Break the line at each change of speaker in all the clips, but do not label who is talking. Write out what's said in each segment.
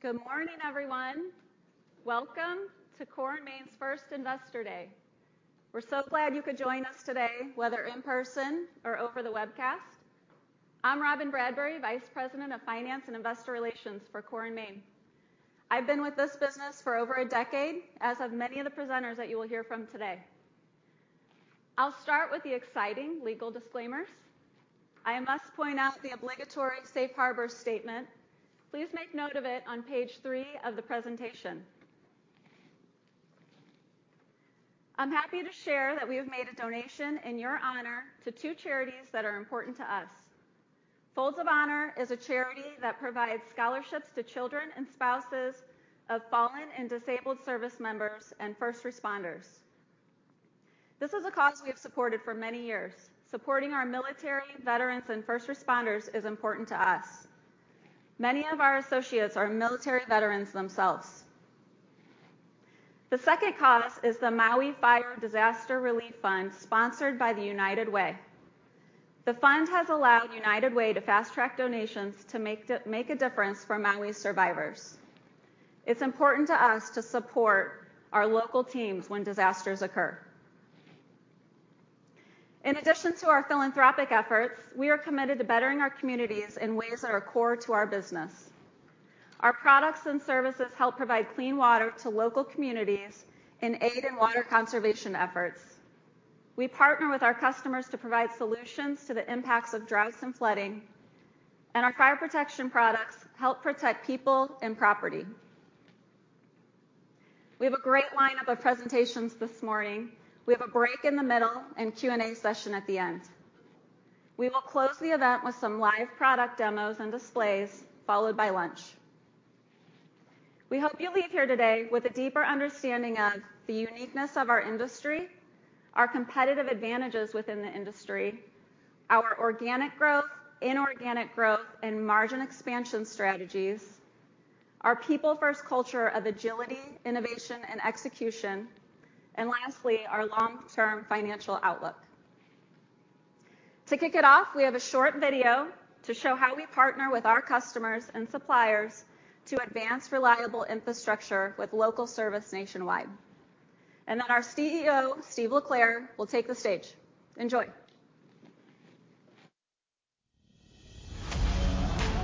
Good morning, everyone. Welcome to Core & Main's First Investor Day. We're so glad you could join us today, whether in person or over the webcast. I'm Robyn Bradbury, Vice President of Finance and Investor Relations for Core & Main. I've been with this business for over a decade, as have many of the presenters that you will hear from today. I'll start with the exciting legal disclaimers. I must point out the obligatory safe harbor statement. Please make note of it on page three of the presentation. I'm happy to share that we have made a donation in your honor to two charities that are important to us. Folds of Honor is a charity that provides scholarships to children and spouses of fallen and disabled service members and first responders. This is a cause we have supported for many years. Supporting our military, veterans, and first responders is important to us. Many of our associates are military veterans themselves. The second cause is the Maui Fire Disaster Relief Fund, sponsored by the United Way. The fund has allowed United Way to fast-track donations to make a difference for Maui's survivors. It's important to us to support our local teams when disasters occur. In addition to our philanthropic efforts, we are committed to bettering our communities in ways that are core to our business. Our products and services help provide clean water to local communities and aid in water conservation efforts. We partner with our customers to provide solutions to the impacts of droughts and flooding, and our fire protection products help protect people and property. We have a great lineup of presentations this morning. We have a break in the middle and Q&A session at the end. We will close the event with some live product demos and displays, followed by lunch. We hope you leave here today with a deeper understanding of the uniqueness of our industry, our competitive advantages within the industry, our organic growth, inorganic growth, and margin expansion strategies, our people-first culture of agility, innovation, and execution, and lastly, our long-term financial outlook. To kick it off, we have a short video to show how we partner with our customers and suppliers to advance reliable infrastructure with local service nationwide. And then our CEO, Steve LeClair, will take the stage. Enjoy!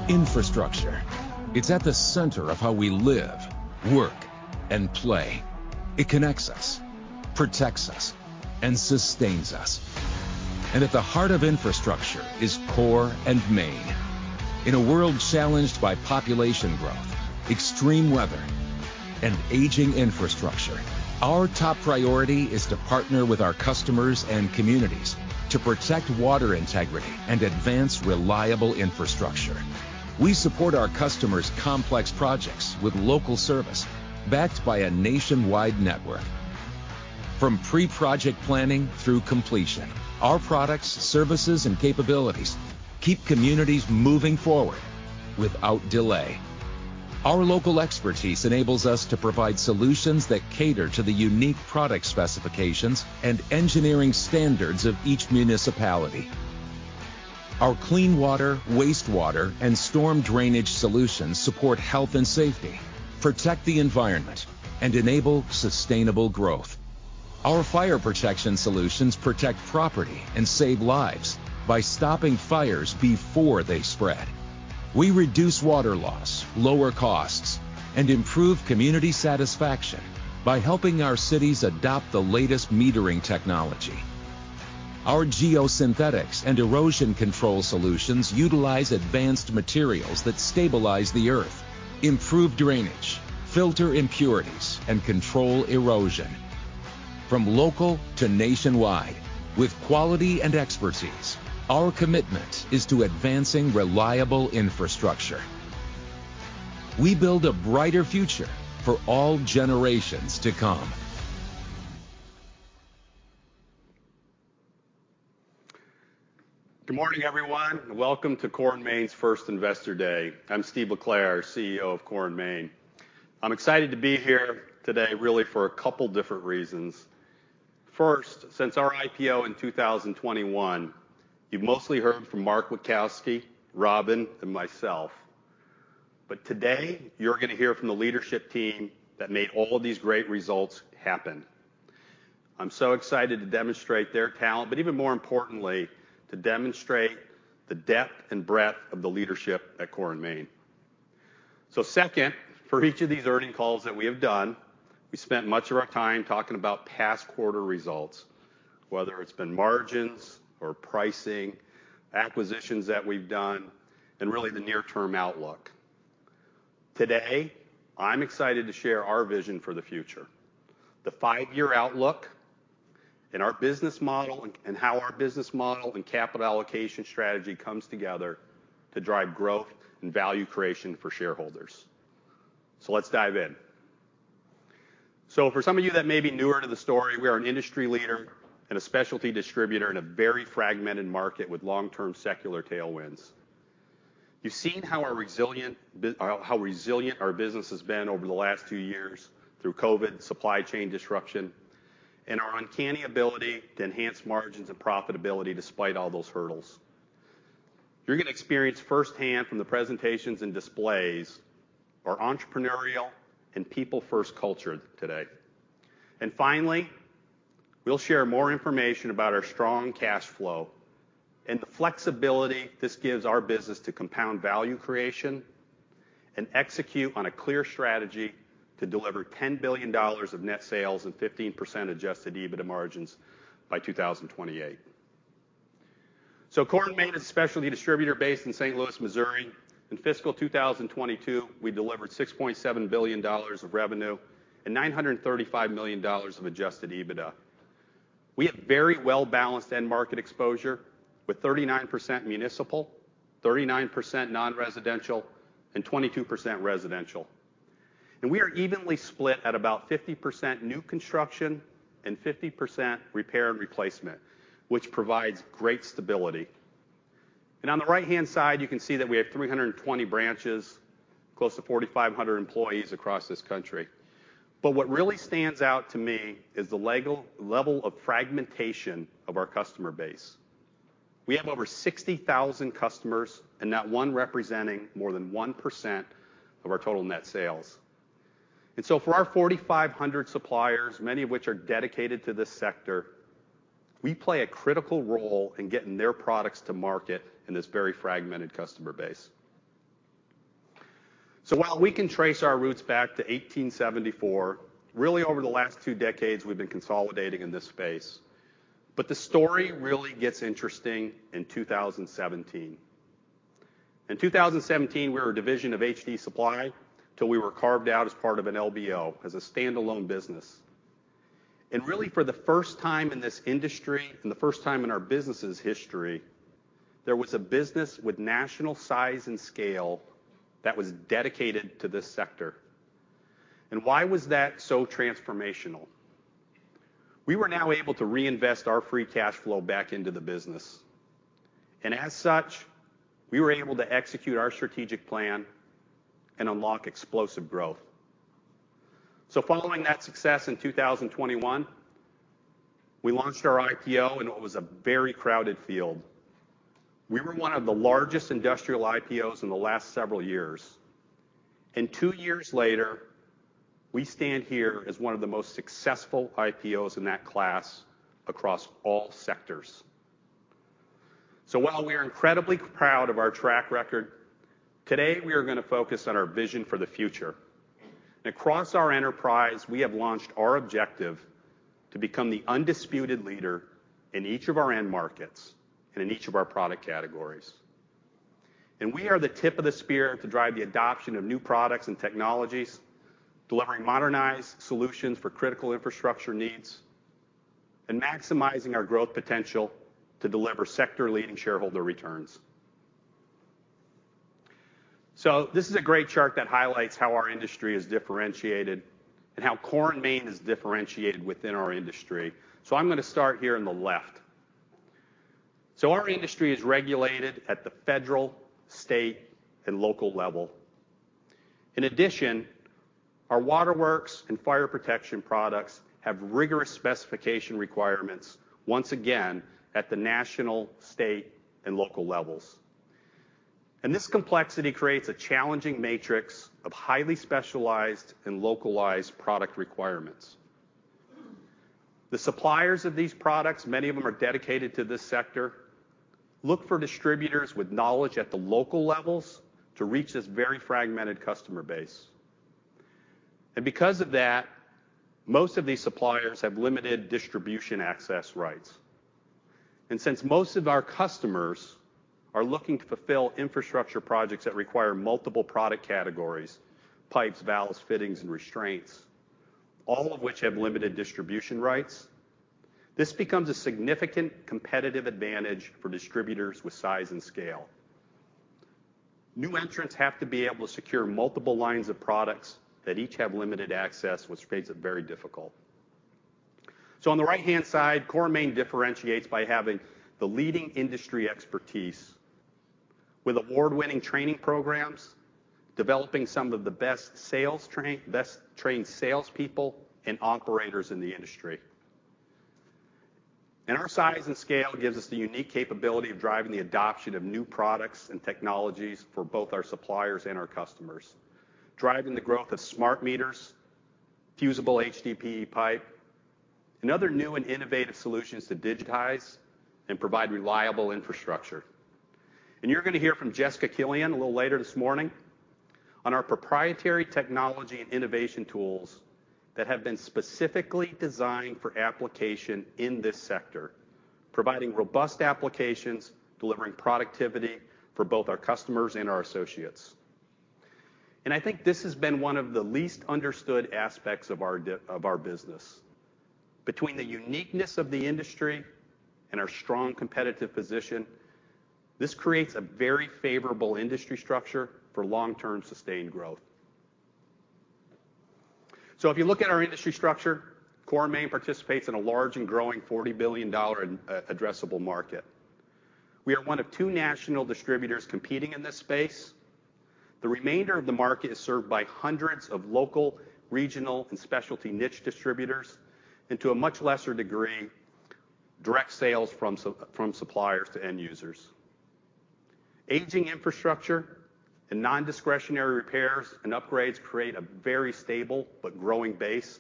Infrastructure: It's at the center of how we live, work, and play. It connects us, protects us, and sustains us. At the heart of infrastructure is Core & Main. In a world challenged by population growth, extreme weather, and aging infrastructure, our top priority is to partner with our customers and communities to protect water integrity and advance reliable infrastructure. We support our customers' complex projects with local service, backed by a nationwide network. From pre-project planning through completion, our products, services, and capabilities keep communities moving forward without delay. Our local expertise enables us to provide solutions that cater to the unique product specifications and engineering standards of each municipality. Our clean water, wastewater, and storm drainage solutions support health and safety, protect the environment, and enable sustainable growth. Our fire protection solutions protect property and save lives by stopping fires before they spread. We reduce water loss, lower costs, and improve community satisfaction by helping our cities adopt the latest metering technology. Our geosynthetics and erosion control solutions utilize advanced materials that stabilize the earth, improve drainage, filter impurities, and control erosion. From local to nationwide, with quality and expertise, our commitment is to advancing reliable infrastructure. We build a brighter future for all generations to come.
Good morning, everyone, and welcome to Core & Main's first Investor Day. I'm Steve LeClair, CEO of Core & Main. I'm excited to be here today, really, for a couple different reasons. First, since our IPO in 2021, you've mostly heard from Mark Witkowski, Robyn, and myself. But today, you're gonna hear from the leadership team that made all of these great results happen. I'm so excited to demonstrate their talent, but even more importantly, to demonstrate the depth and breadth of the leadership at Core & Main. So second, for each of these earnings calls that we have done, we spent much of our time talking about past quarter results, whether it's been margins or pricing, acquisitions that we've done, and really the near-term outlook. Today, I'm excited to share our vision for the future, the five-year outlook, and our business model, and how our business model and capital allocation strategy comes together to drive growth and value creation for shareholders. Let's dive in. For some of you that may be newer to the story, we are an industry leader and a specialty distributor in a very fragmented market with long-term secular tailwinds. You've seen how our resilient business has been over the last two years through COVID, supply chain disruption, and our uncanny ability to enhance margins and profitability despite all those hurdles. You're gonna experience firsthand from the presentations and displays, our entrepreneurial and people-first culture today. Finally, we'll share more information about our strong cash flow and the flexibility this gives our business to compound value creation and execute on a clear strategy to deliver $10 billion of net sales and 15% adjusted EBITDA margins by 2028. So Core & Main is a specialty distributor based in St. Louis, Missouri. In fiscal 2022, we delivered $6.7 billion of revenue and $935 million of adjusted EBITDA. We have very well-balanced end market exposure, with 39% municipal, 39% non-residential, and 22% residential. And we are evenly split at about 50% new construction and 50% repair and replacement, which provides great stability. And on the right-hand side, you can see that we have 320 branches, close to 4,500 employees across this country. But what really stands out to me is the Lego-level of fragmentation of our customer base. We have over 60,000 customers, and not one representing more than 1% of our total net sales. And so for our 4,500 suppliers, many of which are dedicated to this sector, we play a critical role in getting their products to market in this very fragmented customer base. So while we can trace our roots back to 1874, really over the last two decades, we've been consolidating in this space. But the story really gets interesting in 2017. In 2017, we were a division of HD Supply, till we were carved out as part of an LBO, as a standalone business. Really, for the first time in this industry, and the first time in our business's history, there was a business with national size and scale that was dedicated to this sector. Why was that so transformational? We were now able to reinvest our free cash flow back into the business, and as such, we were able to execute our strategic plan and unlock explosive growth. Following that success in 2021, we launched our IPO in what was a very crowded field. We were one of the largest industrial IPOs in the last several years. Two years later, we stand here as one of the most successful IPOs in that class across all sectors. While we are incredibly proud of our track record, today we are gonna focus on our vision for the future. Across our enterprise, we have launched our objective to become the undisputed leader in each of our end markets and in each of our product categories. We are the tip of the spear to drive the adoption of new products and technologies, delivering modernized solutions for critical infrastructure needs, and maximizing our growth potential to deliver sector-leading shareholder returns. This is a great chart that highlights how our industry is differentiated and how Core & Main is differentiated within our industry. I'm gonna start here on the left. Our industry is regulated at the federal, state, and local level. In addition, our waterworks and fire protection products have rigorous specification requirements, once again, at the national, state, and local levels. This complexity creates a challenging matrix of highly specialized and localized product requirements. The suppliers of these products, many of them are dedicated to this sector, look for distributors with knowledge at the local levels to reach this very fragmented customer base. Because of that, most of these suppliers have limited distribution access rights. Since most of our customers are looking to fulfill infrastructure projects that require multiple product categories, pipes, valves, fittings, and restraints, all of which have limited distribution rights, this becomes a significant competitive advantage for distributors with size and scale. New entrants have to be able to secure multiple lines of products that each have limited access, which makes it very difficult. On the right-hand side, Core & Main differentiates by having the leading industry expertise with award-winning training programs, developing some of the best-trained salespeople and operators in the industry. Our size and scale gives us the unique capability of driving the adoption of new products and technologies for both our suppliers and our customers, driving the growth of smart meters, fusible HDPE pipe, and other new and innovative solutions to digitize and provide reliable infrastructure. You're gonna hear from Jessica Killian a little later this morning on our proprietary technology and innovation tools that have been specifically designed for application in this sector, providing robust applications, delivering productivity for both our customers and our associates. I think this has been one of the least understood aspects of our business. Between the uniqueness of the industry and our strong competitive position, this creates a very favorable industry structure for long-term, sustained growth. So if you look at our industry structure, Core & Main participates in a large and growing $40 billion addressable market. We are one of two national distributors competing in this space. The remainder of the market is served by hundreds of local, regional, and specialty niche distributors, and to a much lesser degree, direct sales from suppliers to end users. Aging infrastructure and non-discretionary repairs and upgrades create a very stable but growing base.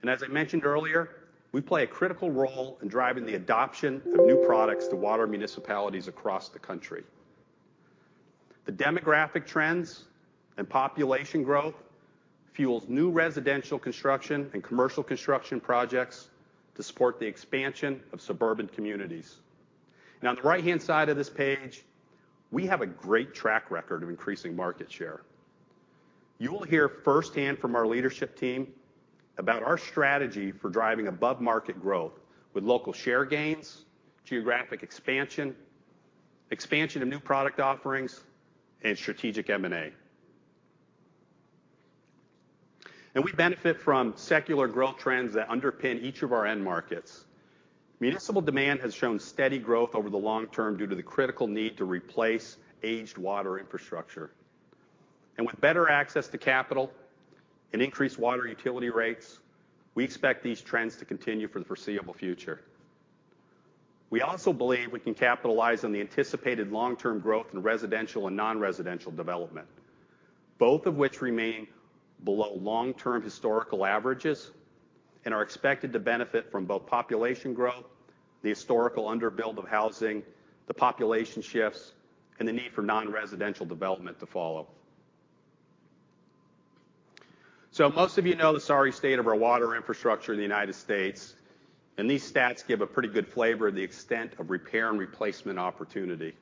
And as I mentioned earlier, we play a critical role in driving the adoption of new products to water municipalities across the country. The demographic trends and population growth fuels new residential construction and commercial construction projects to support the expansion of suburban communities. Now, on the right-hand side of this page, we have a great track record of increasing market share. You will hear firsthand from our leadership team about our strategy for driving above-market growth with local share gains, geographic expansion, expansion of new product offerings, and strategic M&A. We benefit from secular growth trends that underpin each of our end markets. Municipal demand has shown steady growth over the long term due to the critical need to replace aged water infrastructure. With better access to capital and increased water utility rates, we expect these trends to continue for the foreseeable future. We also believe we can capitalize on the anticipated long-term growth in residential and non-residential development, both of which remain below long-term historical averages and are expected to benefit from both population growth, the historical underbuild of housing, the population shifts, and the need for non-residential development to follow. So most of you know the sorry state of our water infrastructure in the United States, and these stats give a pretty good flavor of the extent of repair and replacement opportunity.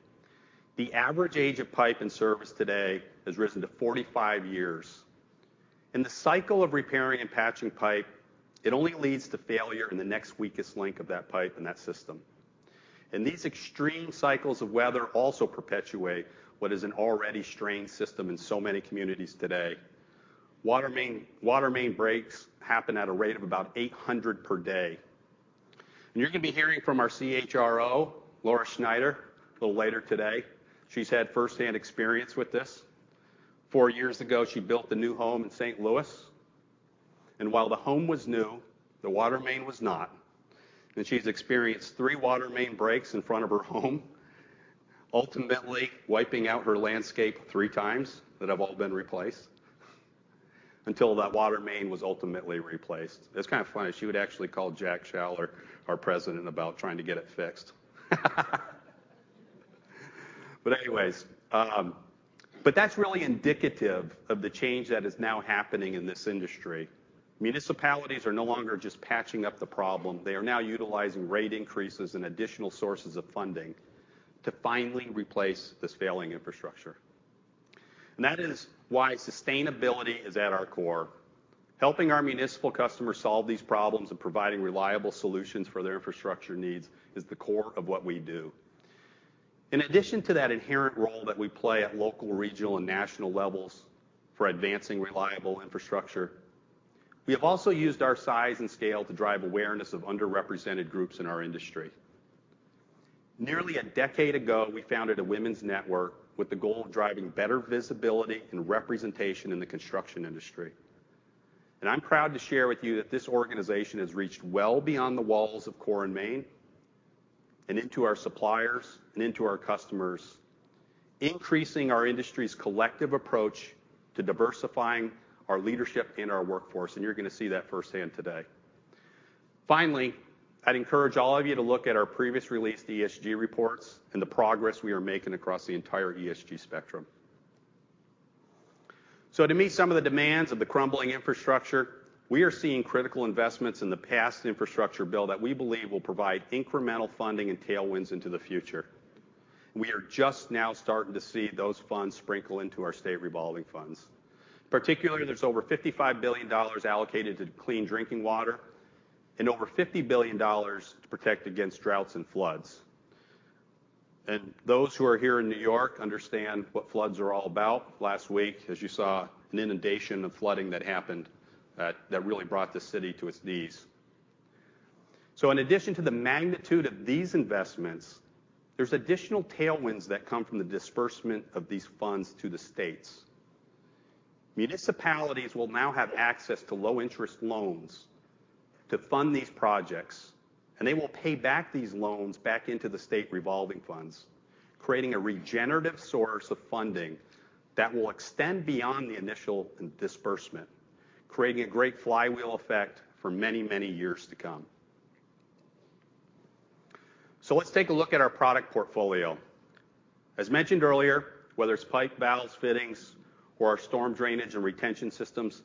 The average age of pipe and service today has risen to 45 years. The cycle of repairing and patching pipe, it only leads to failure in the next weakest link of that pipe in that system. These extreme cycles of weather also perpetuate what is an already strained system in so many communities today. Water main, water main breaks happen at a rate of about 800 per day. You're going to be hearing from our CHRO, Laura Schneider, a little later today. She's had firsthand experience with this. four years ago, she built a new home in St. Louis, and while the home was new, the water main was not. She's experienced three water main breaks in front of her home, ultimately wiping out her landscape three times, that have all been replaced, until that water main was ultimately replaced. It's kind of funny. She would actually call Jack Schaller, our President, about trying to get it fixed. But anyways, but that's really indicative of the change that is now happening in this industry. Municipalities are no longer just patching up the problem. They are now utilizing rate increases and additional sources of funding to finally replace this failing infrastructure. And that is why sustainability is at our core. Helping our municipal customers solve these problems and providing reliable solutions for their infrastructure needs is the core of what we do. In addition to that inherent role that we play at local, regional, and national levels for advancing reliable infrastructure, we have also used our size and scale to drive awareness of underrepresented groups in our industry. Nearly a decade ago, we founded a women's network with the goal of driving better visibility and representation in the construction industry. I'm proud to share with you that this organization has reached well beyond the walls of Core & Main and into our suppliers and into our customers, increasing our industry's collective approach to diversifying our leadership and our workforce, and you're going to see that firsthand today. Finally, I'd encourage all of you to look at our previous released ESG reports and the progress we are making across the entire ESG spectrum. So to meet some of the demands of the crumbling infrastructure, we are seeing critical investments in the past infrastructure bill that we believe will provide incremental funding and tailwinds into the future. We are just now starting to see those funds sprinkle into our State Revolving Funds. Particularly, there's over $55 billion allocated to clean drinking water and over $50 billion to protect against droughts and floods. And those who are here in New York understand what floods are all about. Last week, as you saw, an inundation of flooding that happened, that really brought the city to its knees. So in addition to the magnitude of these investments, there's additional tailwinds that come from the disbursement of these funds to the states. Municipalities will now have access to low-interest loans to fund these projects, and they will pay back these loans back into the state revolving funds, creating a regenerative source of funding that will extend beyond the initial disbursement, creating a great flywheel effect for many, many years to come. So let's take a look at our product portfolio. As mentioned earlier, whether it's pipe, valves, fittings, or our storm drainage and retention systems,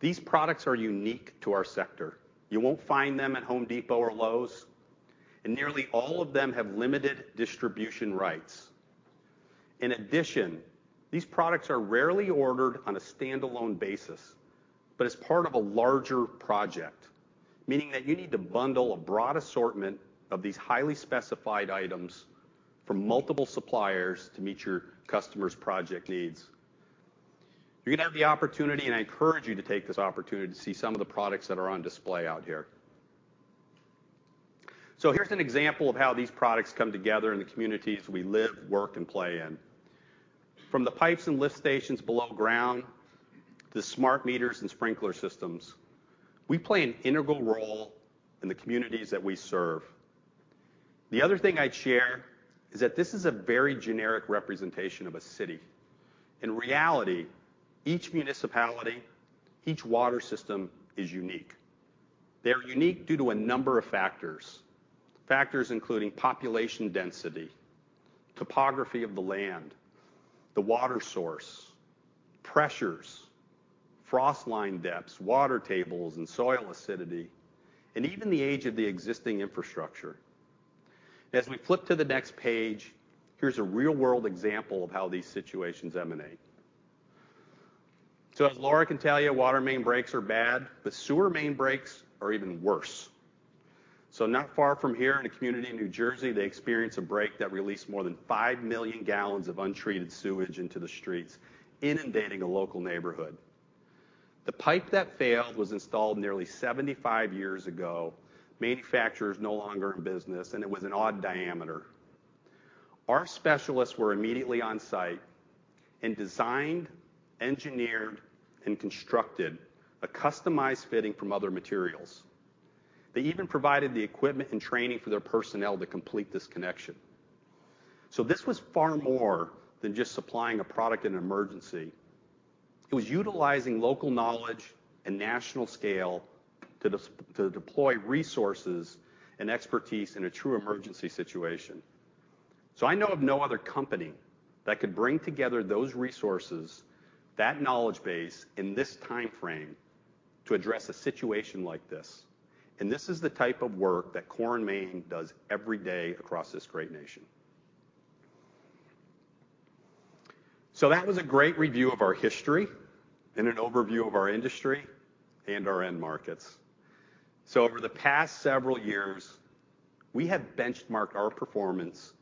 these products are unique to our sector. You won't find them at Home Depot or Lowe's, and nearly all of them have limited distribution rights. In addition, these products are rarely ordered on a standalone basis, but as part of a larger project, meaning that you need to bundle a broad assortment of these highly specified items from multiple suppliers to meet your customers' project needs. You're going to have the opportunity, and I encourage you to take this opportunity, to see some of the products that are on display out here... So here's an example of how these products come together in the communities we live, work, and play in. From the pipes and lift stations below ground, to smart meters and sprinkler systems, we play an integral role in the communities that we serve. The other thing I'd share is that this is a very generic representation of a city. In reality, each municipality, each water system is unique. They are unique due to a number of factors. Factors including population density, topography of the land, the water source, pressures, frost line depths, water tables, and soil acidity, and even the age of the existing infrastructure. As we flip to the next page, here's a real-world example of how these situations emanate. So as Laura can tell you, water main breaks are bad, but sewer main breaks are even worse. So not far from here, in a community in New Jersey, they experienced a break that released more than 5 million gallons of untreated sewage into the streets, inundating a local neighborhood. The pipe that failed was installed nearly 75 years ago, manufacturer is no longer in business, and it was an odd diameter. Our specialists were immediately on site and designed, engineered, and constructed a customized fitting from other materials. They even provided the equipment and training for their personnel to complete this connection. So this was far more than just supplying a product in an emergency. It was utilizing local knowledge and national scale to deploy resources and expertise in a true emergency situation. I know of no other company that could bring together those resources, that knowledge base, in this timeframe to address a situation like this, and this is the type of work that Core & Main does every day across this great nation. That was a great review of our history and an overview of our industry and our end markets. Over the past several years, we have benchmarked our performance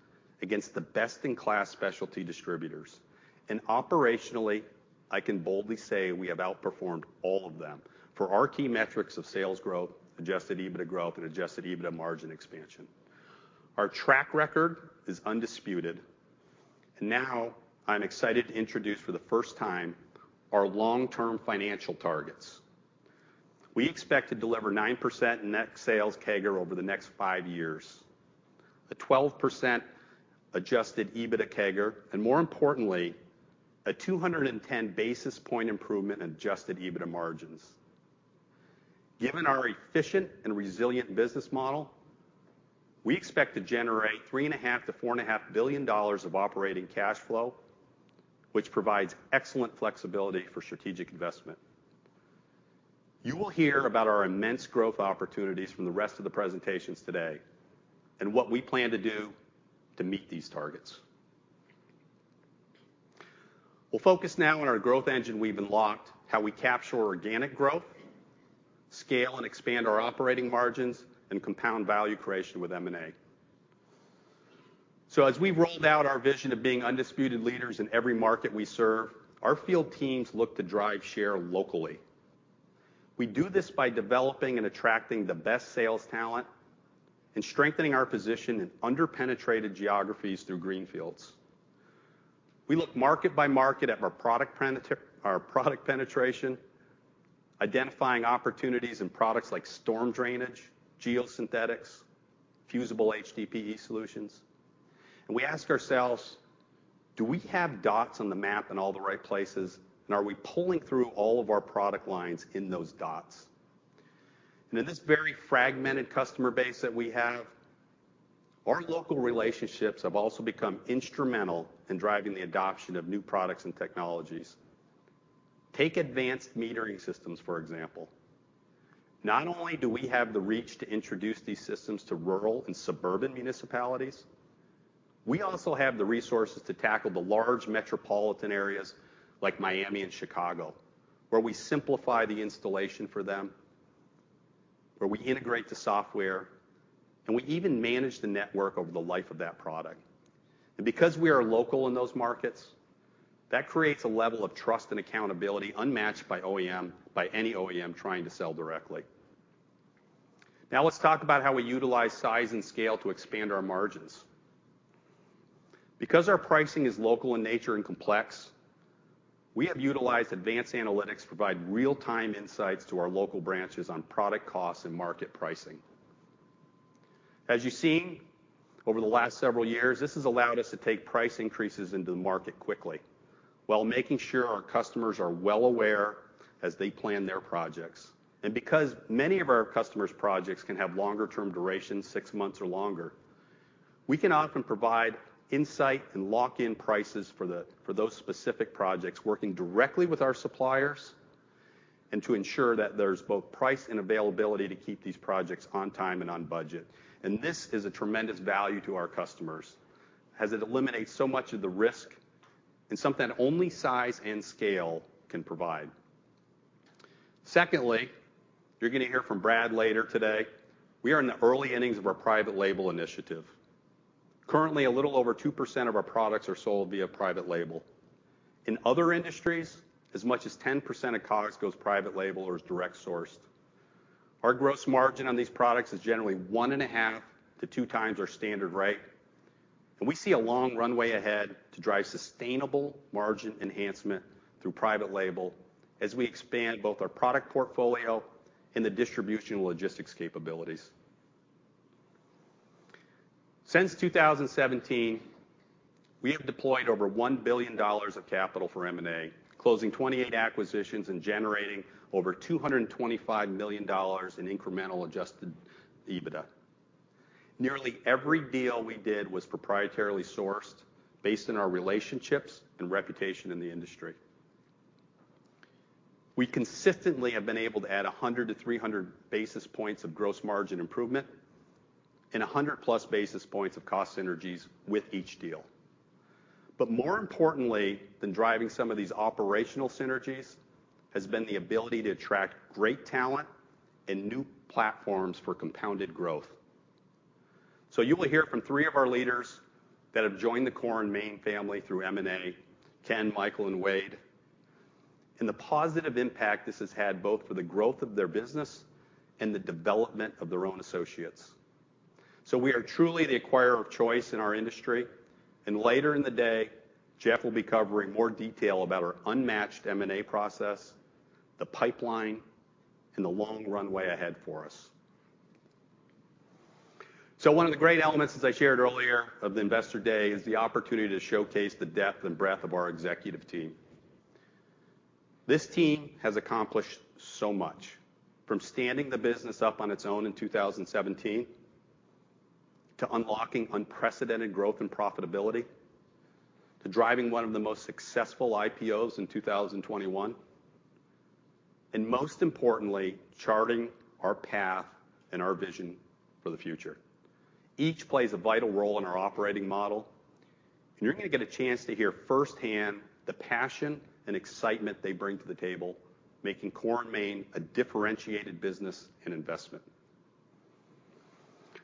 against the best-in-class specialty distributors, and operationally, I can boldly say we have outperformed all of them for our key metrics of sales growth, Adjusted EBITDA growth, and Adjusted EBITDA margin expansion. Our track record is undisputed, and now I'm excited to introduce for the first time our long-term financial targets. We expect to deliver 9% net sales CAGR over the next five years, a 12% Adjusted EBITDA CAGR, and more importantly, a 210 basis points improvement in Adjusted EBITDA margins. Given our efficient and resilient business model, we expect to generate $3.5 billion-$4.5 billion of operating cash flow, which provides excellent flexibility for strategic investment. You will hear about our immense growth opportunities from the rest of the presentations today and what we plan to do to meet these targets. We'll focus now on our growth engine we've unlocked, how we capture organic growth, scale and expand our operating margins, and compound value creation with M&A. As we've rolled out our vision of being undisputed leaders in every market we serve, our field teams look to drive share locally. We do this by developing and attracting the best sales talent and strengthening our position in under-penetrated geographies through greenfields. We look market by market at our product penetration, identifying opportunities in products like storm drainage, geosynthetics, fusible HDPE solutions, and we ask ourselves, "Do we have dots on the map in all the right places, and are we pulling through all of our product lines in those dots?" In this very fragmented customer base that we have, our local relationships have also become instrumental in driving the adoption of new products and technologies. Take advanced metering systems, for example. Not only do we have the reach to introduce these systems to rural and suburban municipalities, we also have the resources to tackle the large metropolitan areas like Miami and Chicago, where we simplify the installation for them, where we integrate the software, and we even manage the network over the life of that product. Because we are local in those markets, that creates a level of trust and accountability unmatched by OEM, by any OEM trying to sell directly. Now, let's talk about how we utilize size and scale to expand our margins. Because our pricing is local in nature and complex, we have utilized advanced analytics to provide real-time insights to our local branches on product costs and market pricing. As you've seen over the last several years, this has allowed us to take price increases into the market quickly, while making sure our customers are well aware as they plan their projects. And because many of our customers' projects can have longer term durations, six months or longer, we can often provide insight and lock-in prices for those specific projects, working directly with our suppliers, and to ensure that there's both price and availability to keep these projects on time and on budget. And this is a tremendous value to our customers, as it eliminates so much of the risk and something that only size and scale can provide. Secondly, you're going to hear from Brad later today. We are in the early innings of our private label initiative. Currently, a little over 2% of our products are sold via private label. In other industries, as much as 10% of products goes private label or is direct sourced. Our gross margin on these products is generally 1.5-2x our standard rate, and we see a long runway ahead to drive sustainable margin enhancement through private label as we expand both our product portfolio and the distribution logistics capabilities. Since 2017, we have deployed over $1 billion of capital for M&A, closing 28 acquisitions and generating over $225 million in incremental adjusted EBITDA. Nearly every deal we did was proprietarily sourced based on our relationships and reputation in the industry. We consistently have been able to add 100-300 basis points of gross margin improvement and 100+ basis points of cost synergies with each deal. But more importantly than driving some of these operational synergies, has been the ability to attract great talent and new platforms for compounded growth. So you will hear from three of our leaders that have joined the Core & Main family through M&A, Ken, Michael, and Wade, and the positive impact this has had, both for the growth of their business and the development of their own associates. So we are truly the acquirer of choice in our industry, and later in the day, Jeff will be covering more detail about our unmatched M&A process, the pipeline, and the long runway ahead for us. So one of the great elements, as I shared earlier, of the Investor Day, is the opportunity to showcase the depth and breadth of our executive team. This team has accomplished so much, from standing the business up on its own in 2017, to unlocking unprecedented growth and profitability, to driving one of the most successful IPOs in 2021, and most importantly, charting our path and our vision for the future. Each plays a vital role in our operating model, and you're gonna get a chance to hear firsthand the passion and excitement they bring to the table, making Core & Main a differentiated business and investment.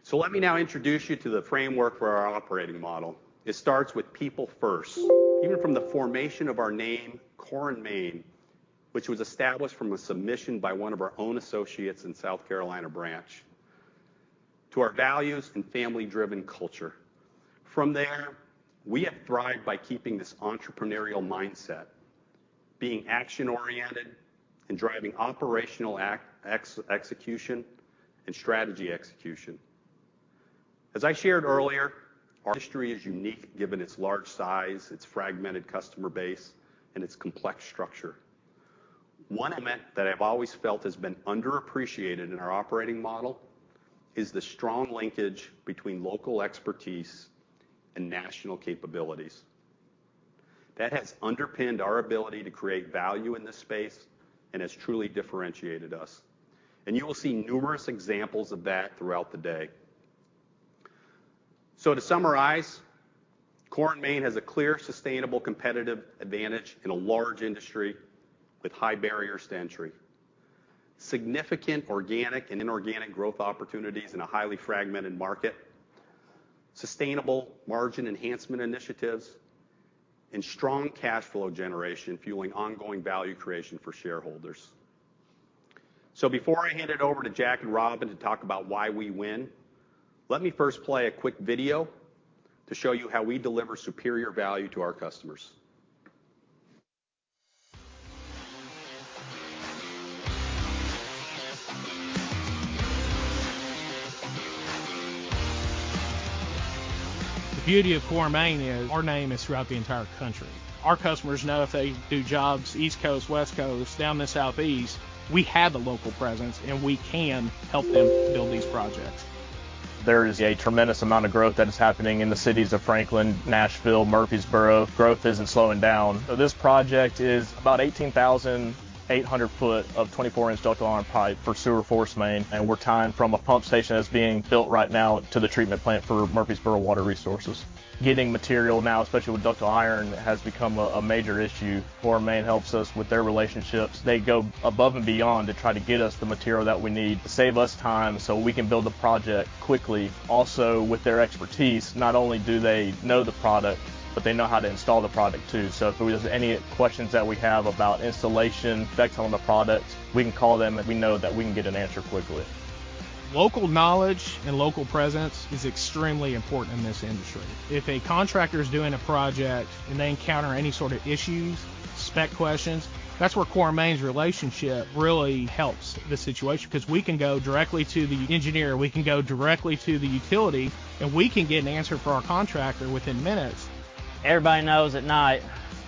So let me now introduce you to the framework for our operating model. It starts with people first, even from the formation of our name, Core & Main, which was established from a submission by one of our own associates in South Carolina branch, to our values and family-driven culture. From there, we have thrived by keeping this entrepreneurial mindset, being action-oriented and driving operational execution and strategy execution. As I shared earlier, our history is unique, given its large size, its fragmented customer base, and its complex structure. One element that I've always felt has been underappreciated in our operating model is the strong linkage between local expertise and national capabilities. That has underpinned our ability to create value in this space and has truly differentiated us, and you will see numerous examples of that throughout the day. So to summarize, Core & Main has a clear, sustainable, competitive advantage in a large industry with high barriers to entry, significant organic and inorganic growth opportunities in a highly fragmented market, sustainable margin enhancement initiatives, and strong cash flow generation, fueling ongoing value creation for shareholders. Before I hand it over to Jack and Robyn to talk about why we win, let me first play a quick video to show you how we deliver superior value to our customers.
The beauty of Core & Main is our name is throughout the entire country. Our customers know if they do jobs, East Coast, West Coast, down in the Southeast, we have a local presence, and we can help them build these projects. There is a tremendous amount of growth that is happening in the cities of Franklin, Nashville, Murfreesboro. Growth isn't slowing down. So this project is about 18,800 foot of 24-inch ductile iron pipe for sewer forcemain, and we're tying from a pump station that's being built right now to the treatment plant for Murfreesboro Water Resources. Getting material now, especially with ductile iron, has become a major issue. Core & Main helps us with their relationships. They go above and beyond to try to get us the material that we need to save us time, so we can build the project quickly. Also, with their expertise, not only do they know the product, but they know how to install the product, too. If there's any questions that we have about installation, specs on the product, we can call them, and we know that we can get an answer quickly. Local knowledge and local presence is extremely important in this industry. If a contractor is doing a project and they encounter any sort of issues, spec questions, that's where Core & Main's relationship really helps the situation, because we can go directly to the engineer, we can go directly to the utility, and we can get an answer for our contractor within minutes. Everybody knows at night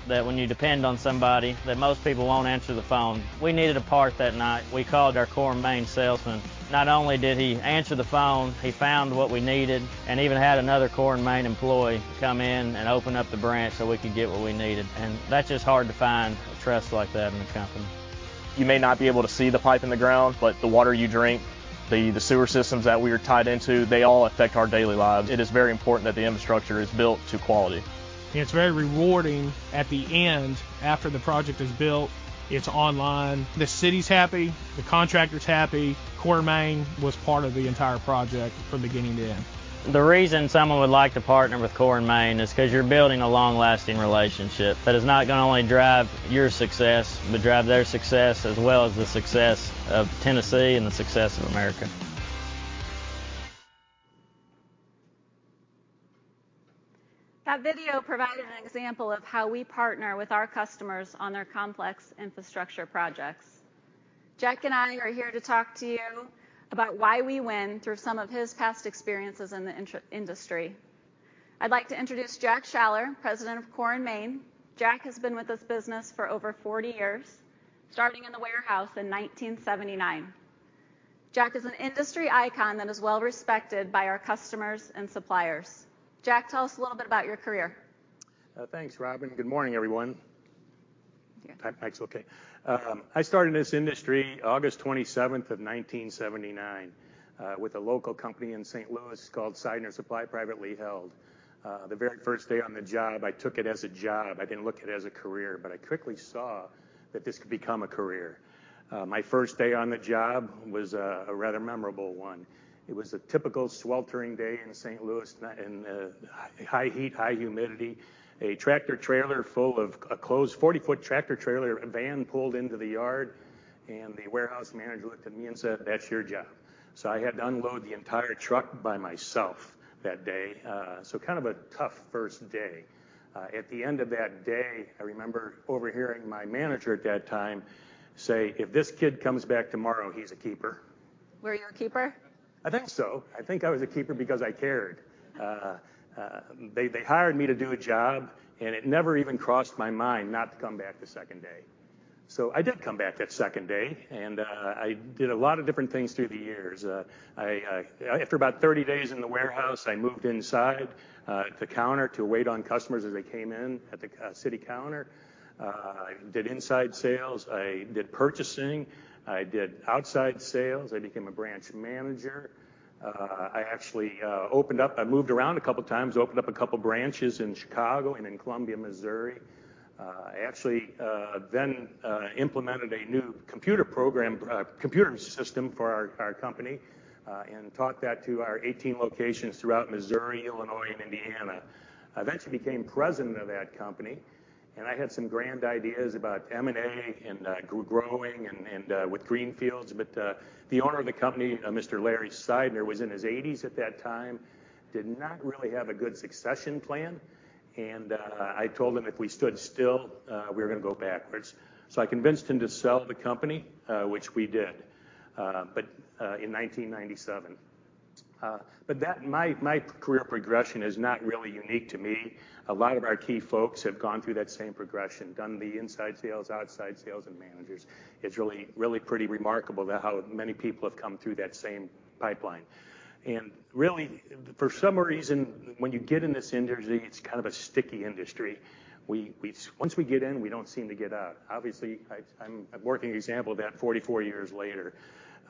that when you depend on somebody, that most people won't answer the phone. We needed a part that night. We called our Core & Main salesman. Not only did he answer the phone, he found what we needed and even had another Core & Main employee come in and open up the branch so we could get what we needed. That's just hard to find a trust like that in a company. You may not be able to see the pipe in the ground, but the water you drink, the sewer systems that we are tied into, they all affect our daily lives. It is very important that the infrastructure is built to quality. ... It's very rewarding at the end, after the project is built, it's online, the city's happy, the contractor's happy. Core & Main was part of the entire project from beginning to end. The reason someone would like to partner with Core & Main is 'cause you're building a long-lasting relationship that is not gonna only drive your success, but drive their success, as well as the success of Tennessee and the success of America.
That video provided an example of how we partner with our customers on their complex infrastructure projects. Jack and I are here to talk to you about why we win through some of his past experiences in the industry. I'd like to introduce Jack Schaller, President of Core & Main. Jack has been with this business for over 40 years, starting in the warehouse in 1979. Jack is an industry icon that is well-respected by our customers and suppliers. Jack, tell us a little bit about your career.
Thanks, Robyn. Good morning, everyone. Yeah, mic's okay. I started in this industry August 27th of 1979 with a local company in St. Louis called Sidner Supply, privately held. The very first day on the job, I took it as a job. I didn't look at it as a career, but I quickly saw that this could become a career. My first day on the job was a rather memorable one. It was a typical sweltering day in St. Louis, in high heat, high humidity. A tractor-trailer full of... A closed 40-foot tractor-trailer van pulled into the yard, and the warehouse manager looked at me and said, "That's your job." So I had to unload the entire truck by myself that day. So kind of a tough first day. At the end of that day, I remember overhearing my manager at that time say: "If this kid comes back tomorrow, he's a keeper.
Were you a keeper?
I think so. I think I was a keeper because I cared. They hired me to do a job, and it never even crossed my mind not to come back the second day. So I did come back that second day, and I did a lot of different things through the years. After about 30 days in the warehouse, I moved inside to counter to wait on customers as they came in at the city counter. I did inside sales, I did purchasing, I did outside sales. I became a branch manager. I actually opened up... I moved around a couple of times, opened up a couple of branches in Chicago and in Columbia, Missouri. I actually then implemented a new computer program, computer system for our company, and taught that to our 18 locations throughout Missouri, Illinois, and Indiana. I eventually became president of that company, and I had some grand ideas about M&A and growing and with greenfields, but the owner of the company, a Mr. Larry Sidner, was in his eighties at that time, did not really have a good succession plan, and I told him if we stood still, we were gonna go backwards. So I convinced him to sell the company, which we did, but in 1997. But that, my career progression is not really unique to me. A lot of our key folks have gone through that same progression, done the inside sales, outside sales, and managers. It's really, really pretty remarkable that how many people have come through that same pipeline. Really, for some reason, when you get in this industry, it's kind of a sticky industry. Once we get in, we don't seem to get out. Obviously, I'm a working example of that 44 years later.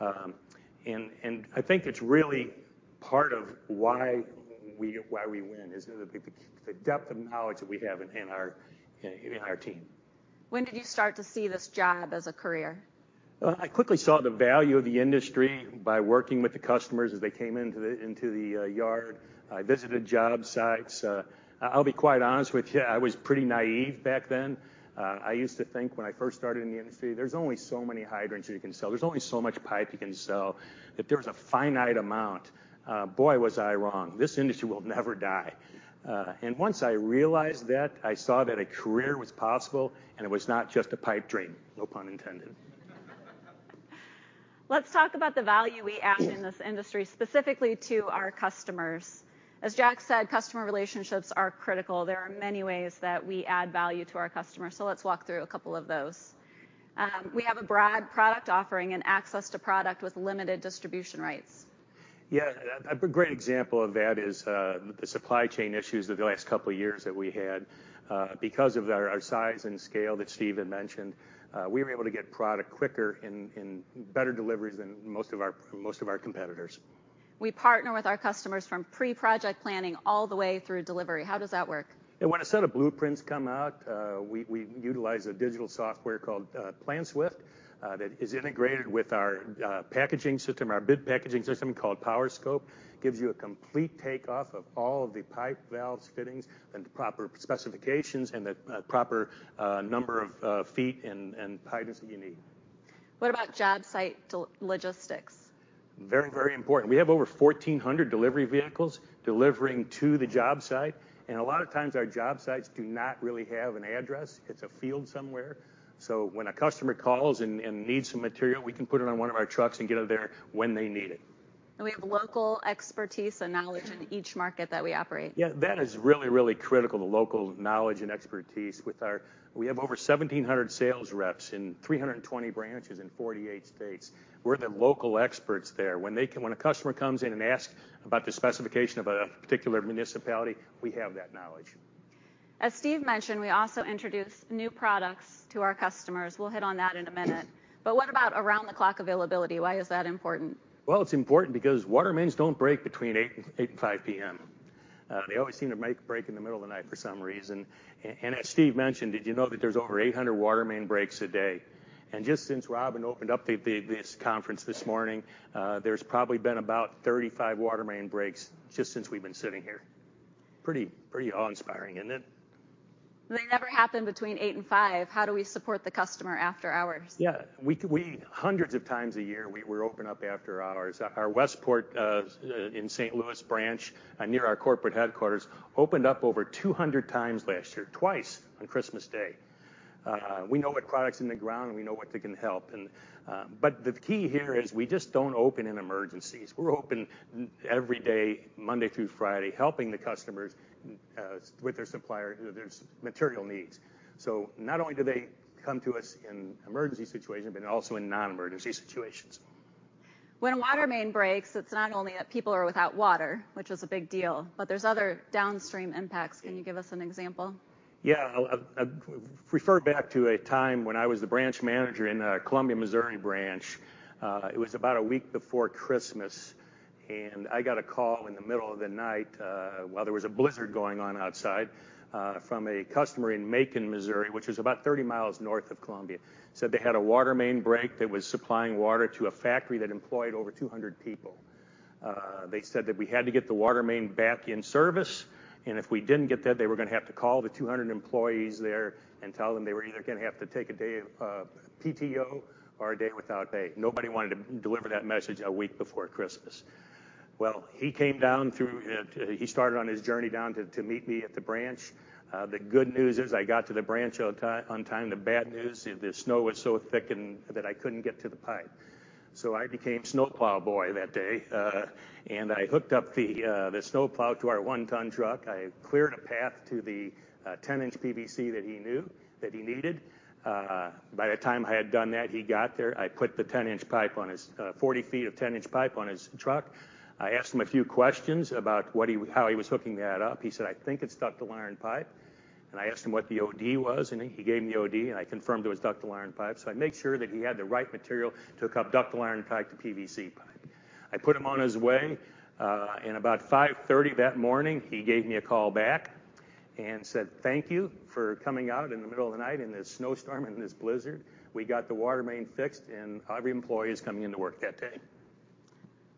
I think it's really part of why we win, is the depth of knowledge that we have in our team.
When did you start to see this job as a career?
I quickly saw the value of the industry by working with the customers as they came into the yard. I visited job sites. I'll be quite honest with you, I was pretty naive back then. I used to think when I first started in the industry, there's only so many hydrants you can sell. There's only so much pipe you can sell, that there was a finite amount. Boy, was I wrong! This industry will never die. And once I realized that, I saw that a career was possible, and it was not just a pipe dream, no pun intended.
Let's talk about the value we add in this industry, specifically to our customers. As Jack said, customer relationships are critical. There are many ways that we add value to our customers, so let's walk through a couple of those. We have a broad product offering and access to product with limited distribution rights.
Yeah, a great example of that is the supply chain issues of the last couple of years that we had. Because of our size and scale that Steve had mentioned, we were able to get product quicker in better deliveries than most of our competitors.
We partner with our customers from pre-project planning all the way through delivery. How does that work?
When a set of blueprints come out, we utilize a digital software called PlanSwift that is integrated with our packaging system, our bid packaging system called PowerScope. Gives you a complete take off of all of the pipe, valves, fittings, and the proper specifications and the proper number of feet and pipes that you need.
What about job site logistics?
Very, very important. We have over 1,400 delivery vehicles delivering to the job site, and a lot of times, our job sites do not really have an address. It's a field somewhere. So when a customer calls and needs some material, we can put it on one of our trucks and get it there when they need it.
We have local expertise and knowledge in each market that we operate.
Yeah. That is really, really critical, the local knowledge and expertise with our... We have over 1,700 sales reps in 320 branches in 48 states. We're the local experts there. When a customer comes in and asks about the specification of a particular municipality, we have that knowledge.
As Steve mentioned, we also introduce new products to our customers. We'll hit on that in a minute. But what about around-the-clock availability? Why is that important?
Well, it's important because water mains don't break between eight and five P.M. They always seem to make a break in the middle of the night for some reason. And as Steve mentioned, did you know that there's over 800 water main breaks a day? And just since Robyn opened up the this conference this morning, there's probably been about 35 water main breaks just since we've been sitting here. Pretty awe-inspiring, isn't it?
They never happen between eight and five. How do we support the customer after hours?
Yeah, we hundreds of times a year, we're open up after hours. Our Westport in St. Louis branch near our corporate headquarters opened up over 200x last year, twice on Christmas Day. We know what product's in the ground, and we know what they can help and, but the key here is we just don't open in emergencies. We're open every day, Monday through Friday, helping the customers with their supplier, their material needs. So not only do they come to us in emergency situation, but also in non-emergency situations.
When a water main breaks, it's not only that people are without water, which is a big deal, but there's other downstream impacts. Can you give us an example?
Yeah. I'll refer back to a time when I was the branch manager in Columbia, Missouri branch. It was about a week before Christmas, and I got a call in the middle of the night, while there was a blizzard going on outside, from a customer in Macon, Missouri, which is about 30 miles north of Columbia. Said they had a water main break that was supplying water to a factory that employed over 200 people. They said that we had to get the water main back in service, and if we didn't get that, they were gonna have to call the 200 employees there and tell them they were either gonna have to take a day of PTO or a day without pay. Nobody wanted to deliver that message a week before Christmas. Well, he came down through. He started on his journey down to meet me at the branch. The good news is I got to the branch on time. The bad news, the snow was so thick and that I couldn't get to the pipe. So I became snowplow boy that day, and I hooked up the snowplow to our 1-ton truck. I cleared a path to the 10-inch PVC that he knew that he needed. By the time I had done that, he got there. I put 40 feet of 10-inch pipe on his truck. I asked him a few questions about how he was hooking that up. He said, "I think it's ductile iron pipe." And I asked him what the OD was, and he gave me the OD, and I confirmed it was ductile iron pipe. So I made sure that he had the right material to hook up ductile iron pipe to PVC pipe. I put him on his way, and about 5:30 A.M. that morning, he gave me a call back and said, "Thank you for coming out in the middle of the night, in this snow storm, in this blizzard. We got the water main fixed, and every employee is coming into work that day.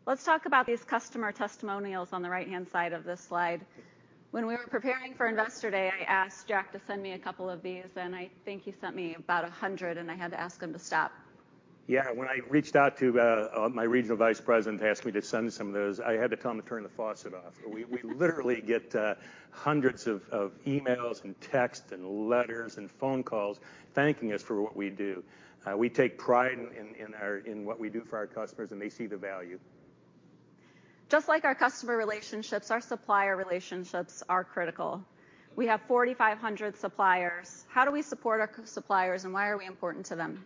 Let's talk about these customer testimonials on the right-hand side of this slide. When we were preparing for Investor Day, I asked Jack to send me a couple of these, and I think he sent me about 100, and I had to ask him to stop.
Yeah. When I reached out to my regional vice president to ask me to send some of those, I had to tell him to turn the faucet off. We literally get hundreds of emails, and texts, and letters, and phone calls thanking us for what we do. We take pride in what we do for our customers, and they see the value.
Just like our customer relationships, our supplier relationships are critical. We have 4,500 suppliers. How do we support our suppliers, and why are we important to them?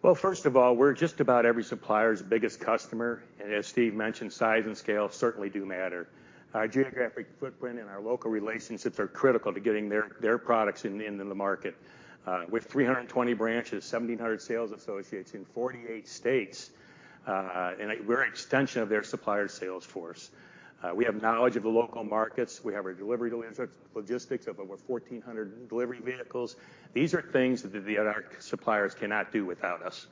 Well, first of all, we're just about every supplier's biggest customer, and as Steve mentioned, size and scale certainly do matter. Our geographic footprint and our local relationships are critical to getting their products in the market. With 320 branches, 1,700 sales associates in 48 states, and we're an extension of their supplier's sales force. We have knowledge of the local markets. We have our delivery logistics of over 14 delivery vehicles. These are things that our suppliers cannot do without us.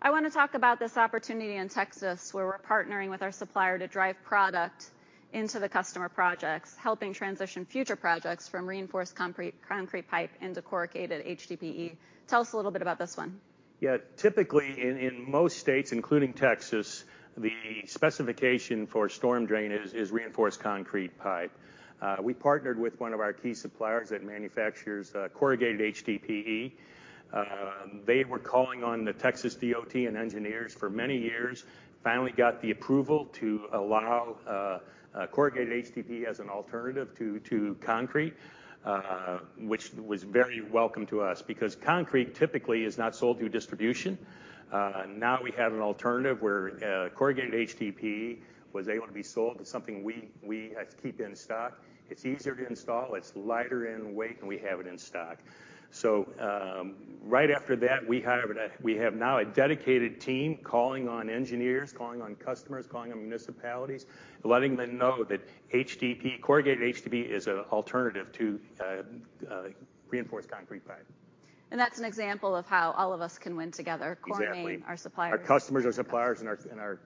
I want to talk about this opportunity in Texas, where we're partnering with our supplier to drive product into the customer projects, helping transition future projects from reinforced concrete, concrete pipe into corrugated HDPE. Tell us a little bit about this one.
Yeah. Typically, in most states, including Texas, the specification for storm drain is reinforced concrete pipe. We partnered with one of our key suppliers that manufactures corrugated HDPE. They were calling on the Texas DOT and engineers for many years. Finally got the approval to allow corrugated HDPE as an alternative to concrete, which was very welcome to us because concrete typically is not sold through distribution. Now we have an alternative where corrugated HDPE was able to be sold. It's something we keep in stock. It's easier to install, it's lighter in weight, and we have it in stock. So, right after that, we hired a... We have now a dedicated team calling on engineers, calling on customers, calling on municipalities, letting them know that HDPE, corrugated HDPE is an alternative to reinforced concrete pipe.
That's an example of how all of us can win together-
Exactly...
coordinating our suppliers.
Our customers, our suppliers, and our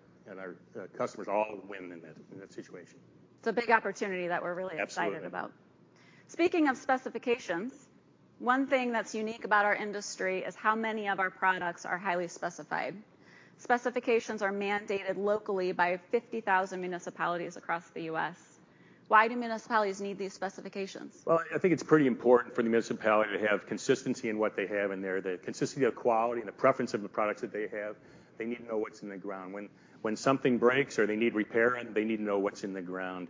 customers all win in that situation.
It's a big opportunity that we're really-
Absolutely...
excited about. Speaking of specifications, one thing that's unique about our industry is how many of our products are highly specified. Specifications are mandated locally by 50,000 municipalities across the U.S. Why do municipalities need these specifications?
Well, I think it's pretty important for the municipality to have consistency in what they have in there. The consistency of quality and the preference of the products that they have, they need to know what's in the ground. When something breaks or they need repairing, they need to know what's in the ground.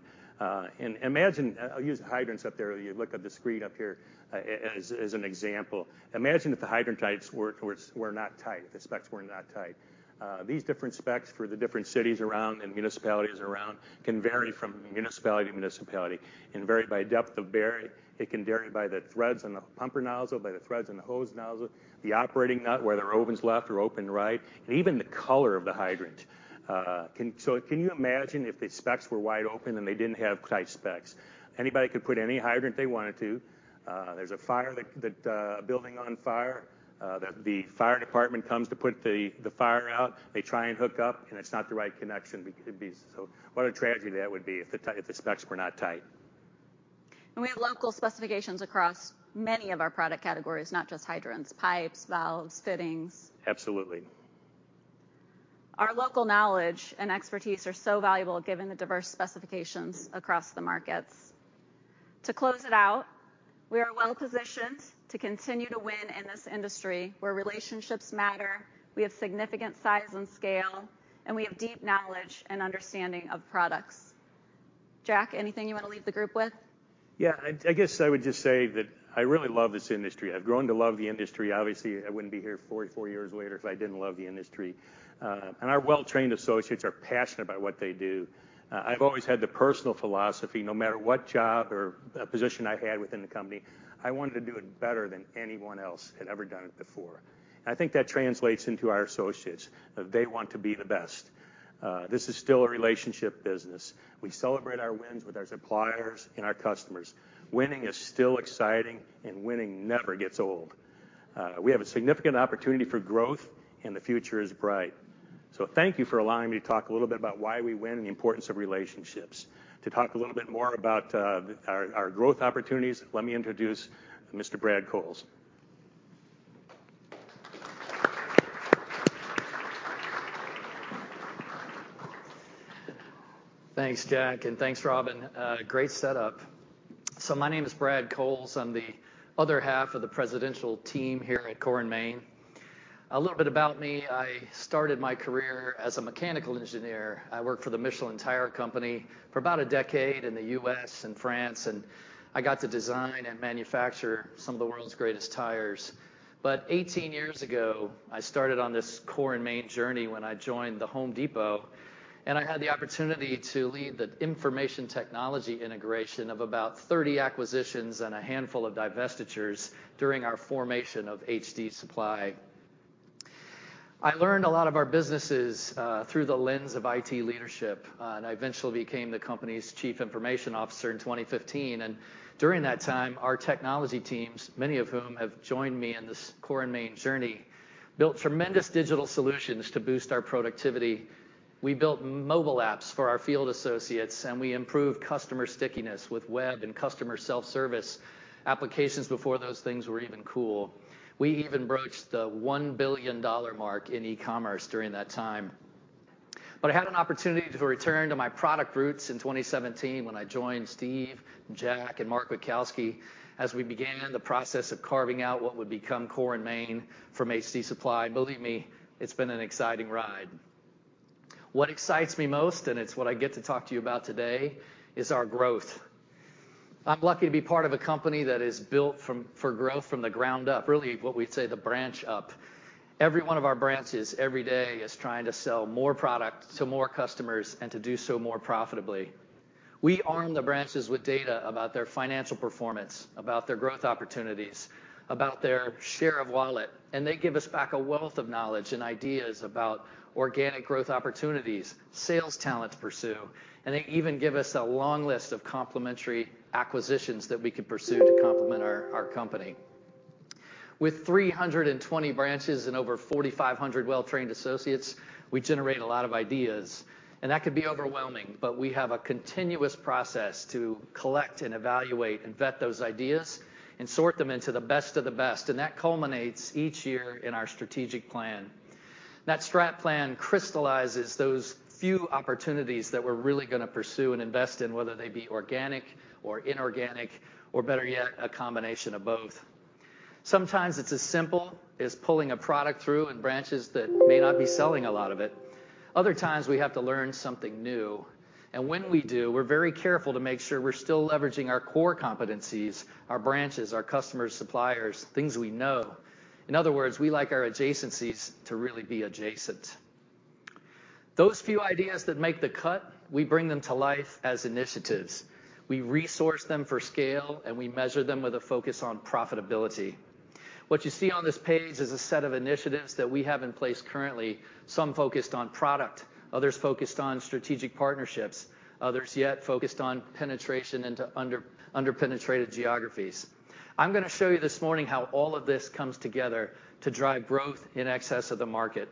And imagine, I'll use the hydrants up there, you look at the screen up here, as an example. Imagine if the hydrant tights were not tight, the specs were not tight. These different specs for the different cities around and municipalities around can vary from municipality to municipality. It can vary by depth of bury, it can vary by the threads on the pumper nozzle, by the threads on the hose nozzle, the operating nut, whether it opens left or open right, and even the color of the hydrant. So can you imagine if the specs were wide open and they didn't have tight specs? Anybody could put any hydrant they wanted to. There's a fire, a building on fire, that the fire department comes to put the fire out. They try and hook up, and it's not the right connection. It'd be. So what a tragedy that would be if the specs were not tight.
We have local specifications across many of our product categories, not just hydrants, pipes, valves, fittings.
Absolutely.
Our local knowledge and expertise are so valuable, given the diverse specifications across the markets. To close it out, we are well positioned to continue to win in this industry where relationships matter, we have significant size and scale, and we have deep knowledge and understanding of products. Jack, anything you wanna leave the group with?
Yeah, I guess I would just say that I really love this industry. I've grown to love the industry. Obviously, I wouldn't be here 44 years later if I didn't love the industry. Our well-trained associates are passionate about what they do. I've always had the personal philosophy, no matter what job or position I had within the company, I wanted to do it better than anyone else had ever done it before. I think that translates into our associates, that they want to be the best. This is still a relationship business. We celebrate our wins with our suppliers and our customers. Winning is still exciting, and winning never gets old. We have a significant opportunity for growth, and the future is bright. Thank you for allowing me to talk a little bit about why we win and the importance of relationships. To talk a little bit more about our growth opportunities, let me introduce Mr. Brad Cowles.
Thanks, Jack, and thanks, Robyn. Great setup. So my name is Brad Cowles. I'm the other half of the presidential team here at Core & Main. A little bit about me: I started my career as a mechanical engineer. I worked for the Michelin Tire Company for about a decade in the U.S. and France, and I got to design and manufacture some of the world's greatest tires. But 18 years ago, I started on this Core & Main journey when I joined The Home Depot, and I had the opportunity to lead the information technology integration of about 30 acquisitions and a handful of divestitures during our formation of HD Supply. I learned a lot of our businesses through the lens of IT leadership, and I eventually became the company's chief information officer in 2015, and during that time, our technology teams, many of whom have joined me in this Core & Main journey, built tremendous digital solutions to boost our productivity. We built mobile apps for our field associates, and we improved customer stickiness with web and customer self-service applications before those things were even cool. We even broached the $1 billion mark in e-commerce during that time. But I had an opportunity to return to my product roots in 2017 when I joined Steve, Jack, and Mark Witkowski, as we began the process of carving out what would become Core & Main from HD Supply. Believe me, it's been an exciting ride. What excites me most, and it's what I get to talk to you about today, is our growth. I'm lucky to be part of a company that is built from, for growth from the ground up, really, what we'd say, the branch up. Every one of our branches, every day, is trying to sell more product to more customers and to do so more profitably. We arm the branches with data about their financial performance, about their growth opportunities, about their share of wallet, and they give us back a wealth of knowledge and ideas about organic growth opportunities, sales talent to pursue, and they even give us a long list of complementary acquisitions that we could pursue to complement our company. With 320 branches and over 4,500 well-trained associates, we generate a lot of ideas, and that could be overwhelming. But we have a continuous process to collect and evaluate and vet those ideas and sort them into the best of the best, and that culminates each year in our strategic plan. That strat plan crystallizes those few opportunities that we're really gonna pursue and invest in, whether they be organic or inorganic or, better yet, a combination of both. Sometimes it's as simple as pulling a product through in branches that may not be selling a lot of it. Other times, we have to learn something new, and when we do, we're very careful to make sure we're still leveraging our core competencies, our branches, our customers, suppliers, things we know. In other words, we like our adjacencies to really be adjacent. Those few ideas that make the cut, we bring them to life as initiatives. We resource them for scale, and we measure them with a focus on profitability. What you see on this page is a set of initiatives that we have in place currently, some focused on product, others focused on strategic partnerships, others yet focused on penetration into under-penetrated geographies. I'm gonna show you this morning how all of this comes together to drive growth in excess of the market.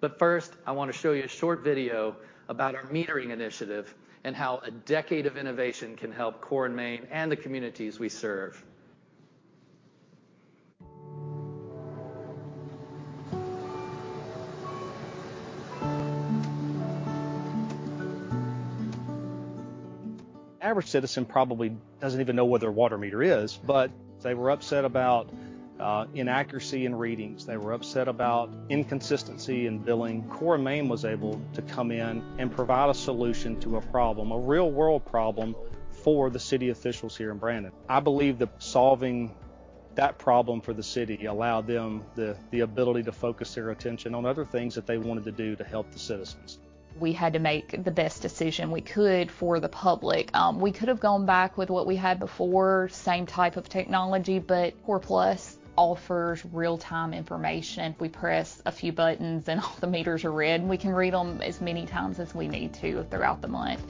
But first, I wanna show you a short video about our metering initiative and how a decade of innovation can help Core & Main and the communities we serve.
The average citizen probably doesn't even know where their water meter is, but they were upset about inaccuracy in readings. They were upset about inconsistency in billing. Core & Main was able to come in and provide a solution to a problem, a real-world problem, for the city officials here in Brandon. I believe that solving that problem for the city allowed them the ability to focus their attention on other things that they wanted to do to help the citizens. We had to make the best decision we could for the public. We could have gone back with what we had before, same type of technology, but Core Plus offers real-time information. We press a few buttons, and all the meters are read, and we can read them as many times as we need to throughout the month....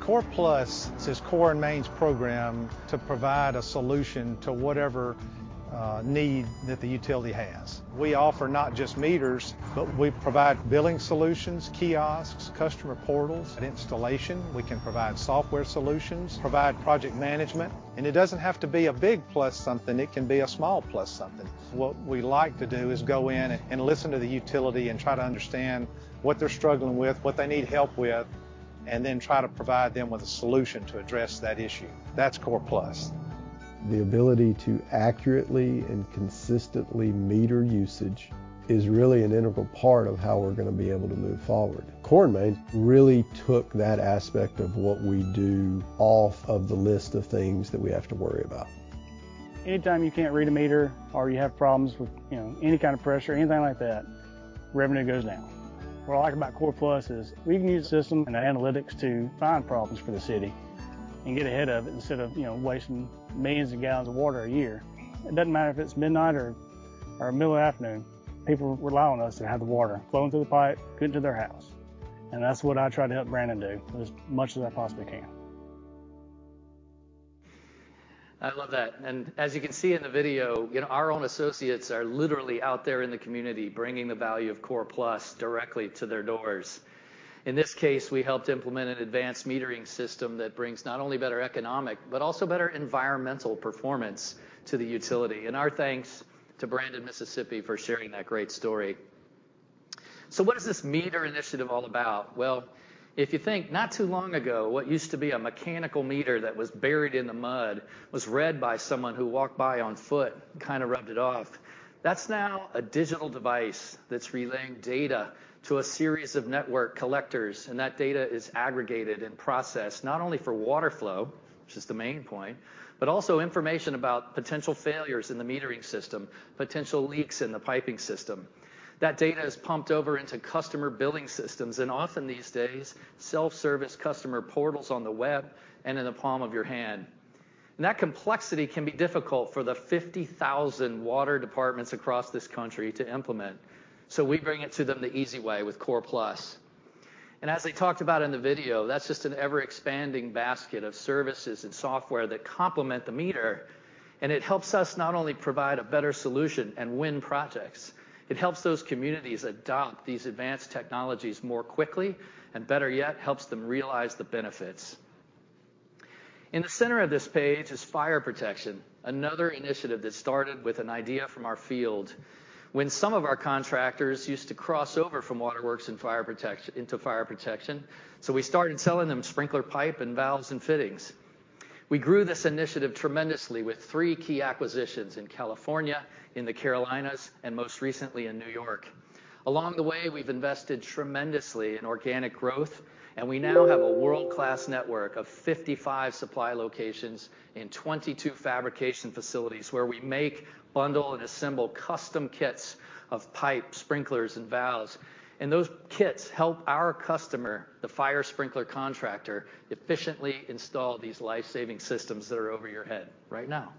Core Plus is Core & Main's program to provide a solution to whatever, need that the utility has. We offer not just meters, but we provide billing solutions, kiosks, customer portals, and installation. We can provide software solutions, provide project management, and it doesn't have to be a big plus something, it can be a small plus something. What we like to do is go in and listen to the utility and try to understand what they're struggling with, what they need help with, and then try to provide them with a solution to address that issue. That's Core Plus. The ability to accurately and consistently meter usage is really an integral part of how we're gonna be able to move forward. Core & Main really took that aspect of what we do off of the list of things that we have to worry about. Anytime you can't read a meter or you have problems with, you know, any kind of pressure, anything like that, revenue goes down. What I like about Core Plus is we can use the system and the analytics to find problems for the city and get ahead of it, instead of, you know, wasting millions of gallons of water a year. It doesn't matter if it's midnight or middle of the afternoon, people rely on us to have the water flowing through the pipe, getting to their house, and that's what I try to help Brandon do as much as I possibly can.
I love that, and as you can see in the video, you know, our own associates are literally out there in the community, bringing the value of Core Plus directly to their doors. In this case, we helped implement an advanced metering system that brings not only better economic, but also better environmental performance to the utility. And our thanks to Brandon, Mississippi, for sharing that great story. So what is this meter initiative all about? Well, if you think, not too long ago, what used to be a mechanical meter that was buried in the mud, was read by someone who walked by on foot, and kind of rubbed it off. That's now a digital device that's relaying data to a series of network collectors, and that data is aggregated and processed, not only for water flow, which is the main point, but also information about potential failures in the metering system, potential leaks in the piping system. That data is pumped over into customer billing systems, and often these days, self-service customer portals on the web and in the palm of your hand. That complexity can be difficult for the 50,000 water departments across this country to implement, so we bring it to them the easy way with Core Plus. As they talked about in the video, that's just an ever-expanding basket of services and software that complement the meter, and it helps us not only provide a better solution and win projects, it helps those communities adopt these advanced technologies more quickly, and better yet, helps them realize the benefits. In the center of this page is fire protection, another initiative that started with an idea from our field when some of our contractors used to cross over from waterworks into fire protection, so we started selling them sprinkler pipe, and valves, and fittings. We grew this initiative tremendously with three key acquisitions in California, in the Carolinas, and most recently in New York. Along the way, we've invested tremendously in organic growth, and we now have a world-class network of 55 supply locations and 22 fabrication facilities, where we make, bundle, and assemble custom kits of pipe, sprinklers, and valves. Those kits help our customer, the fire sprinkler contractor, efficiently install these life-saving systems that are over your head right now.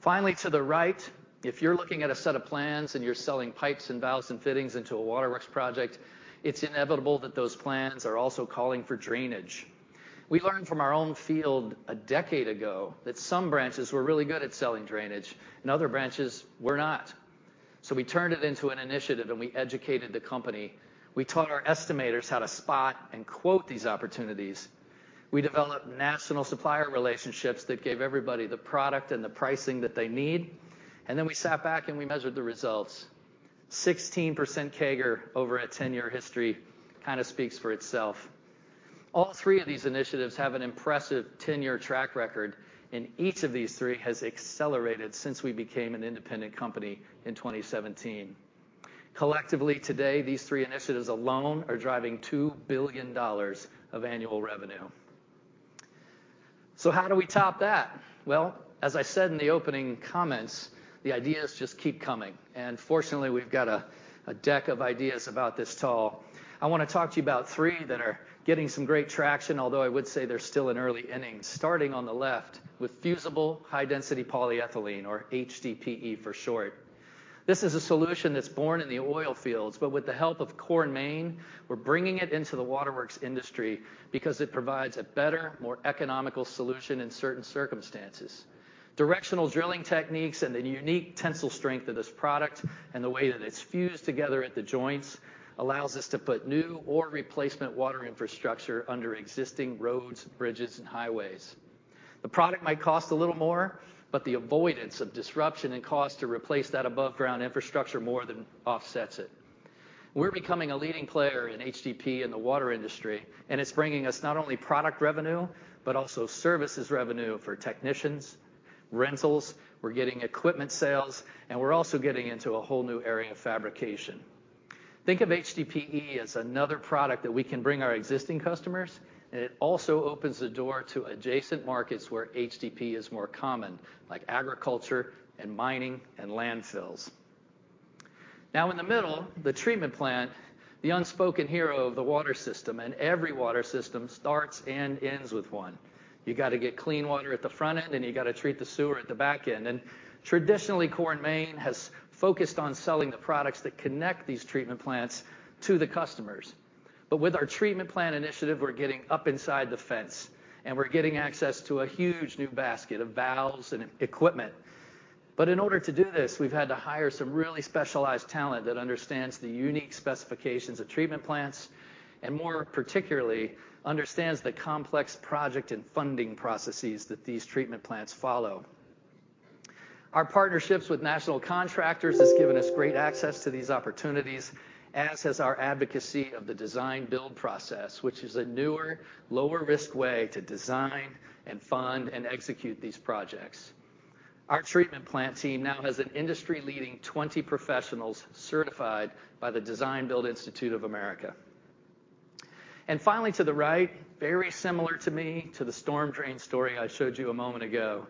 Finally, to the right, if you're looking at a set of plans and you're selling pipes and valves and fittings into a waterworks project, it's inevitable that those plans are also calling for drainage. We learned from our own field a decade ago that some branches were really good at selling drainage and other branches were not. So we turned it into an initiative, and we educated the company. We taught our estimators how to spot and quote these opportunities. We developed national supplier relationships that gave everybody the product and the pricing that they need, and then we sat back and we measured the results. 16% CAGR over a 10-year history kind of speaks for itself. All three of these initiatives have an impressive 10-year track record, and each of these three has accelerated since we became an independent company in 2017. Collectively, today, these three initiatives alone are driving $2 billion of annual revenue. So how do we top that? Well, as I said in the opening comments, the ideas just keep coming, and fortunately, we've got a deck of ideas about this tall. I wanna talk to you about three that are getting some great traction, although I would say they're still in early innings, starting on the left with fusible high-density polyethylene, or HDPE for short. This is a solution that's born in the oil fields, but with the help of Core & Main, we're bringing it into the waterworks industry because it provides a better, more economical solution in certain circumstances. Directional drilling techniques and the unique tensile strength of this product and the way that it's fused together at the joints, allows us to put new or replacement water infrastructure under existing roads, bridges, and highways. The product might cost a little more, but the avoidance of disruption and cost to replace that above-ground infrastructure more than offsets it. We're becoming a leading player in HDPE in the water industry, and it's bringing us not only product revenue, but also services revenue for technicians, rentals. We're getting equipment sales, and we're also getting into a whole new area of fabrication. Think of HDPE as another product that we can bring our existing customers, and it also opens the door to adjacent markets where HDPE is more common, like agriculture, and mining, and landfills. Now, in the middle, the treatment plant, the unspoken hero of the water system, and every water system starts and ends with one. You got to get clean water at the front end, and you got to treat the sewer at the back end. And traditionally, Core & Main has focused on selling the products that connect these treatment plants to the customers.... But with our treatment plant initiative, we're getting up inside the fence and we're getting access to a huge new basket of valves and equipment. But in order to do this, we've had to hire some really specialized talent that understands the unique specifications of treatment plants, and more particularly, understands the complex project and funding processes that these treatment plants follow. Our partnerships with national contractors has given us great access to these opportunities, as has our advocacy of the Design Build process, which is a newer, lower risk way to design and fund and execute these projects. Our treatment plant team now has an industry-leading 20 professionals certified by the Design-Build Institute of America. And finally, to the right, very similar to me, to the storm drain story I showed you a moment ago.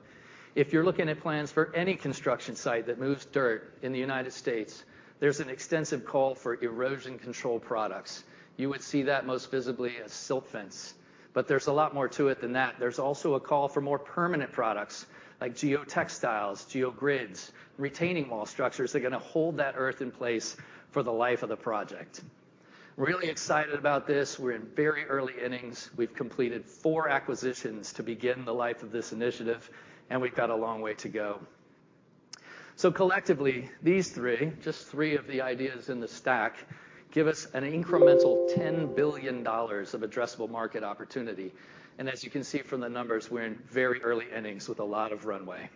If you're looking at plans for any construction site that moves dirt in the United States, there's an extensive call for erosion control products. You would see that most visibly as silt fence, but there's a lot more to it than that. There's also a call for more permanent products like geotextiles, geogrids, retaining wall structures that are gonna hold that earth in place for the life of the project. Really excited about this. We're in very early innings. We've completed four acquisitions to begin the life of this initiative, and we've got a long way to go. So collectively, these three, just three of the ideas in the stack, give us an incremental $10 billion of addressable market opportunity. And as you can see from the numbers, we're in very early innings with a lot of runway.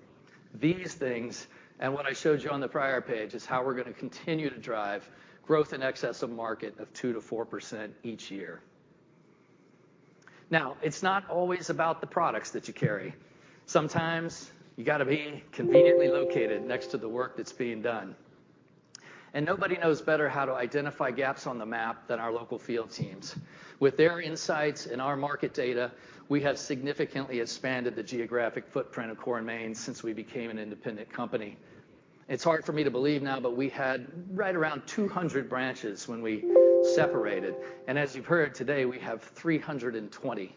These things, and what I showed you on the prior page, is how we're gonna continue to drive growth in excess of market of 2%-4% each year. Now, it's not always about the products that you carry. Sometimes you got to be conveniently located next to the work that's being done. And nobody knows better how to identify gaps on the map than our local field teams. With their insights and our market data, we have significantly expanded the geographic footprint of Core & Main since we became an independent company. It's hard for me to believe now, but we had right around 200 branches when we separated, and as you've heard today, we have 320.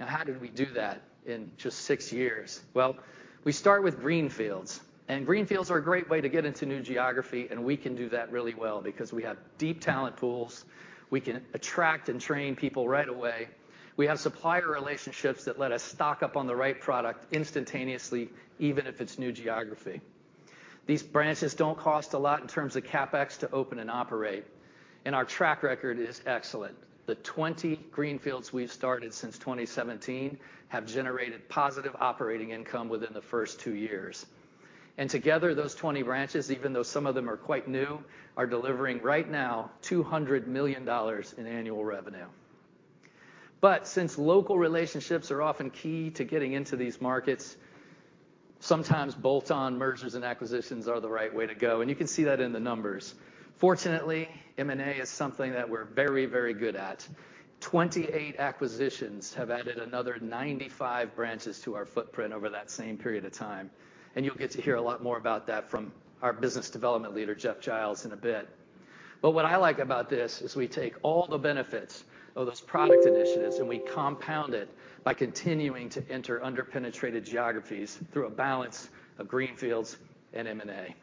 Now, how did we do that in just 6 years? Well, we start with greenfields, and greenfields are a great way to get into new geography, and we can do that really well because we have deep talent pools. We can attract and train people right away. We have supplier relationships that let us stock up on the right product instantaneously, even if it's new geography. These branches don't cost a lot in terms of CapEx to open and operate, and our track record is excellent. The 20 greenfields we've started since 2017 have generated positive operating income within the first two years. Together, those 20 branches, even though some of them are quite new, are delivering right now $200 million in annual revenue. Since local relationships are often key to getting into these markets, sometimes bolt-on mergers and acquisitions are the right way to go, and you can see that in the numbers. Fortunately, M&A is something that we're very, very good at. 28 acquisitions have added another 95 branches to our footprint over that same period of time, and you'll get to hear a lot more about that from our business development leader, Jeff Giles, in a bit. But what I like about this is we take all the benefits of those product initiatives, and we compound it by continuing to enter under-penetrated geographies through a balance of greenfields and M&A.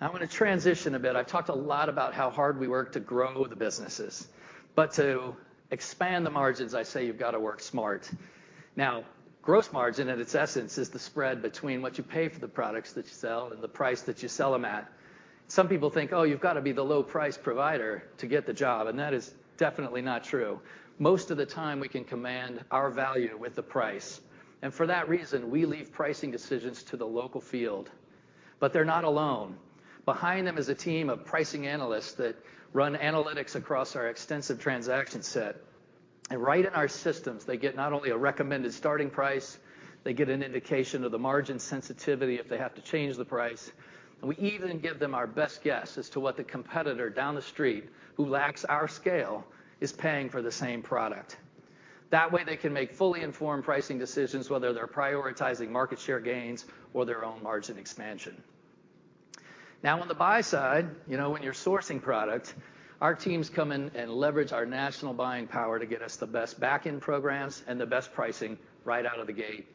I want to transition a bit. I've talked a lot about how hard we work to grow the businesses, but to expand the margins, I say you've got to work smart. Now, gross margin, at its essence, is the spread between what you pay for the products that you sell and the price that you sell them at. Some people think, "Oh, you've got to be the low price provider to get the job," and that is definitely not true. Most of the time, we can command our value with the price, and for that reason, we leave pricing decisions to the local field. But they're not alone. Behind them is a team of pricing analysts that run analytics across our extensive transaction set. And right in our systems, they get not only a recommended starting price, they get an indication of the margin sensitivity if they have to change the price. And we even give them our best guess as to what the competitor down the street, who lacks our scale, is paying for the same product. That way, they can make fully informed pricing decisions, whether they're prioritizing market share gains or their own margin expansion. Now, on the buy side, you know, when you're sourcing product, our teams come in and leverage our national buying power to get us the best back-end programs and the best pricing right out of the gate.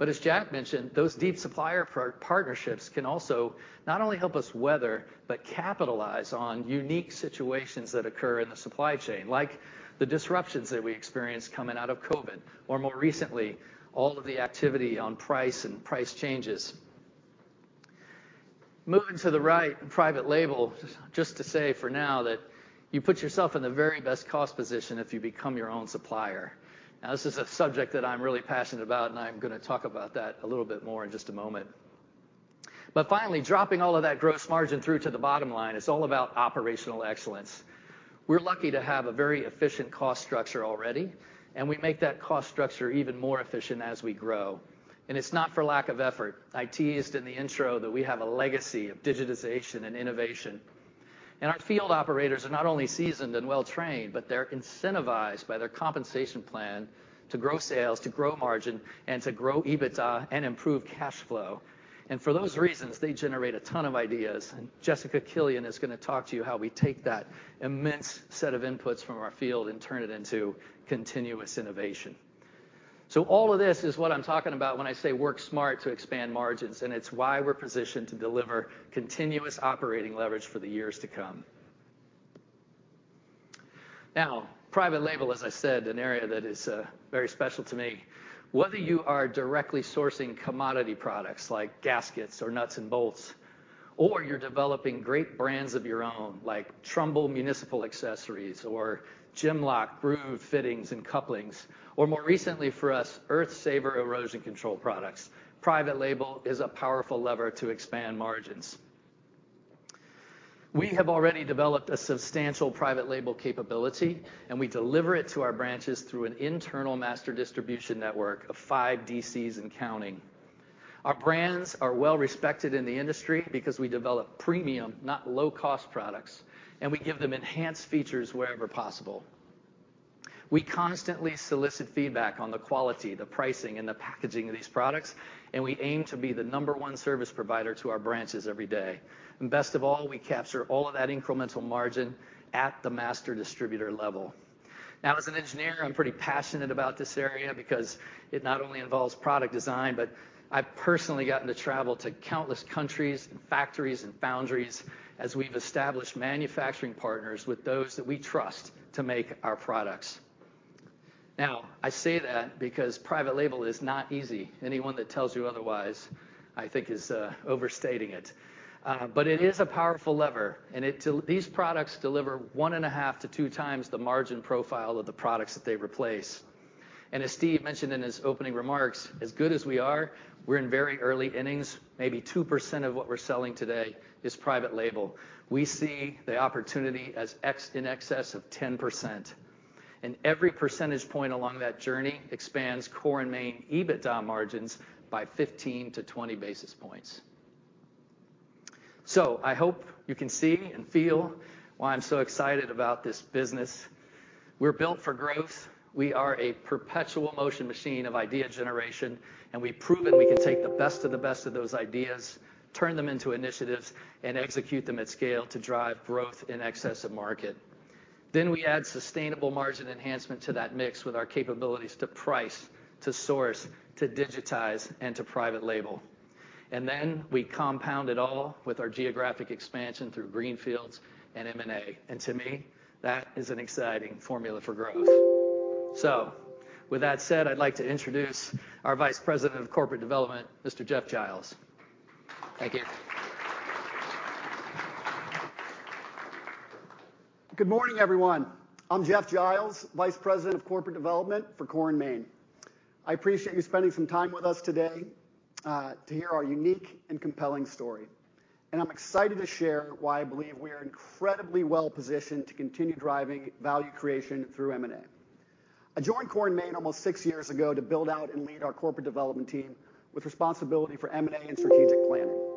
But as Jack mentioned, those deep supplier partnerships can also not only help us weather, but capitalize on unique situations that occur in the supply chain, like the disruptions that we experienced coming out of COVID, or more recently, all of the activity on price and price changes. Moving to the right, private label, just to say for now that you put yourself in the very best cost position if you become your own supplier. Now, this is a subject that I'm really passionate about, and I'm gonna talk about that a little bit more in just a moment. But finally, dropping all of that gross margin through to the bottom line, it's all about operational excellence. We're lucky to have a very efficient cost structure already, and we make that cost structure even more efficient as we grow. And it's not for lack of effort. I teased in the intro that we have a legacy of digitization and innovation, and our field operators are not only seasoned and well-trained, but they're incentivized by their compensation plan to grow sales, to grow margin, and to grow EBITDA and improve cash flow. And for those reasons, they generate a ton of ideas, and Jessica Killion is going to talk to you how we take that immense set of inputs from our field and turn it into continuous innovation.... So all of this is what I'm talking about when I say work smart to expand margins, and it's why we're positioned to deliver continuous operating leverage for the years to come. Now, private label, as I said, an area that is very special to me. Whether you are directly sourcing commodity products like gaskets or nuts and bolts, or you're developing great brands of your own, like Trumbull municipal accessories or Gruvlok grooved fittings and couplings, or more recently for us, Earth Saver erosion control products, private label is a powerful lever to expand margins. We have already developed a substantial private label capability, and we deliver it to our branches through an internal master distribution network of five DCs and counting. Our brands are well-respected in the industry because we develop premium, not low-cost products, and we give them enhanced features wherever possible. We constantly solicit feedback on the quality, the pricing, and the packaging of these products, and we aim to be the number one service provider to our branches every day. And best of all, we capture all of that incremental margin at the master distributor level. Now, as an engineer, I'm pretty passionate about this area because it not only involves product design, but I've personally gotten to travel to countless countries, and factories, and boundaries as we've established manufacturing partners with those that we trust to make our products. Now, I say that because private label is not easy. Anyone that tells you otherwise, I think is overstating it. But it is a powerful lever, and these products deliver 1.5-2x the margin profile of the products that they replace. As Steve mentioned in his opening remarks, as good as we are, we're in very early innings. Maybe 2% of what we're selling today is private label. We see the opportunity as in excess of 10%, and every percentage point along that journey expands Core & Main EBITDA margins by 15-20 basis points. So I hope you can see and feel why I'm so excited about this business. We're built for growth. We are a perpetual motion machine of idea generation, and we've proven we can take the best of the best of those ideas, turn them into initiatives, and execute them at scale to drive growth in excess of market. Then we add sustainable margin enhancement to that mix with our capabilities to price, to source, to digitize, and to private label. And then we compound it all with our geographic expansion through greenfields and M&A. To me, that is an exciting formula for growth. With that said, I'd like to introduce our Vice President of Corporate Development, Mr. Jeff Giles. Thank you.
Good morning, everyone. I'm Jeff Giles, Vice President of Corporate Development for Core & Main. I appreciate you spending some time with us today to hear our unique and compelling story. And I'm excited to share why I believe we are incredibly well-positioned to continue driving value creation through M&A. I joined Core & Main almost six years ago to build out and lead our corporate development team with responsibility for M&A and strategic planning.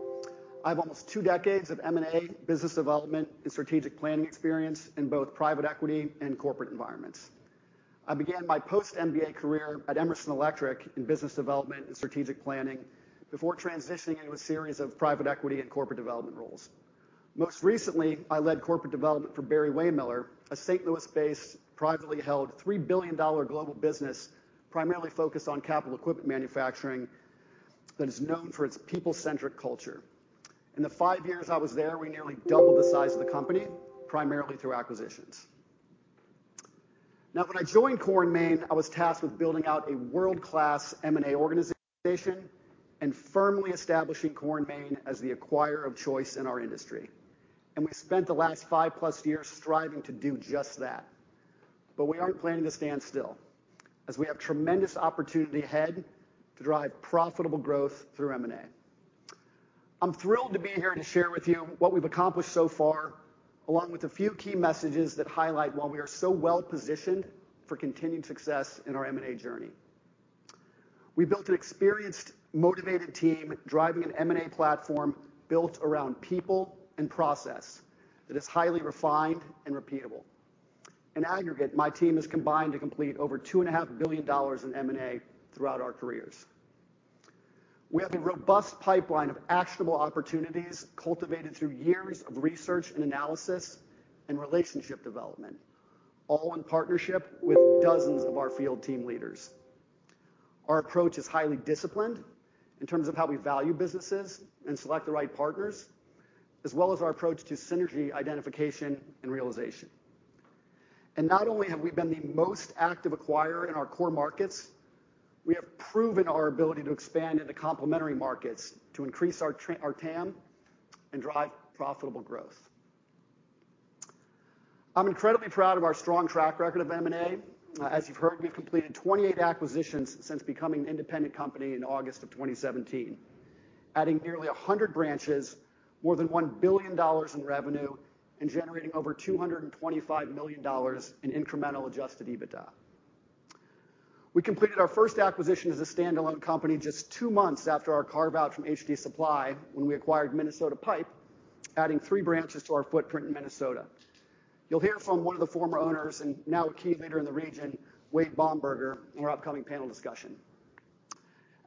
I have almost two decades of M&A, business development, and strategic planning experience in both private equity and corporate environments. I began my post-MBA career at Emerson Electric in business development and strategic planning before transitioning into a series of private equity and corporate development roles. Most recently, I led corporate development for Barry-Wehmiller, a St. Louis-based, privately held $3 billion global business, primarily focused on capital equipment manufacturing that is known for its people-centric culture. In the five years I was there, we nearly doubled the size of the company, primarily through acquisitions. Now, when I joined Core & Main, I was tasked with building out a world-class M&A organization and firmly establishing Core & Main as the acquirer of choice in our industry. We spent the last 5+ years striving to do just that. We aren't planning to stand still, as we have tremendous opportunity ahead to drive profitable growth through M&A. I'm thrilled to be here and to share with you what we've accomplished so far, along with a few key messages that highlight why we are so well-positioned for continued success in our M&A journey. We built an experienced, motivated team, driving an M&A platform built around people and process that is highly refined and repeatable. In aggregate, my team has combined to complete over $2.5 billion in M&A throughout our careers. We have a robust pipeline of actionable opportunities, cultivated through years of research and analysis and relationship development, all in partnership with dozens of our field team leaders. Our approach is highly disciplined in terms of how we value businesses and select the right partners, as well as our approach to synergy, identification, and realization. And not only have we been the most active acquirer in our core markets, we have proven our ability to expand into complementary markets to increase our TAM and drive profitable growth. I'm incredibly proud of our strong track record of M&A. As you've heard, we've completed 28 acquisitions since becoming an independent company in August 2017, adding nearly 100 branches, more than $1 billion in revenue, and generating over $225 million in incremental adjusted EBITDA. We completed our first acquisition as a standalone company just 2 months after our carve-out from HD Supply, when we acquired Minnesota Pipe, adding 3 branches to our footprint in Minnesota. You'll hear from one of the former owners and now a key leader in the region, Wade Baumberger, in our upcoming panel discussion....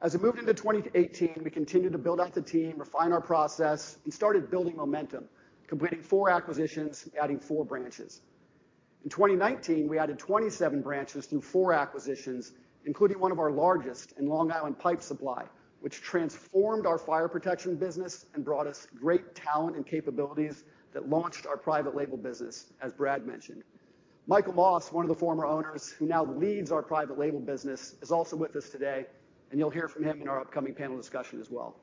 As we moved into 2018, we continued to build out the team, refine our process, and started building momentum, completing 4 acquisitions, adding 4 branches. In 2019, we added 27 branches through four acquisitions, including one of our largest in Long Island Pipe Supply, which transformed our fire protection business and brought us great talent and capabilities that launched our private label business, as Brad mentioned. Michael Moss, one of the former owners who now leads our private label business, is also with us today, and you'll hear from him in our upcoming panel discussion as well.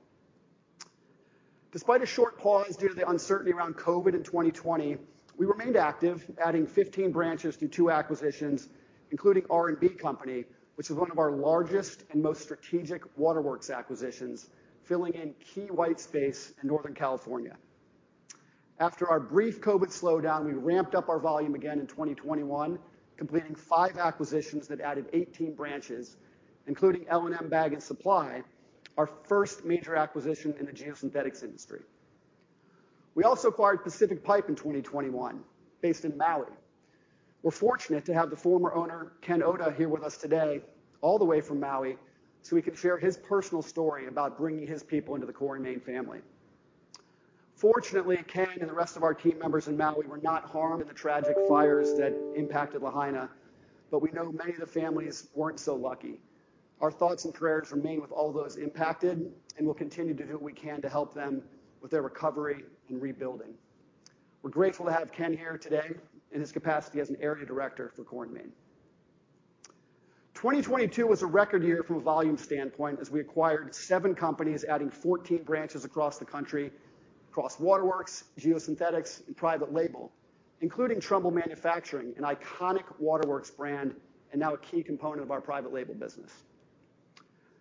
Despite a short pause due to the uncertainty around COVID in 2020, we remained active, adding 15 branches through two acquisitions, including R&B Company, which is one of our largest and most strategic waterworks acquisitions, filling in key white space in Northern California. After our brief COVID slowdown, we ramped up our volume again in 2021, completing five acquisitions that added 18 branches, including L&M Bag and Supply, our first major acquisition in the geosynthetics industry. We also acquired Pacific Pipe in 2021, based in Maui. We're fortunate to have the former owner, Ken Oda, here with us today, all the way from Maui, so he can share his personal story about bringing his people into the Core & Main family. Fortunately, Ken and the rest of our team members in Maui were not harmed in the tragic fires that impacted Lahaina, but we know many of the families weren't so lucky. Our thoughts and prayers remain with all those impacted, and we'll continue to do what we can to help them with their recovery and rebuilding. We're grateful to have Ken here today in his capacity as an Area Director for Core & Main. 2022 was a record year from a volume standpoint as we acquired seven companies, adding 14 branches across the country, across waterworks, geosynthetics, and private label, including Trumbull Manufacturing, an iconic waterworks brand and now a key component of our private label business.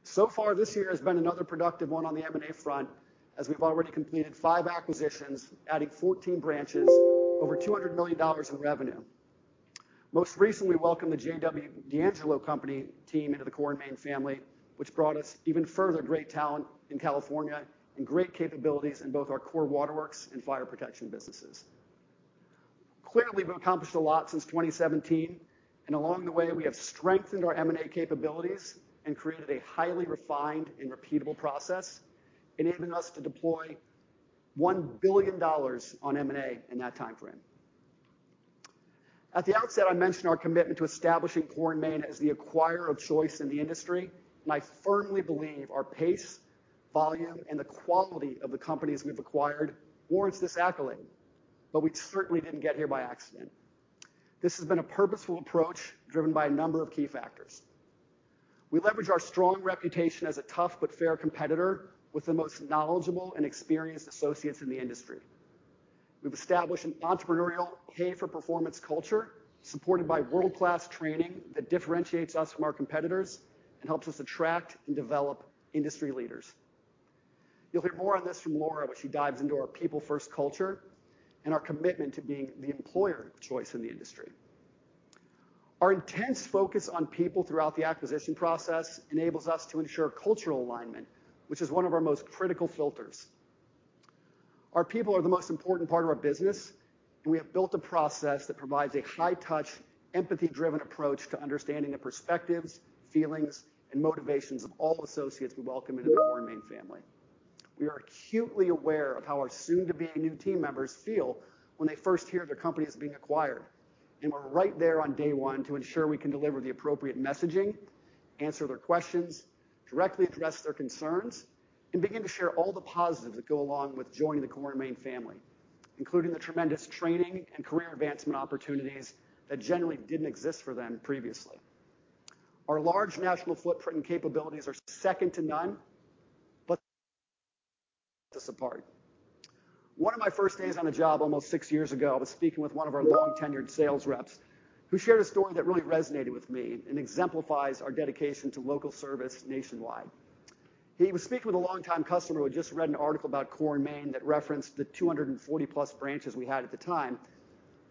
So far, this year has been another productive one on the M&A front, as we've already completed 5 acquisitions, adding 14 branches, over $200 million in revenue. Most recently, we welcomed the JW D'Angelo Company team into the Core & Main family, which brought us even further great talent in California and great capabilities in both our core waterworks and fire protection businesses. Clearly, we've accomplished a lot since 2017, and along the way, we have strengthened our M&A capabilities and created a highly refined and repeatable process, enabling us to deploy $1 billion on M&A in that time frame. At the outset, I mentioned our commitment to establishing Core & Main as the acquirer of choice in the industry, and I firmly believe our pace, volume, and the quality of the companies we've acquired warrants this accolade, but we certainly didn't get here by accident. This has been a purposeful approach, driven by a number of key factors. We leverage our strong reputation as a tough but fair competitor with the most knowledgeable and experienced associates in the industry. We've established an entrepreneurial pay-for-performance culture, supported by world-class training that differentiates us from our competitors and helps us attract and develop industry leaders. You'll hear more on this from Laura when she dives into our people-first culture and our commitment to being the employer of choice in the industry. Our intense focus on people throughout the acquisition process enables us to ensure cultural alignment, which is one of our most critical filters. Our people are the most important part of our business, and we have built a process that provides a high-touch, empathy-driven approach to understanding the perspectives, feelings, and motivations of all associates we welcome into the Core & Main family. We are acutely aware of how our soon-to-be new team members feel when they first hear their company is being acquired, and we're right there on day one to ensure we can deliver the appropriate messaging, answer their questions, directly address their concerns, and begin to share all the positives that go along with joining the Core & Main family, including the tremendous training and career advancement opportunities that generally didn't exist for them previously. Our large national footprint and capabilities are second to none, but what sets us apart. One of my first days on the job, almost 6 years ago, I was speaking with one of our long-tenured sales reps, who shared a story that really resonated with me and exemplifies our dedication to local service nationwide. He was speaking with a longtime customer who had just read an article about Core & Main that referenced the 240-plus branches we had at the time.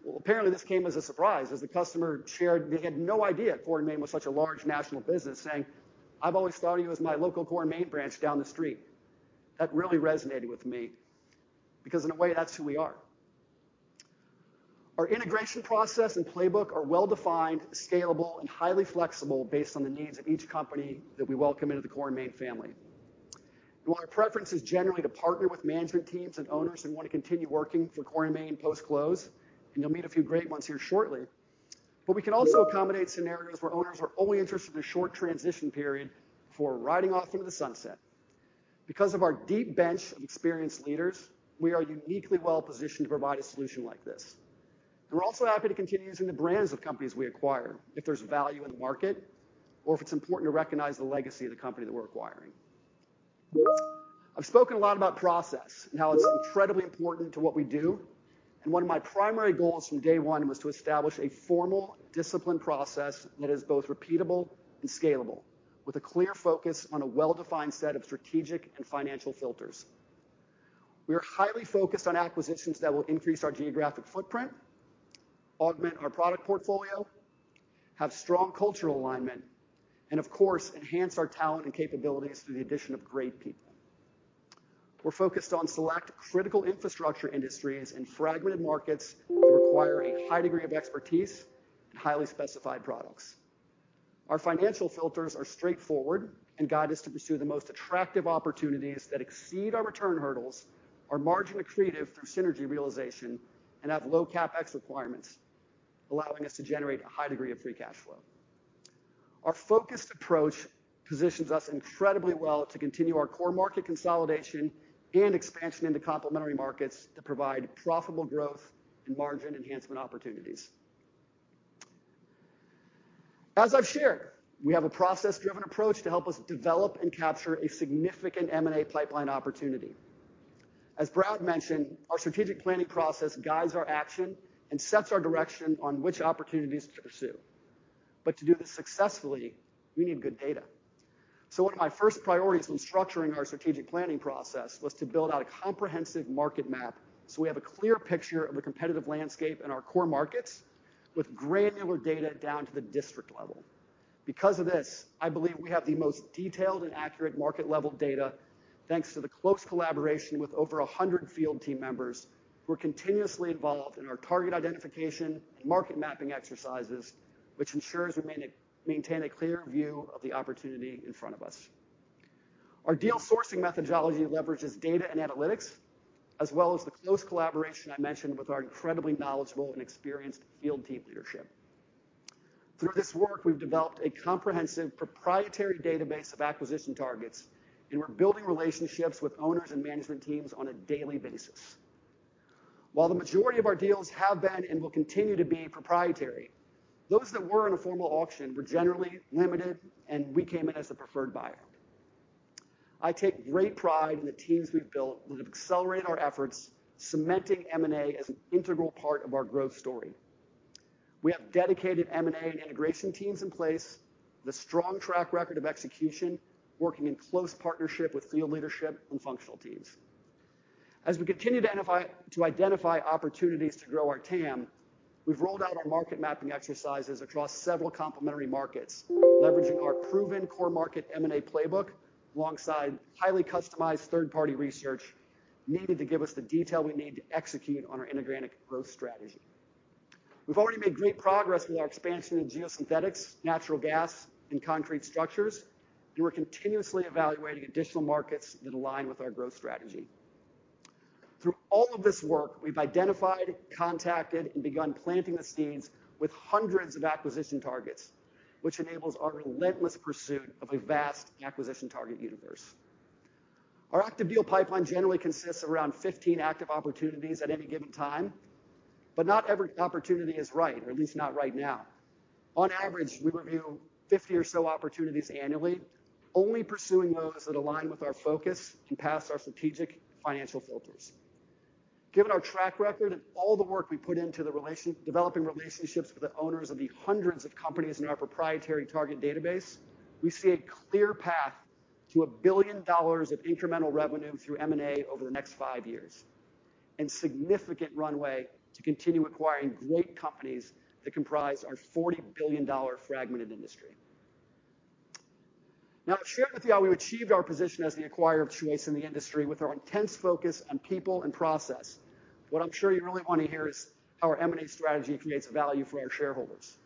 Well, apparently this came as a surprise as the customer shared they had no idea Core & Main was such a large national business, saying, "I've always thought of you as my local Core & Main branch down the street." That really resonated with me, because in a way, that's who we are. Our integration process and playbook are well-defined, scalable, and highly flexible based on the needs of each company that we welcome into the Core & Main family. While our preference is generally to partner with management teams and owners and want to continue working for Core & Main post-close, and you'll meet a few great ones here shortly, but we can also accommodate scenarios where owners are only interested in a short transition period before riding off into the sunset. Because of our deep bench of experienced leaders, we are uniquely well-positioned to provide a solution like this. We're also happy to continue using the brands of companies we acquire, if there's value in the market or if it's important to recognize the legacy of the company that we're acquiring. I've spoken a lot about process and how it's incredibly important to what we do, and one of my primary goals from day one was to establish a formal, disciplined process that is both repeatable and scalable, with a clear focus on a well-defined set of strategic and financial filters. We are highly focused on acquisitions that will increase our geographic footprint, augment our product portfolio, have strong cultural alignment, and of course, enhance our talent and capabilities through the addition of great people....We're focused on select critical infrastructure industries and fragmented markets that require a high degree of expertise and highly specified products. Our financial filters are straightforward and guide us to pursue the most attractive opportunities that exceed our return hurdles, are margin accretive through synergy realization, and have low CapEx requirements, allowing us to generate a high degree of free cash flow. Our focused approach positions us incredibly well to continue our core market consolidation and expansion into complementary markets that provide profitable growth and margin enhancement opportunities. As I've shared, we have a process-driven approach to help us develop and capture a significant M&A pipeline opportunity. As Brad mentioned, our strategic planning process guides our action and sets our direction on which opportunities to pursue. But to do this successfully, we need good data. So one of my first priorities when structuring our strategic planning process was to build out a comprehensive market map, so we have a clear picture of the competitive landscape in our core markets, with granular data down to the district level. Because of this, I believe we have the most detailed and accurate market-level data, thanks to the close collaboration with over a hundred field team members who are continuously involved in our target identification and market mapping exercises, which ensures we maintain a clear view of the opportunity in front of us. Our deal sourcing methodology leverages data and analytics, as well as the close collaboration I mentioned with our incredibly knowledgeable and experienced field team leadership. Through this work, we've developed a comprehensive proprietary database of acquisition targets, and we're building relationships with owners and management teams on a daily basis. While the majority of our deals have been and will continue to be proprietary, those that were in a formal auction were generally limited, and we came in as the preferred buyer. I take great pride in the teams we've built that have accelerated our efforts, cementing M&A as an integral part of our growth story. We have dedicated M&A and integration teams in place with a strong track record of execution, working in close partnership with field leadership and functional teams. As we continue to identify opportunities to grow our TAM, we've rolled out our market mapping exercises across several complementary markets, leveraging our proven core market M&A playbook alongside highly customized third-party research needed to give us the detail we need to execute on our inorganic growth strategy. We've already made great progress with our expansion in geosynthetics, natural gas, and concrete structures, and we're continuously evaluating additional markets that align with our growth strategy. Through all of this work, we've identified, contacted, and begun planting the seeds with hundreds of acquisition targets, which enables our relentless pursuit of a vast acquisition target universe. Our active deal pipeline generally consists of around 15 active opportunities at any given time, but not every opportunity is right, or at least not right now. On average, we review 50 or so opportunities annually, only pursuing those that align with our focus and pass our strategic financial filters. Given our track record and all the work we put into developing relationships with the owners of the hundreds of companies in our proprietary target database, we see a clear path to $1 billion of incremental revenue through M&A over the next 5 years, and significant runway to continue acquiring great companies that comprise our $40 billion fragmented industry. Now, I've shared with you how we've achieved our position as the acquirer of choice in the industry with our intense focus on people and process. What I'm sure you really want to hear is how our M&A strategy creates value for our shareholders.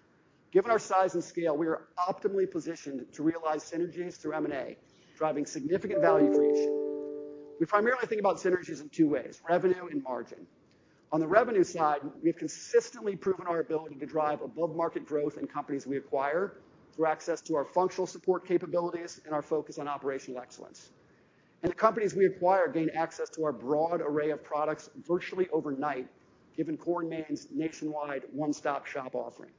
Given our size and scale, we are optimally positioned to realize synergies through M&A, driving significant value creation. We primarily think about synergies in two ways: revenue and margin. On the revenue side, we've consistently proven our ability to drive above-market growth in companies we acquire through access to our functional support capabilities and our focus on operational excellence. The companies we acquire gain access to our broad array of products virtually overnight, given Core & Main's nationwide one-stop-shop offering.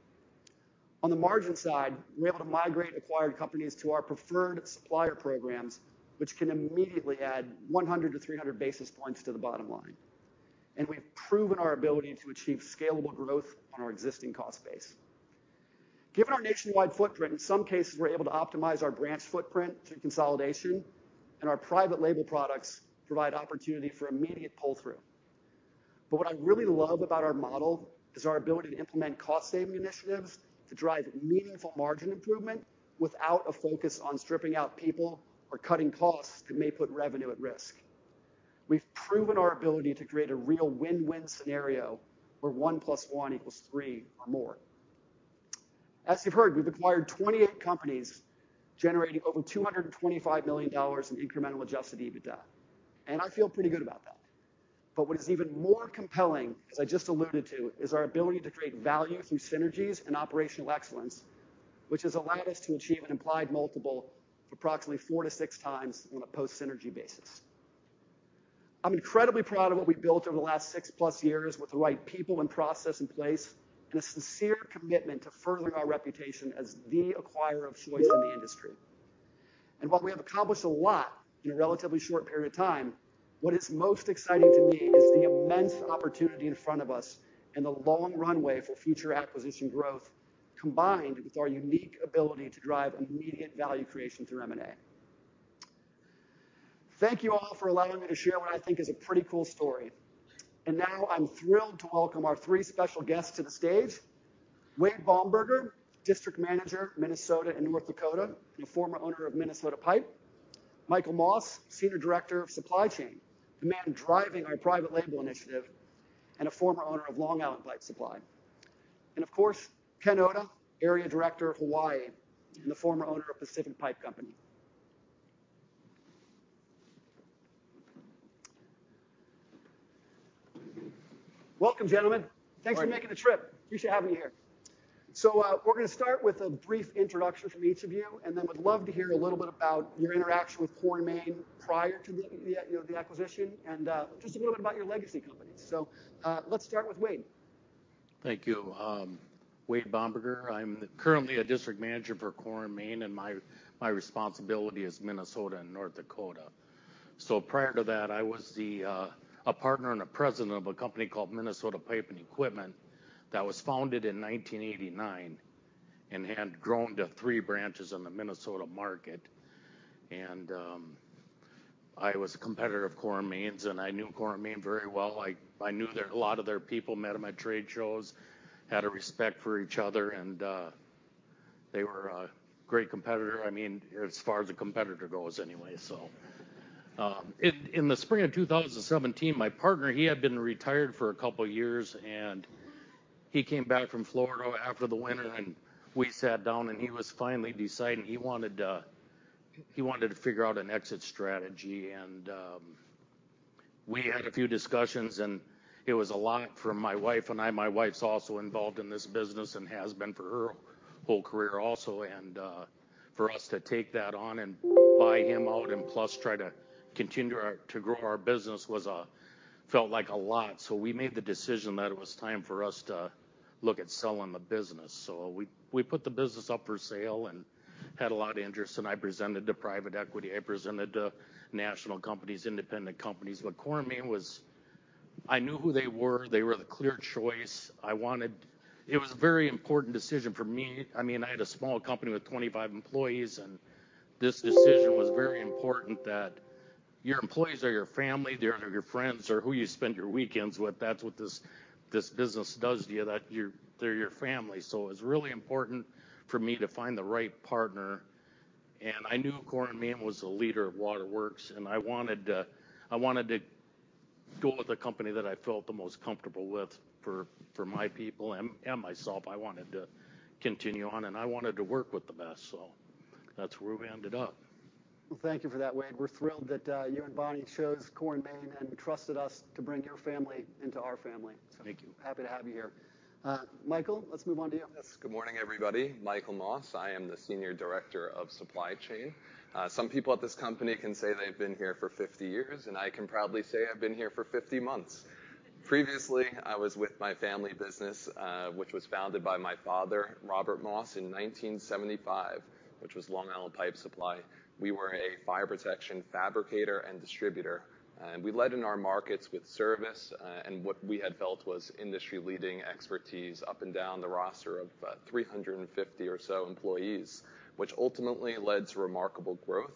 On the margin side, we're able to migrate acquired companies to our preferred supplier programs, which can immediately add 100-300 basis points to the bottom line. We've proven our ability to achieve scalable growth on our existing cost base. Given our nationwide footprint, in some cases, we're able to optimize our branch footprint through consolidation, and our private label products provide opportunity for immediate pull-through. What I really love about our model is our ability to implement cost-saving initiatives to drive meaningful margin improvement without a focus on stripping out people or cutting costs that may put revenue at risk. We've proven our ability to create a real win-win scenario where 1+1 = three or more. As you've heard, we've acquired 28 companies, generating over $225 million in incremental Adjusted EBITDA, and I feel pretty good about that. But what is even more compelling, as I just alluded to, is our ability to create value through synergies and operational excellence, which has allowed us to achieve an implied multiple of approximately 4-6x on a post-synergy basis. I'm incredibly proud of what we've built over the last 6+ years with the right people and process in place, and a sincere commitment to furthering our reputation as the acquirer of choice in the industry. And while we have accomplished a lot in a relatively short period of time, what is most exciting to me is the immense opportunity in front of us and the long runway for future acquisition growth, combined with our unique ability to drive immediate value creation through M&A. Thank you all for allowing me to share what I think is a pretty cool story. And now, I'm thrilled to welcome our three special guests to the stage... Wade Baumberger, District Manager, Minnesota and North Dakota, and former owner of Minnesota Pipe. Michael Moss, Senior Director of Supply Chain, the man driving our private label initiative, and a former owner of Long Island Pipe Supply. And of course, Ken Oda, Area Director of Hawaii, and the former owner of Pacific Pipe Company. Welcome, gentlemen.
Hi.
Thanks for making the trip. Appreciate having you here. So, we're gonna start with a brief introduction from each of you, and then we'd love to hear a little bit about your interaction with Core & Main prior to the, you know, the acquisition, and just a little bit about your legacy companies. So, let's start with Wade.
Thank you. Wade Baumberger, I'm currently a district manager for Core & Main, and my responsibility is Minnesota and North Dakota. So prior to that, I was a partner and a president of a company called Minnesota Pipe and Equipment, that was founded in 1989, and had grown to three branches in the Minnesota market. I was a competitor of Core & Main's, and I knew Core & Main very well. I knew their... A lot of their people, met 'em at trade shows, had a respect for each other, and they were a great competitor. I mean, as far as a competitor goes anyway, so... In the spring of 2017, my partner, he had been retired for a couple of years, and he came back from Florida after the winter, and we sat down, and he was finally deciding he wanted to figure out an exit strategy. And we had a few discussions, and it was a lot for my wife and I. My wife's also involved in this business and has been for her whole career also. And for us to take that on and buy him out, and plus try to continue our to grow our business was felt like a lot. So we made the decision that it was time for us to look at selling the business. So we put the business up for sale and had a lot of interest, and I presented to private equity, I presented to national companies, independent companies, but Core & Main was... I knew who they were. They were the clear choice. I wanted-- It was a very important decision for me. I mean, I had a small company with 25 employees, and this decision was very important, that your employees are your family, they're your friends, they're who you spend your weekends with. That's what this business does to you, that your... They're your family. So it was really important for me to find the right partner, and I knew Core & Main was a leader of Waterworks, and I wanted to, I wanted to go with a company that I felt the most comfortable with for, for my people and, and myself. I wanted to continue on, and I wanted to work with the best, so that's where we ended up.
Well, thank you for that, Wade. We're thrilled that you and Bonnie chose Core & Main and trusted us to bring your family into our family.
Thank you.
Happy to have you here. Michael, let's move on to you.
Yes. Good morning, everybody. Michael Moss, I am the Senior Director of Supply Chain. Some people at this company can say they've been here for 50 years, and I can proudly say I've been here for 50 months. Previously, I was with my family business, which was founded by my father, Robert Moss, in 1975, which was Long Island Pipe Supply. We were a fire protection fabricator and distributor, and we led in our markets with service, and what we had felt was industry-leading expertise up and down the roster of 350 or so employees, which ultimately led to remarkable growth.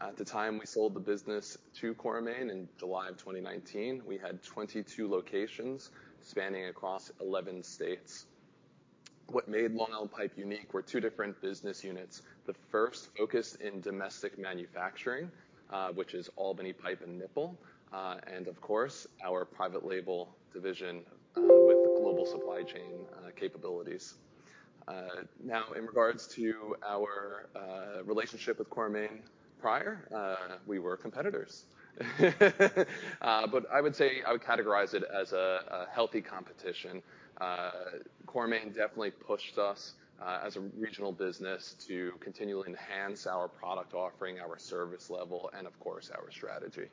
At the time we sold the business to Core & Main in July 2019, we had 22 locations spanning across 11 states. What made Long Island Pipe unique were two different business units. The first, focused in domestic manufacturing, which is Albany Pipe and Nipple, and of course, our private label division, with global supply chain, capabilities. Now, in regards to our, relationship with Core & Main, prior, we were competitors. But I would say I would categorize it as a, a healthy competition. Core & Main definitely pushed us, as a regional business to continually enhance our product offering, our service level, and of course, our strategy.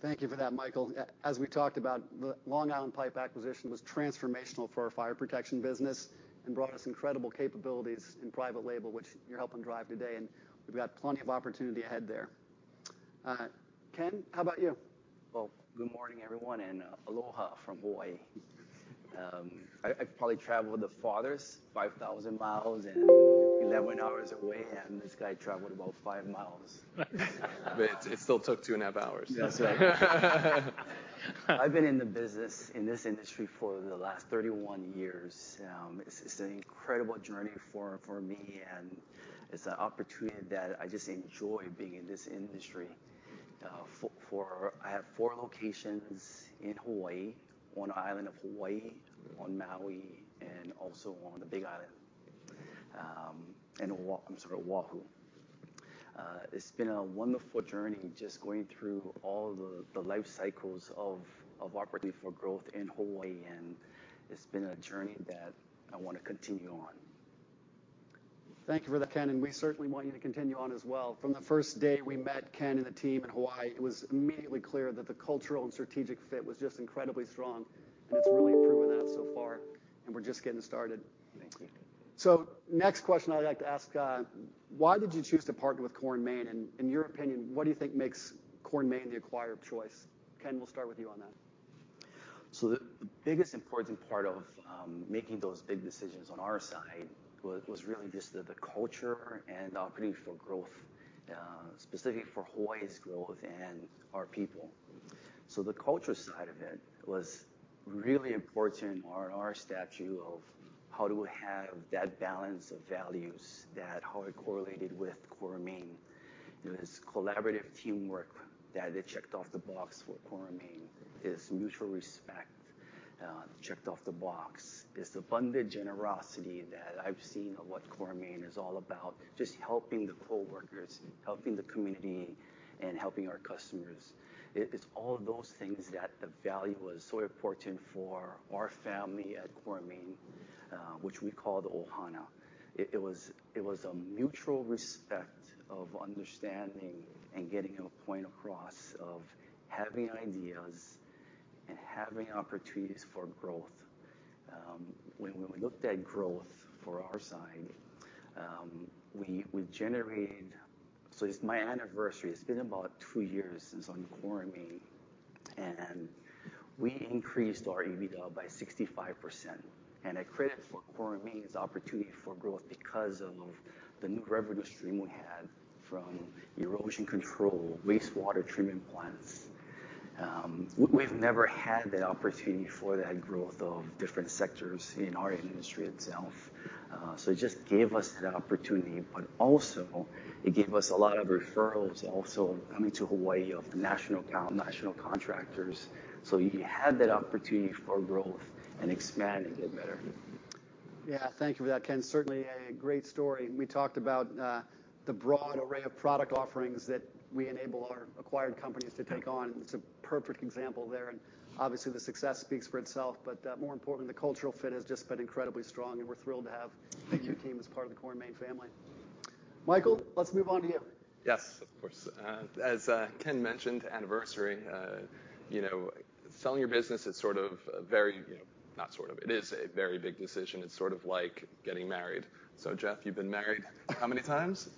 Thank you for that, Michael. As we talked about, the Long Island Pipe acquisition was transformational for our fire protection business and brought us incredible capabilities in private label, which you're helping drive today, and we've got plenty of opportunity ahead there. Ken, how about you?
Well, good morning, everyone, and aloha from Hawaii. I've probably traveled the farthest, 5,000 miles and 11 hours away, and this guy traveled about 5 miles.
But it still took 2.5 hours.
That's right. I've been in the business, in this industry for the last 31 years. It's an incredible journey for me, and it's an opportunity that I just enjoy being in this industry. I have four locations in Hawaii, one island of Hawaii, on Maui, and also on the Big Island, and on Oahu. It's been a wonderful journey, just going through all the life cycles of opportunity for growth in Hawaii, and it's been a journey that I want to continue on.
Thank you for that, Ken, and we certainly want you to continue on as well. From the first day we met Ken and the team in Hawaii, it was immediately clear that the cultural and strategic fit was just incredibly strong, and it's really proven that so far, and we're just getting started.
Thank you.
Next question I'd like to ask, why did you choose to partner with Core & Main, and in your opinion, what do you think makes Core & Main the acquirer choice? Ken, we'll start with you on that.
So the biggest important part of making those big decisions on our side was really just the culture and opportunity for growth, specifically for Hawaii's growth and our people. So the culture side of it was really important on our side to how do we have that balance of values, that, how it correlated with Core & Main. It was collaborative teamwork that it checked off the box for Core & Main. It's mutual respect, checked off the box. It's abundant generosity that I've seen of what Core & Main is all about, just helping the coworkers, helping the community, and helping our customers. It's all those things that the value was so important for our family at Core & Main, which we call the Ohana. It was a mutual respect of understanding and getting a point across, of having ideas and having opportunities for growth. When we looked at growth for our side, we generated. So it's my anniversary. It's been about two years since I'm Core & Main, and we increased our EBITDA by 65%, and I credit for Core & Main's opportunity for growth because of the new revenue stream we had from erosion control, wastewater treatment plants. We've never had the opportunity for that growth of different sectors in our industry itself. So it just gave us that opportunity, but also it gave us a lot of referrals also coming to Hawaii of national account, national contractors. So you had that opportunity for growth and expand and get better.
Yeah, thank you for that, Ken. Certainly a great story. We talked about the broad array of product offerings that we enable our acquired companies to take on. It's a perfect example there, and obviously, the success speaks for itself. But more importantly, the cultural fit has just been incredibly strong, and we're thrilled to have the new team as part of the Core & Main family. Michael, let's move on to you.
Yes, of course. As Ken mentioned, anniversary, you know, selling your business is sort of a very, you know, not sort of, it is a very big decision. It's sort of like getting married. So, Jeff, you've been married how many times?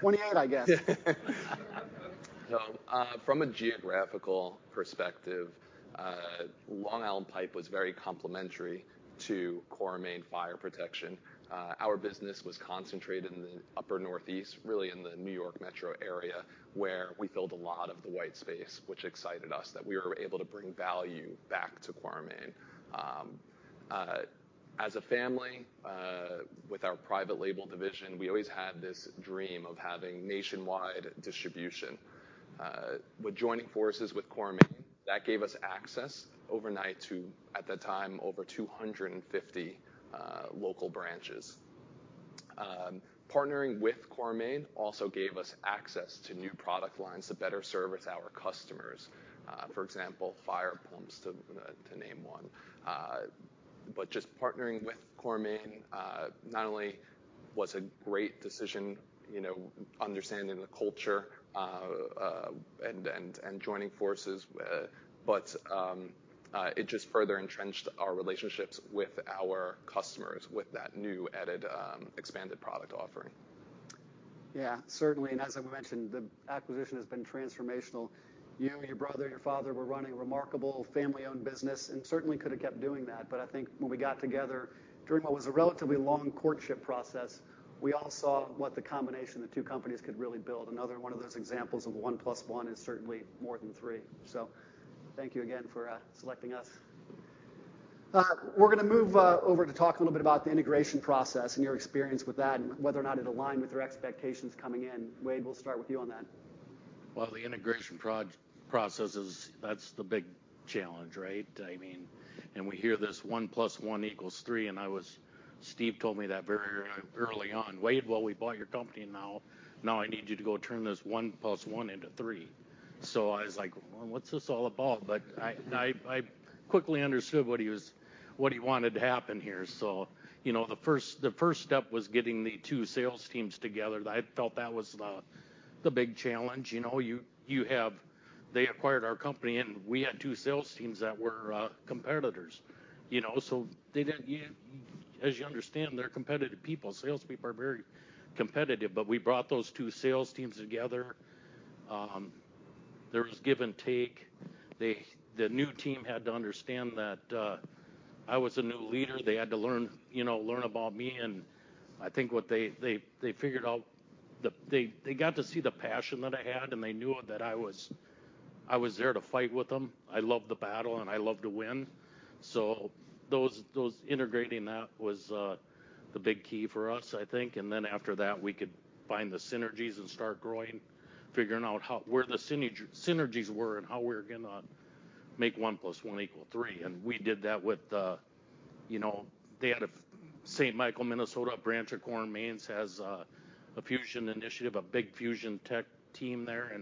28, I guess.
From a geographical perspective, Long Island Pipe was very complementary to Core & Main Fire Protection. Our business was concentrated in the upper Northeast, really in the New York metro area, where we filled a lot of the white space, which excited us, that we were able to bring value back to Core & Main. As a family, with our private label division, we always had this dream of having nationwide distribution. With joining forces with Core & Main, that gave us access overnight to, at that time, over 250 local branches. Partnering with Core & Main also gave us access to new product lines to better service our customers. For example, fire pumps, to name one. But just partnering with Core & Main, not only was a great decision, you know, understanding the culture, and joining forces, but it just further entrenched our relationships with our customers, with that new added, expanded product offering.
Yeah, certainly. And as I mentioned, the acquisition has been transformational. You and your brother and your father were running a remarkable family-owned business and certainly could have kept doing that. But I think when we got together, during what was a relatively long courtship process, we all saw what the combination of the two companies could really build. Another one of those examples of one plus one is certainly more than three. So thank you again for selecting us. We're gonna move over to talk a little bit about the integration process and your experience with that, and whether or not it aligned with your expectations coming in. Wade, we'll start with you on that.
Well, the integration process is... That's the big challenge, right? I mean, we hear this, one plus one equals three, and Steve told me that very early on: "Wade, well, we bought your company, now, now I need you to go turn this one plus one into three." So I was like, "Well, what's this all about?" But I quickly understood what he wanted to happen here. So, you know, the first step was getting the two sales teams together. I felt that was the big challenge. You know, you have. They acquired our company, and we had two sales teams that were competitors, you know, so they didn't... As you understand, they're competitive people. Salespeople are very competitive, but we brought those two sales teams together. There was give and take. They, the new team had to understand that, I was a new leader. They had to learn, you know, learn about me, and I think what they figured out... They got to see the passion that I had, and they knew that I was there to fight with them. I love the battle, and I love to win. So those integrating, that was the big key for us, I think. And then after that, we could find the synergies and start growing, figuring out how, where the synergies were and how we're gonna make one plus one equal three. And we did that with, you know, they had a St. Michael, Minnesota branch of Core & Main, has a fusion initiative, a big fusion tech team there,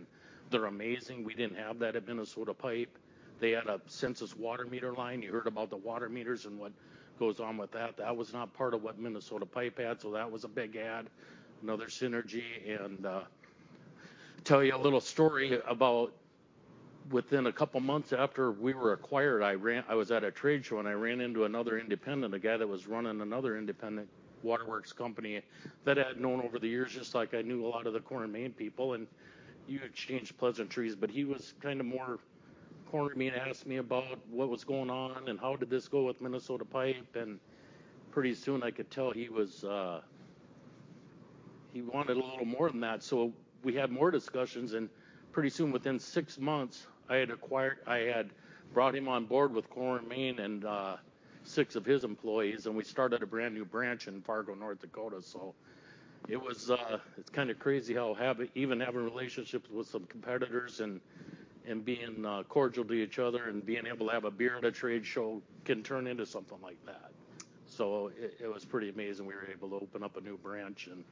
and they're amazing. We didn't have that at Minnesota Pipe. They had a Sensus water meter line. You heard about the water meters and what goes on with that. That was not part of what Minnesota Pipe had, so that was a big add, another synergy. And tell you a little story about within a couple of months after we were acquired, I was at a trade show, and I ran into another independent, a guy that was running another independent waterworks company that I had known over the years, just like I knew a lot of the Core & Main people, and you exchange pleasantries. But he was kind of more... cornered me and asked me about what was going on, and how did this go with Minnesota Pipe? And pretty soon I could tell he was... he wanted a little more than that. So we had more discussions, and pretty soon, within six months, I had brought him on board with Core & Main and six of his employees, and we started a brand-new branch in Fargo, North Dakota. So it was; it's kind of crazy how having even relationships with some competitors and being cordial to each other and being able to have a beer at a trade show can turn into something like that. So it was pretty amazing we were able to open up a new branch, and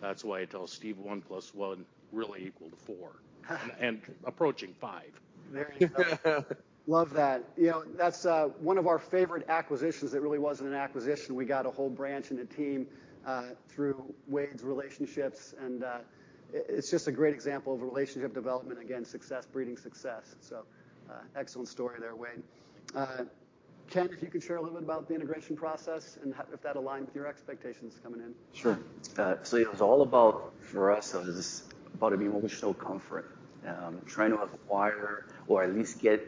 that's why I tell Steve one plus one really equaled four and approaching five.
There you go. Love that. You know, that's one of our favorite acquisitions that really wasn't an acquisition. We got a whole branch and a team through Wade's relationships, and it, it's just a great example of relationship development, again, success breeding success. So, excellent story there, Wade. Ken, if you could share a little bit about the integration process and how if that aligned with your expectations coming in?
Sure. So it was all about, for us, it was about being emotional comfort, trying to acquire or at least get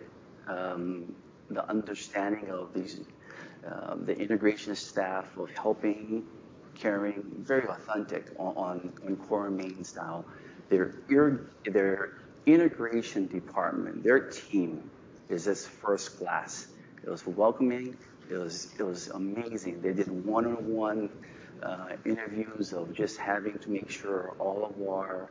the understanding of these, the integration staff of helping, caring, very authentic on Core & Main style. Their integration department, their team, is just first class. It was welcoming. It was, it was amazing. They did one-on-one interviews of just having to make sure all of our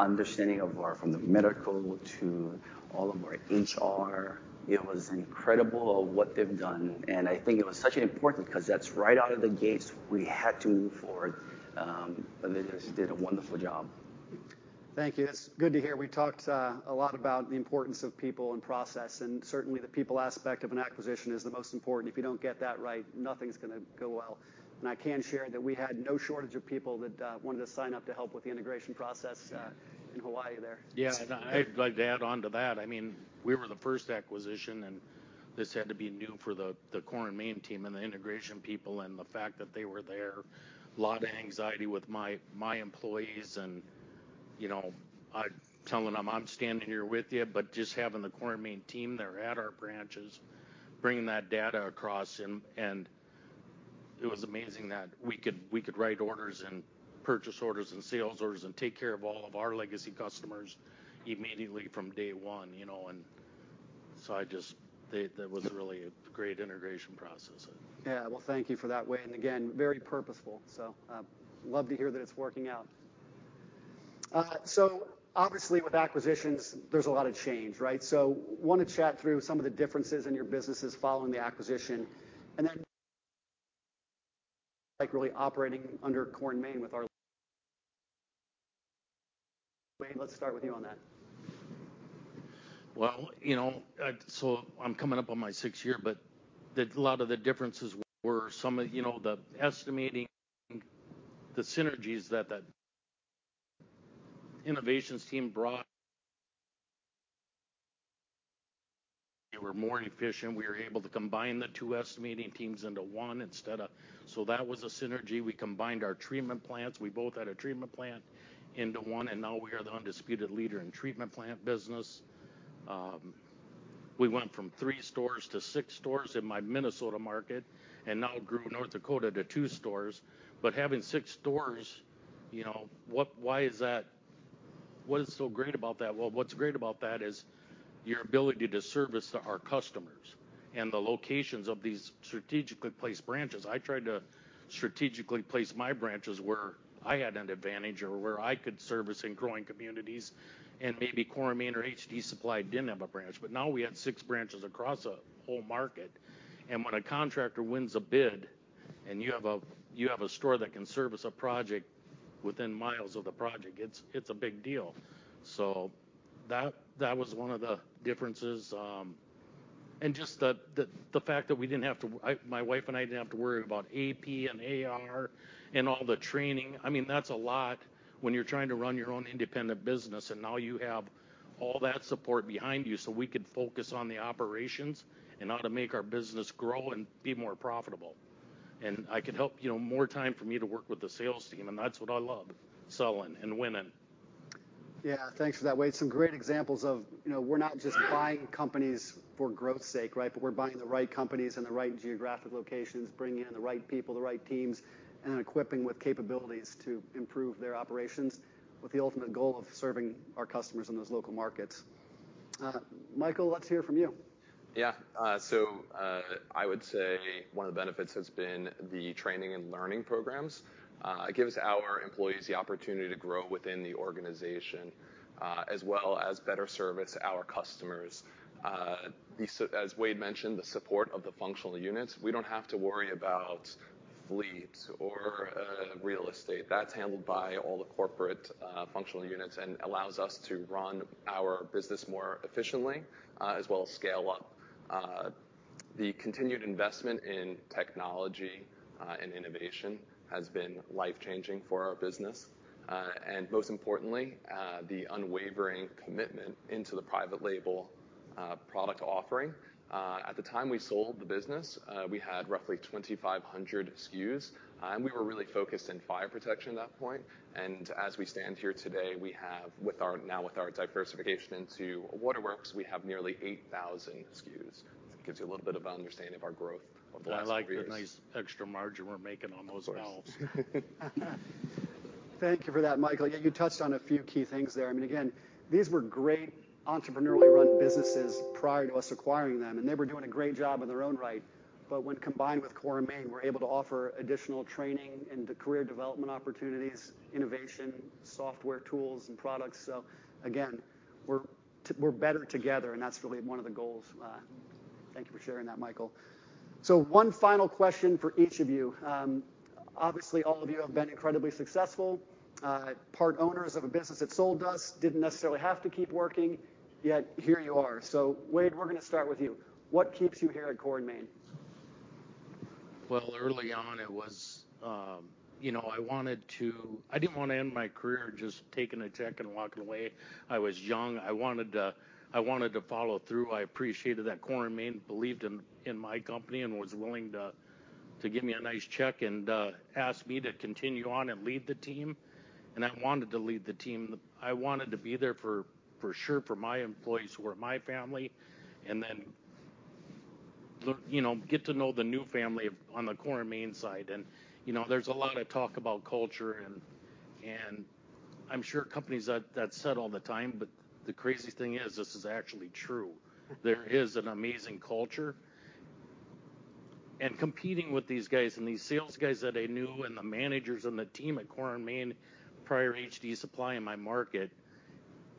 understanding of our... From the medical to all of our HR. It was incredible of what they've done, and I think it was such an important, 'cause that's right out of the gates, we had to move forward, and they just did a wonderful job.
Thank you. It's good to hear. We talked a lot about the importance of people and process, and certainly the people aspect of an acquisition is the most important. If you don't get that right, nothing's gonna go well. I can share that we had no shortage of people that wanted to sign up to help with the integration process in Hawaii there.
Yeah, and I'd like to add on to that. I mean, we were the first acquisition, and this had to be new for the Core & Main team and the integration people, and the fact that they were there, a lot of anxiety with my employees and, you know, I'd telling them, "I'm standing here with you," but just having the Core & Main team there at our branches, bringing that data across, and it was amazing that we could write orders and purchase orders and sales orders and take care of all of our legacy customers immediately from day one, you know. And so I just... They—that was really a great integration process.
Yeah. Well, thank you for that, Wade, and again, very purposeful. So, love to hear that it's working out. So obviously with acquisitions, there's a lot of change, right? Want to chat through some of the differences in your businesses following the acquisition, and then, like, really operating under Core & Main with our... Wade, let's start with you on that.
Well, you know, so I'm coming up on my sixth year, but a lot of the differences were some of, you know, the estimating, the synergies that the innovations team brought. They were more efficient. We were able to combine the two estimating teams into one instead of... So that was a synergy. We combined our treatment plants, we both had a treatment plant, into one, and now we are the undisputed leader in treatment plant business. We went from three stores to six stores in my Minnesota market and now grew North Dakota to two stores. But having six stores, you know, what-- why is that? What is so great about that? Well, what's great about that is your ability to service to our customers and the locations of these strategically placed branches. I tried to strategically place my branches where I had an advantage or where I could service in growing communities, and maybe Core & Main or HD Supply didn't have a branch. But now we had six branches across a whole market, and when a contractor wins a bid, and you have a store that can service a project within miles of the project, it's a big deal. So that was one of the differences, and just the fact that we didn't have to... I, my wife and I didn't have to worry about AP and AR and all the training. I mean, that's a lot when you're trying to run your own independent business, and now you have all that support behind you, so we could focus on the operations and how to make our business grow and be more profitable. I could help, you know, more time for me to work with the sales team, and that's what I love, selling and winning.
Yeah, thanks for that, Wade. Some great examples of, you know, we're not just buying companies for growth's sake, right? We're buying the right companies in the right geographic locations, bringing in the right people, the right teams, and then equipping with capabilities to improve their operations, with the ultimate goal of serving our customers in those local markets. Michael, let's hear from you.
Yeah. So, I would say one of the benefits has been the training and learning programs. It gives our employees the opportunity to grow within the organization, as well as better service our customers. As Wade mentioned, the support of the functional units, we don't have to worry about fleet or real estate. That's handled by all the corporate functional units and allows us to run our business more efficiently, as well as scale up. The continued investment in technology and innovation has been life-changing for our business. And most importantly, the unwavering commitment into the private label product offering. At the time we sold the business, we had roughly 2,500 SKUs, and we were really focused in fire protection at that point. As we stand here today, we have, with our, now with our diversification into waterworks, we have nearly 8,000 SKUs. It gives you a little bit of an understanding of our growth of the last years.
I like the nice extra margin we're making on those valves....
Thank you for that, Michael. Yeah, you touched on a few key things there. I mean, again, these were great entrepreneurially run businesses prior to us acquiring them, and they were doing a great job in their own right. But when combined with Core & Main, we're able to offer additional training and career development opportunities, innovation, software, tools, and products. So again, we're better together, and that's really one of the goals. Thank you for sharing that, Michael. So one final question for each of you. Obviously, all of you have been incredibly successful, part owners of a business that sold to us, didn't necessarily have to keep working, yet here you are. So Wade, we're going to start with you. What keeps you here at Core & Main?
Well, early on it was, you know, I wanted to... I didn't want to end my career just taking a check and walking away. I was young. I wanted to, I wanted to follow through. I appreciated that Core & Main believed in, in my company and was willing to, to give me a nice check and ask me to continue on and lead the team, and I wanted to lead the team. I wanted to be there for, for sure, for my employees who are my family, and then, look, you know, get to know the new family on the Core & Main side. And, you know, there's a lot of talk about culture and, and I'm sure companies that, that said all the time, but the crazy thing is, this is actually true. There is an amazing culture. Competing with these guys and these sales guys that I knew, and the managers and the team at Core & Main, prior to HD Supply in my market,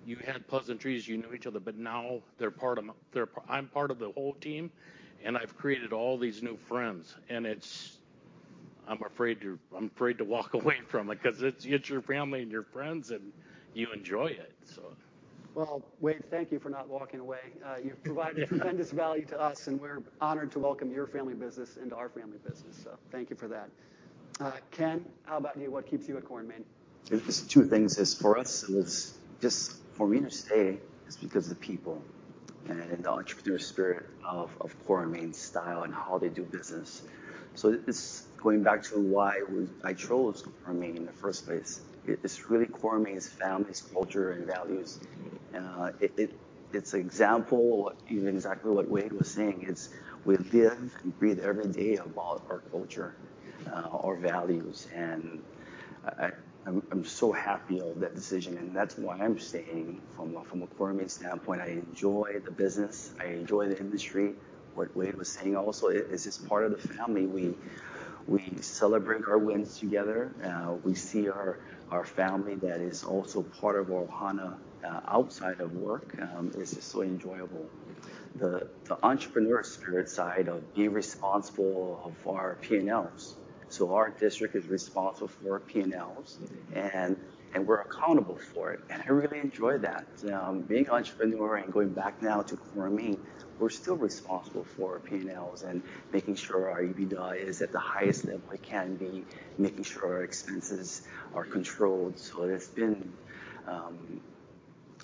you had pleasantries, you knew each other, but now they're part of my team, I'm part of the whole team, and I've created all these new friends. It's... I'm afraid to walk away from it because it's your family and your friends, and you enjoy it, so.
Well, Wade, thank you for not walking away. You've provided tremendous value to us, and we're honored to welcome your family business into our family business. So thank you for that. Ken, how about you? What keeps you at Core & Main?
It's two things. It's for us, it's just for me to stay because the people and the entrepreneur spirit of Core & Main's style and how they do business. So it's going back to why I chose Core & Main in the first place. It's really Core & Main's family's culture and values. And it, it's example, even exactly what Wade was saying, it's we live and breathe every day about our culture, our values, and I'm so happy of that decision, and that's why I'm staying from a Core & Main standpoint. I enjoy the business. I enjoy the industry. What Wade was saying also, it is just part of the family. We celebrate our wins together. We see our family that is also part of Ohana outside of work. It's just so enjoyable. The entrepreneur spirit side of being responsible for our P&Ls. So our district is responsible for P&Ls, and we're accountable for it, and I really enjoy that. Being entrepreneur and going back now to Core & Main, we're still responsible for P&Ls and making sure our EBITDA is at the highest level it can be, making sure our expenses are controlled. So it's been...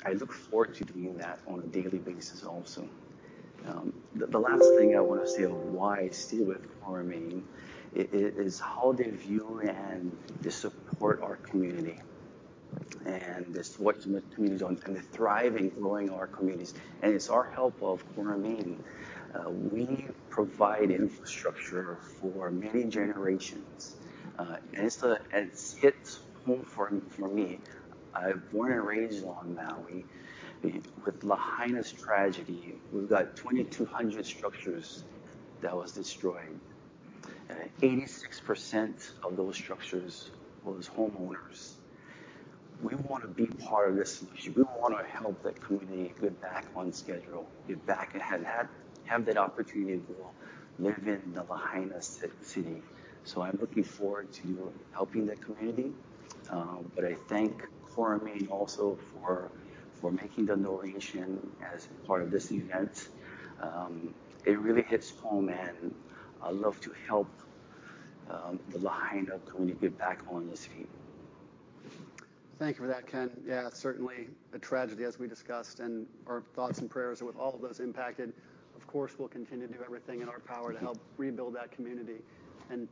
I look forward to doing that on a daily basis also. The last thing I want to say on why I stay with Core & Main is how they view and they support our community, and this what the community on, and the thriving, growing our communities, and it's our help of Core & Main. We provide infrastructure for many generations, and it's the-- and it hits home for me. I'm born and raised on Maui. With Lahaina's tragedy, we've got 2,200 structures that was destroyed, and 86% of those structures was homeowners. We want to be part of the solution. We want to help the community get back on schedule, get back and have that, have that opportunity to live in the Lahaina city. So I'm looking forward to helping the community. But I thank Core & Main also for making the donation as part of this event. It really hits home, and I love to help the Lahaina community get back on its feet.
Thank you for that, Ken. Yeah, certainly a tragedy, as we discussed, and our thoughts and prayers are with all those impacted. Of course, we'll continue to do everything in our power.
Thank you.
- to help rebuild that community.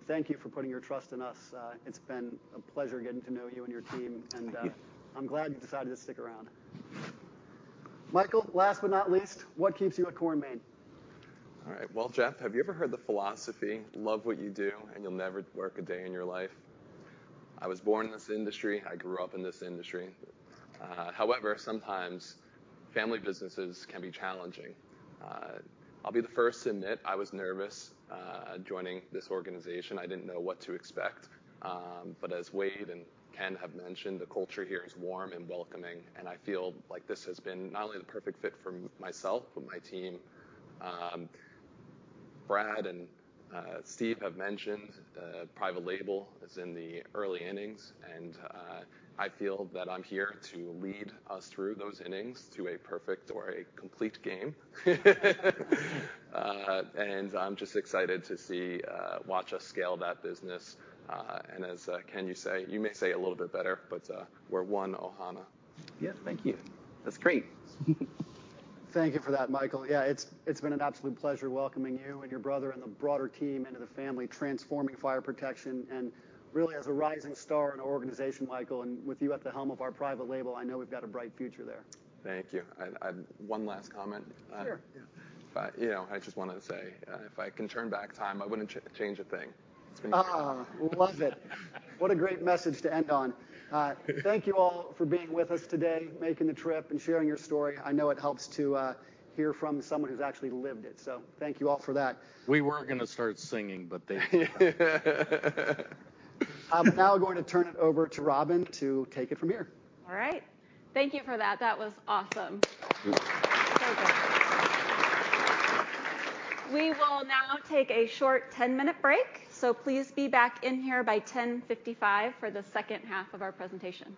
Thank you for putting your trust in us. It's been a pleasure getting to know you and your team, and
Thank you...
I'm glad you decided to stick around. Michael, last but not least, what keeps you at Core & Main?
All right. Well, Jeff, have you ever heard the philosophy, "Love what you do, and you'll never work a day in your life"? I was born in this industry. I grew up in this industry. However, sometimes family businesses can be challenging. I'll be the first to admit, I was nervous joining this organization. I didn't know what to expect. But as Wade and Ken have mentioned, the culture here is warm and welcoming, and I feel like this has been not only the perfect fit for myself, but my team. Brad and Steve have mentioned, private label is in the early innings, and I feel that I'm here to lead us through those innings to a perfect or a complete game. And I'm just excited to see, watch us scale that business. And as Ken, you say, you may say it a little bit better, but we're one Ohana.
Yeah. Thank you. That's great.
Thank you for that, Michael. Yeah, it's been an absolute pleasure welcoming you and your brother and the broader team into the family, transforming fire protection and really as a rising star in our organization, Michael, and with you at the helm of our private label, I know we've got a bright future there.
Thank you. One last comment.
Sure, yeah.
You know, I just wanted to say, if I can turn back time, I wouldn't change a thing. It's been-
Ah, love it!... What a great message to end on! Thank you all for being with us today, making the trip, and sharing your story. I know it helps to hear from someone who's actually lived it. So thank you all for that.
We were going to start singing, but they-
I'm now going to turn it over to Robyn to take it from here.
All right. Thank you for that. That was awesome. We will now take a short 10-minute break, so please be back in here by 10:55 for the second half of our presentation.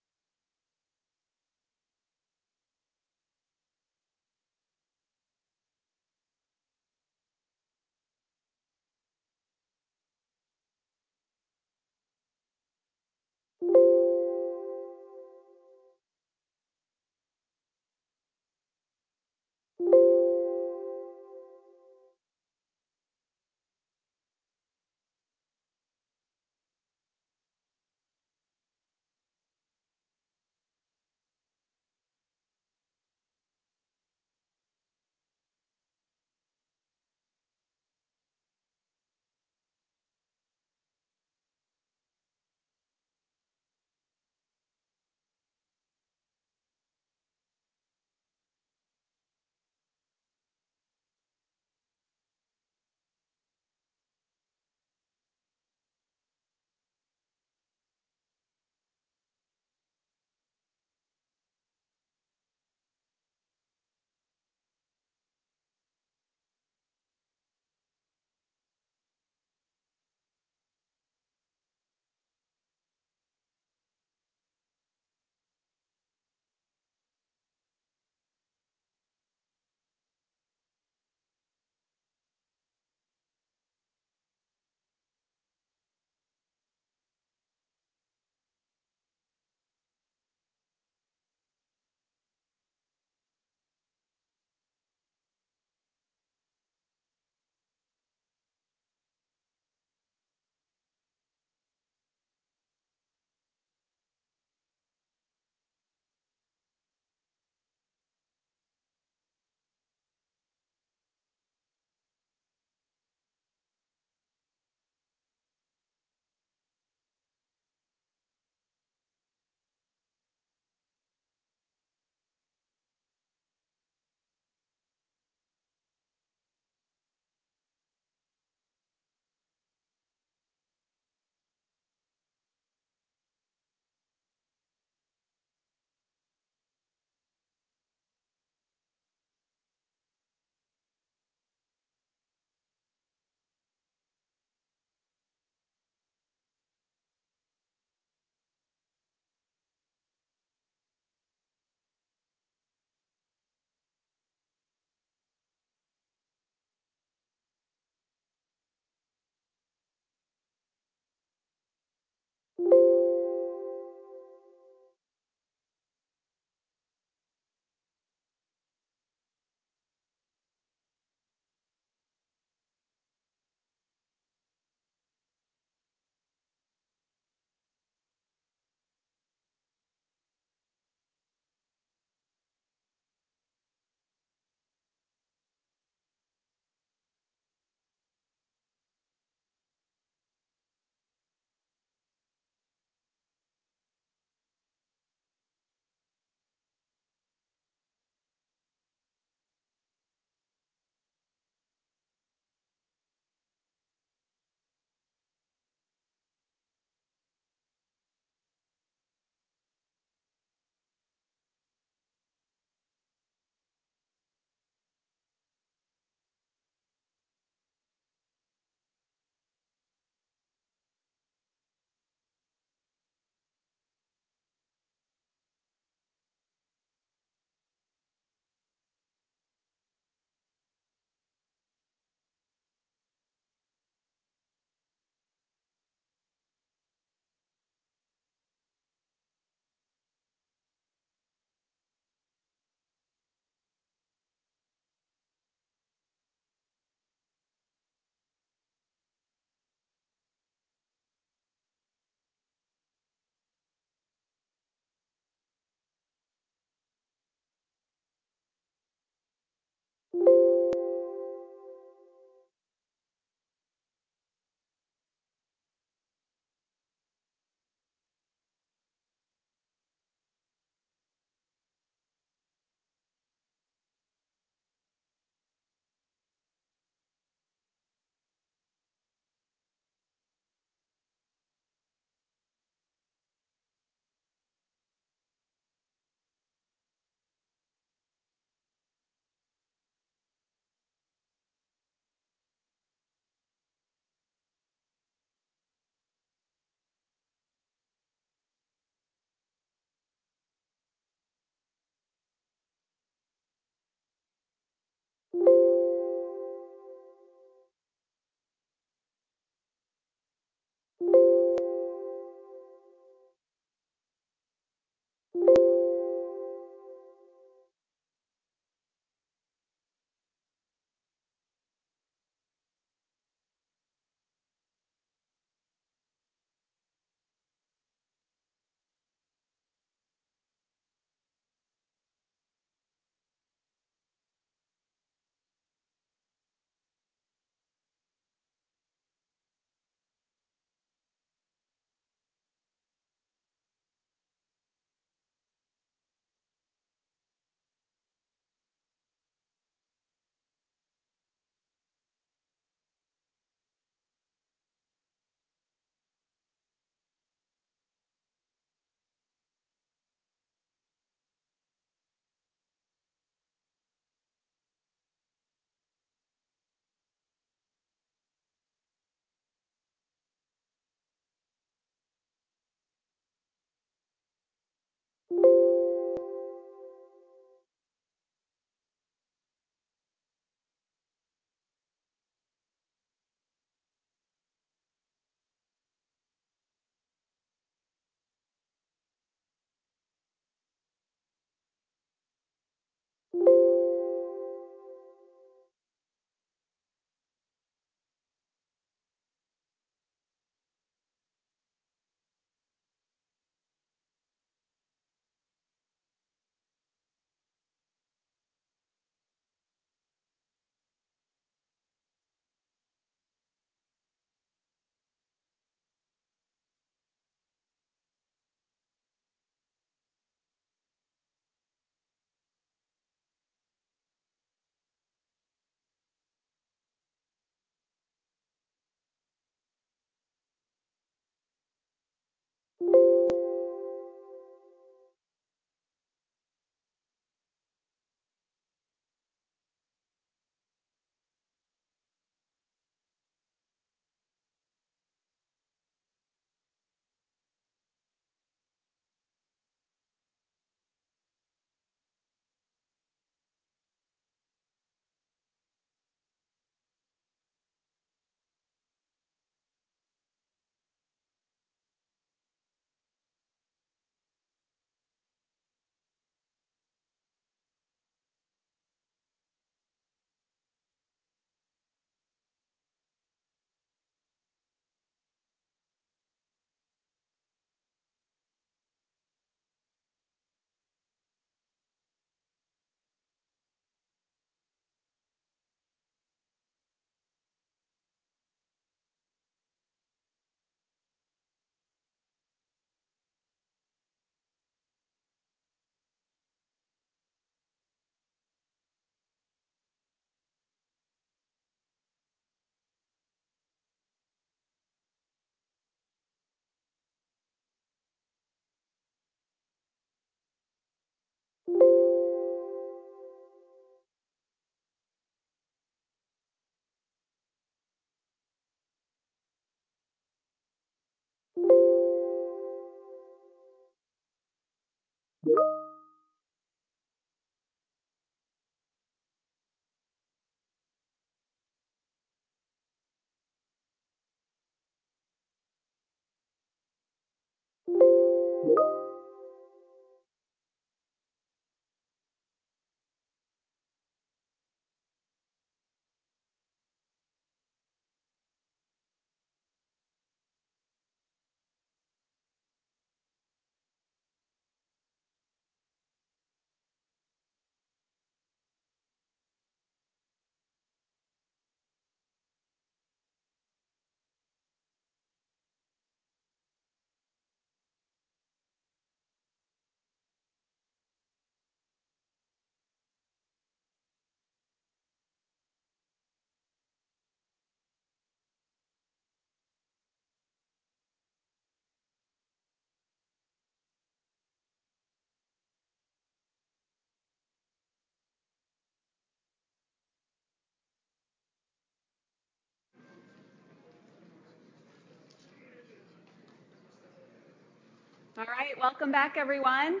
All right. Welcome back, everyone.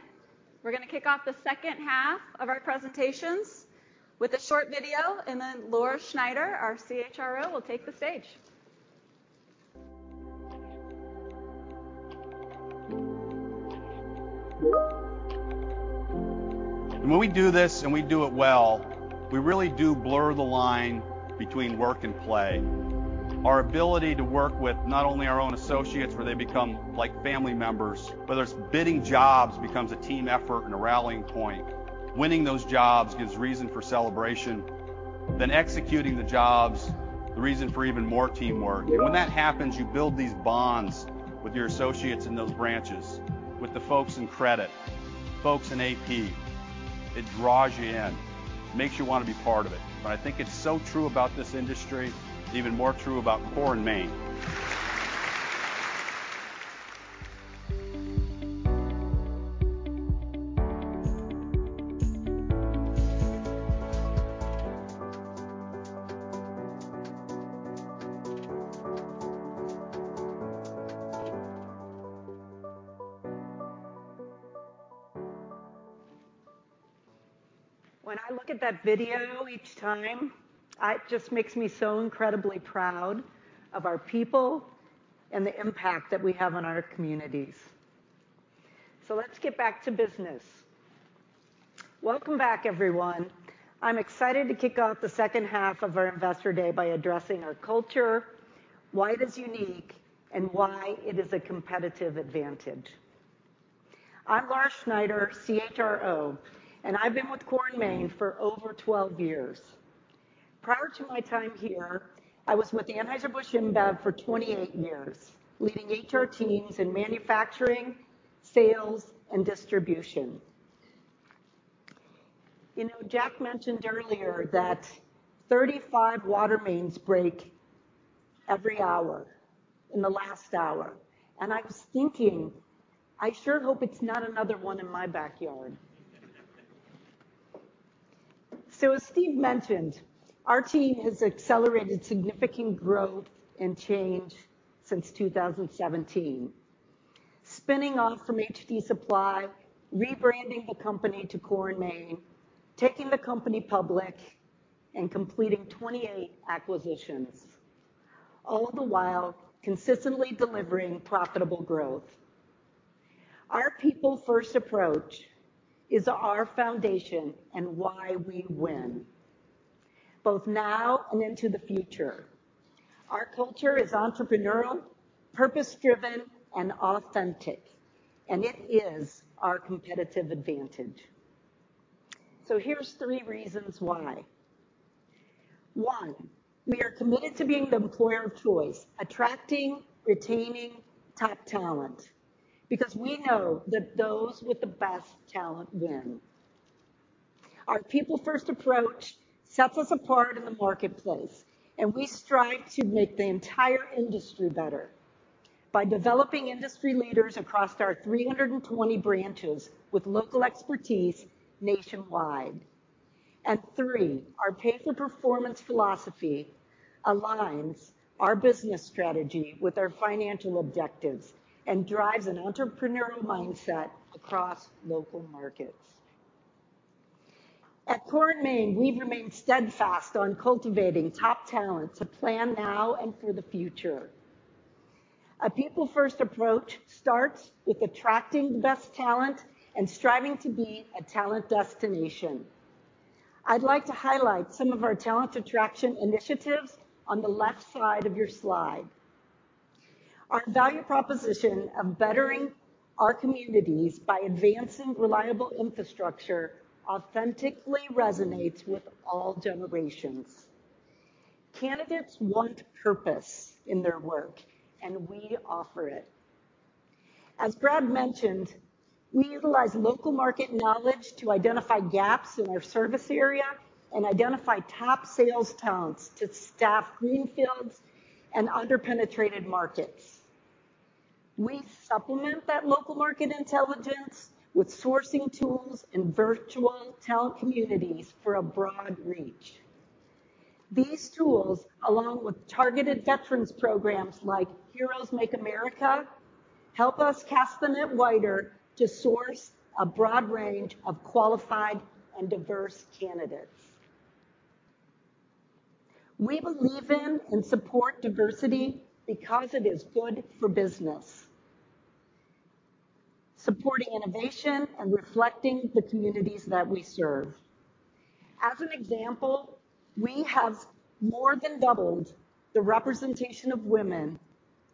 We're gonna kick off the second half of our presentations with a short video, and then Laura Schneider, our CHRO, will take the stage.
When we do this, and we do it well, we really do blur the line between work and play. Our ability to work with not only our own associates, where they become like family members, whether it's bidding jobs, becomes a team effort and a rallying point. Winning those jobs gives reason for celebration, then executing the jobs, the reason for even more teamwork. When that happens, you build these bonds with your associates in those branches, with the folks in credit, folks in AP. It draws you in, makes you want to be part of it. I think it's so true about this industry, even more true about Core & Main.
When I look at that video each time, it just makes me so incredibly proud of our people and the impact that we have on our communities. Let's get back to business. Welcome back, everyone. I'm excited to kick off the second half of our Investor Day by addressing our culture, why it is unique, and why it is a competitive advantage. I'm Laura Schneider, CHRO, and I've been with Core & Main for over 12 years. Prior to my time here, I was with Anheuser-Busch InBev for 28 years, leading HR teams in manufacturing, sales, and distribution. You know, Jeff mentioned earlier that 35 water mains break every hour in the last hour, and I was thinking, "I sure hope it's not another one in my backyard." As Steve mentioned, our team has accelerated significant growth and change since 2017. Spinning off from HD Supply, rebranding the company to Core & Main, taking the company public and completing 28 acquisitions, all the while consistently delivering profitable growth. Our people-first approach is our foundation and why we win, both now and into the future. Our culture is entrepreneurial, purpose-driven, and authentic, and it is our competitive advantage. So here's three reasons why. One, we are committed to being the employer of choice, attracting, retaining top talent, because we know that those with the best talent win. Our people-first approach sets us apart in the marketplace, and we strive to make the entire industry better by developing industry leaders across our 320 branches with local expertise nationwide. And three, our pay-for-performance philosophy aligns our business strategy with our financial objectives and drives an entrepreneurial mindset across local markets. At Core & Main, we've remained steadfast on cultivating top talent to plan now and for the future. A people-first approach starts with attracting the best talent and striving to be a talent destination. I'd like to highlight some of our talent attraction initiatives on the left side of your slide. Our value proposition of bettering our communities by advancing reliable infrastructure authentically resonates with all generations. Candidates want purpose in their work, and we offer it. As Brad mentioned, we utilize local market knowledge to identify gaps in our service area and identify top sales talents to staff Greenfields and under-penetrated markets. We supplement that local market intelligence with sourcing tools and virtual talent communities for a broad reach. These tools, along with targeted veterans programs like Heroes Make America, help us cast the net wider to source a broad range of qualified and diverse candidates. We believe in and support diversity because it is good for business, supporting innovation and reflecting the communities that we serve. As an example, we have more than doubled the representation of women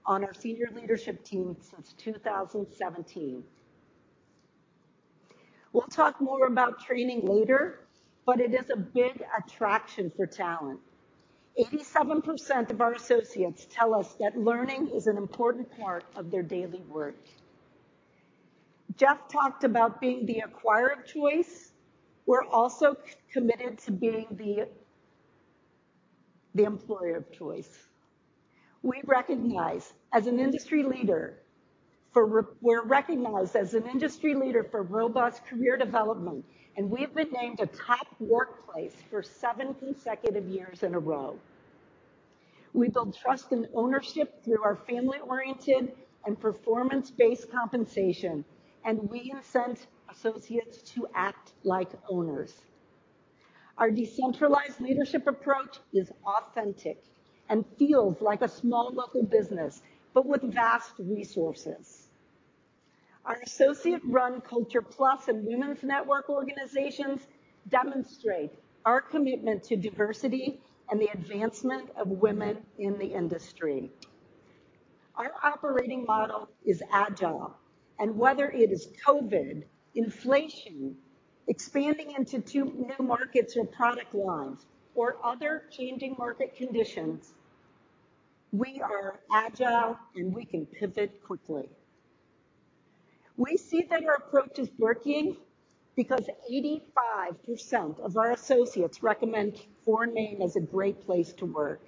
on our senior leadership team since 2017. We'll talk more about training later, but it is a big attraction for talent. 87% of our associates tell us that learning is an important part of their daily work. Jeff talked about being the acquirer of choice. We're also committed to being the employer of choice. We're recognized as an industry leader for robust career development, and we've been named a top workplace for seven consecutive years in a row. We build trust and ownership through our family-oriented and performance-based compensation, and we incent associates to act like owners. Our decentralized leadership approach is authentic and feels like a small local business, but with vast resources. Our associate-run Culture+ and Women's Network organizations demonstrate our commitment to diversity and the advancement of women in the industry. Our operating model is agile, and whether it is COVID, inflation, expanding into 2 new markets or product lines, or other changing market conditions, we are agile, and we can pivot quickly. We see that our approach is working because 85% of our associates recommend Core & Main as a great place to work,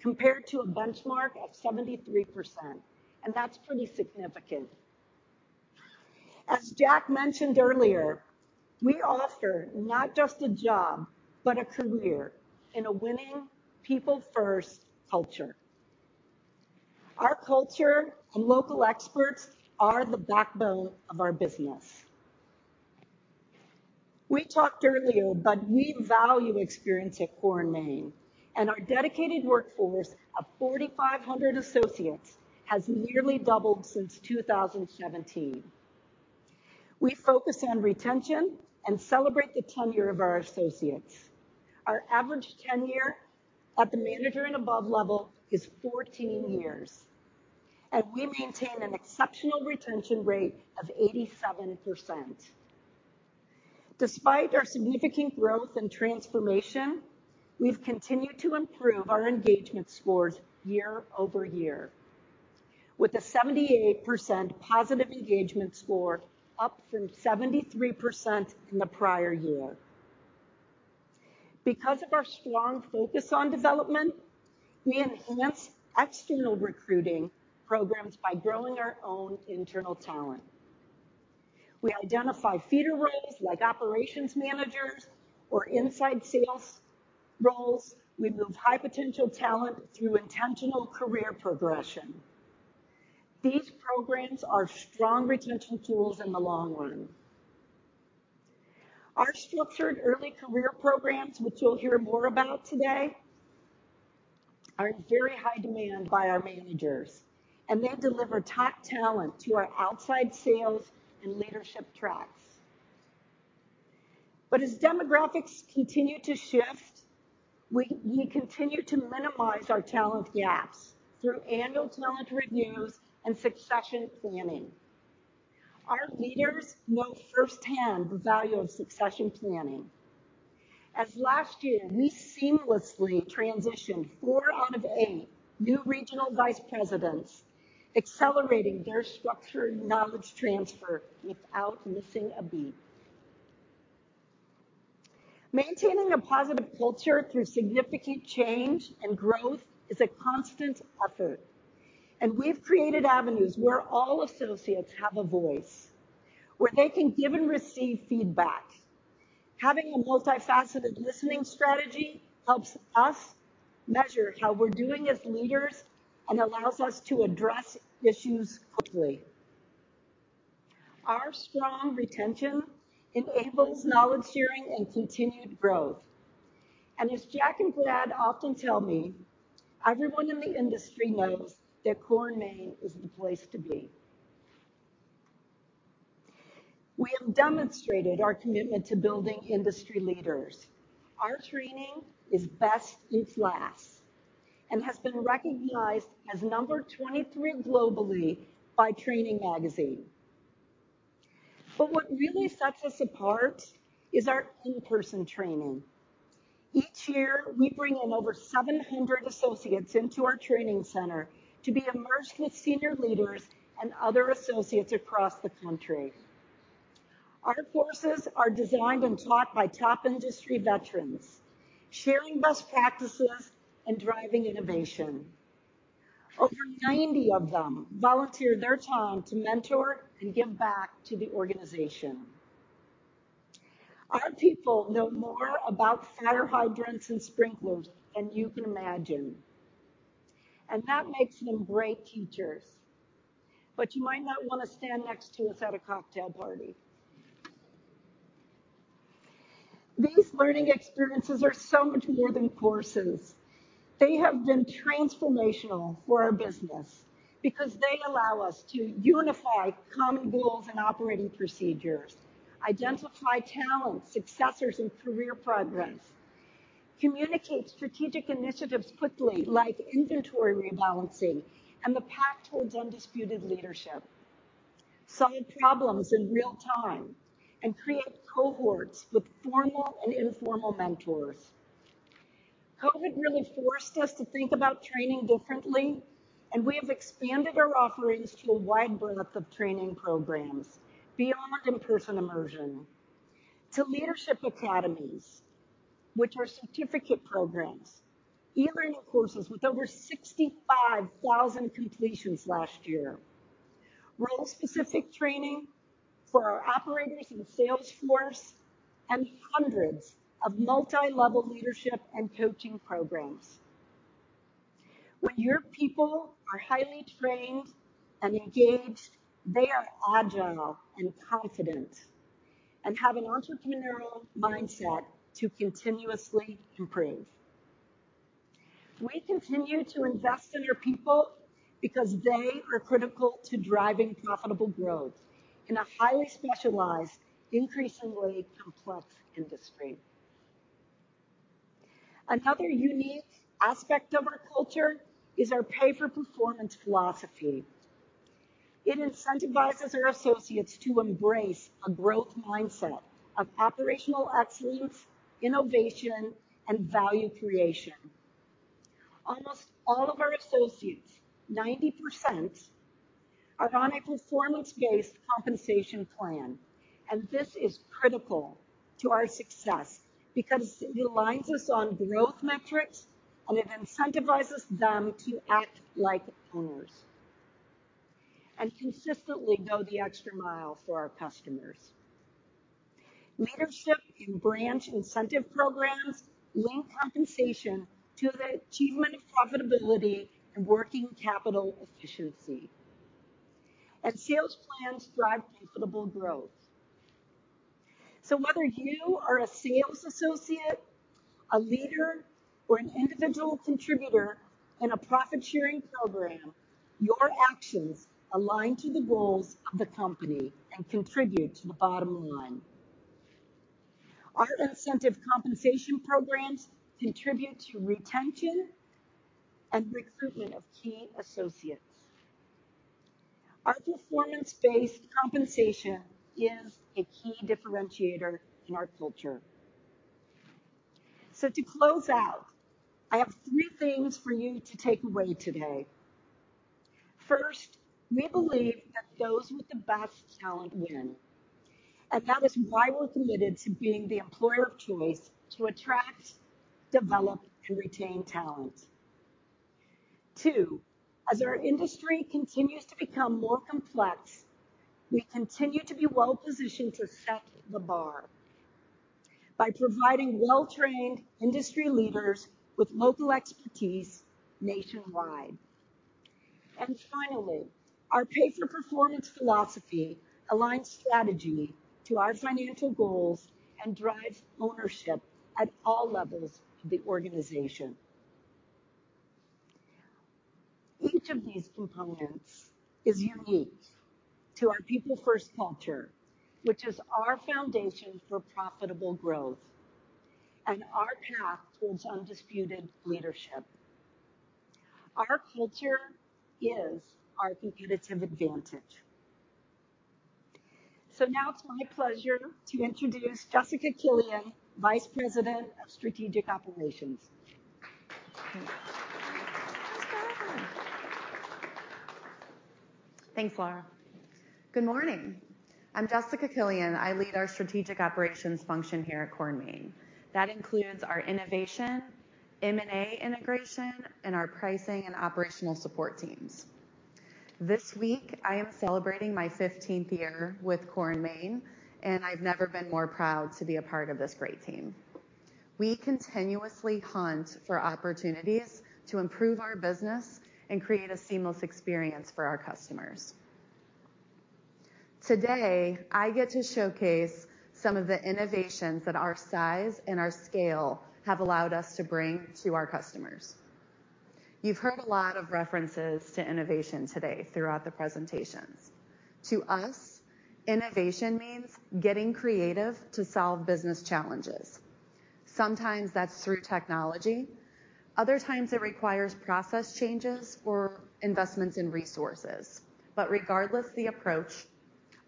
compared to a benchmark of 73%, and that's pretty significant. As Jack mentioned earlier, we offer not just a job, but a career in a winning people-first culture. Our culture and local experts are the backbone of our business. We talked earlier, but we value experience at Core & Main, and our dedicated workforce of 4,500 associates has nearly doubled since 2017. We focus on retention and celebrate the tenure of our associates. Our average tenure at the manager and above level is 14 years, and we maintain an exceptional retention rate of 87%. Despite our significant growth and transformation, we've continued to improve our engagement scores year-over-year, with a 78% positive engagement score, up from 73% in the prior year. Because of our strong focus on development, we enhance external recruiting programs by growing our own internal talent. We identify feeder roles like operations managers or inside sales roles. We move high-potential talent through intentional career progression. These programs are strong retention tools in the long run. Our structured early career programs, which you'll hear more about today, are in very high demand by our managers, and they deliver top talent to our outside sales and leadership tracks. But as demographics continue to shift, we continue to minimize our talent gaps through annual talent reviews and succession planning. Our leaders know firsthand the value of succession planning. As last year, we seamlessly transitioned four out of eight new regional vice presidents, accelerating their structured knowledge transfer without missing a beat. Maintaining a positive culture through significant change and growth is a constant effort, and we've created avenues where all associates have a voice, where they can give and receive feedback. Having a multifaceted listening strategy helps us measure how we're doing as leaders and allows us to address issues quickly. Our strong retention enables knowledge sharing and continued growth, and as Jack and Brad often tell me, everyone in the industry knows that Core & Main is the place to be. We have demonstrated our commitment to building industry leaders. Our training is best in class and has been recognized as number 23 globally by Training Magazine. But what really sets us apart is our in-person training. Each year, we bring in over 700 associates into our training center to be immersed with senior leaders and other associates across the country. Our courses are designed and taught by top industry veterans, sharing best practices and driving innovation. Over 90 of them volunteer their time to mentor and give back to the organization. Our people know more about fire hydrants and sprinklers than you can imagine, and that makes them great teachers, but you might not want to stand next to us at a cocktail party. These learning experiences are so much more than courses. They have been transformational for our business because they allow us to unify common goals and operating procedures, identify talent, successors, and career progress, communicate strategic initiatives quickly, like inventory rebalancing and the path towards undisputed leadership, solve problems in real time, and create cohorts with formal and informal mentors. COVID really forced us to think about training differently, and we have expanded our offerings to a wide breadth of training programs beyond in-person immersion to leadership academies, which are certificate programs, e-learning courses with over 65,000 completions last year, role-specific training for our operators and sales force, and hundreds of multi-level leadership and coaching programs. When your people are highly trained and engaged, they are agile and confident, and have an entrepreneurial mindset to continuously improve. We continue to invest in our people because they are critical to driving profitable growth in a highly specialized, increasingly complex industry. Another unique aspect of our culture is our pay-for-performance philosophy. It incentivizes our associates to embrace a growth mindset of operational excellence, innovation, and value creation. Almost all of our associates, 90%, are on a performance-based compensation plan, and this is critical to our success because it aligns us on growth metrics, and it incentivizes them to act like owners and consistently go the extra mile for our customers. Leadership and branch incentive programs link compensation to the achievement of profitability and working capital efficiency. Sales plans drive profitable growth. So whether you are a sales associate, a leader, or an individual contributor in a profit-sharing program, your actions align to the goals of the company and contribute to the bottom line. Our incentive compensation programs contribute to retention and recruitment of key associates. Our performance-based compensation is a key differentiator in our culture. So to close out, I have three things for you to take away today. First, we believe that those with the best talent win, and that is why we're committed to being the employer of choice to attract, develop, and retain talent. Two, as our industry continues to become more complex, we continue to be well-positioned to set the bar by providing well-trained industry leaders with local expertise nationwide. And finally, our pay-for-performance philosophy aligns strategy to our financial goals and drives ownership at all levels of the organization. Each of these components is unique to our people-first culture, which is our foundation for profitable growth and our path towards undisputed leadership. Our culture is our competitive advantage. Now it's my pleasure to introduce Jessica Killion, Vice President of Strategic Operations.
Thanks, Laura. Good morning. I'm Jessica Killion. I lead our strategic operations function here at Core & Main. That includes our innovation, M&A integration, and our pricing and operational support teams. This week, I am celebrating my fifteenth year with Core & Main, and I've never been more proud to be a part of this great team. We continuously hunt for opportunities to improve our business and create a seamless experience for our customers. Today, I get to showcase some of the innovations that our size and our scale have allowed us to bring to our customers. You've heard a lot of references to innovation today throughout the presentations. To us, innovation means getting creative to solve business challenges. Sometimes that's through technology, other times it requires process changes or investments in resources. But regardless the approach,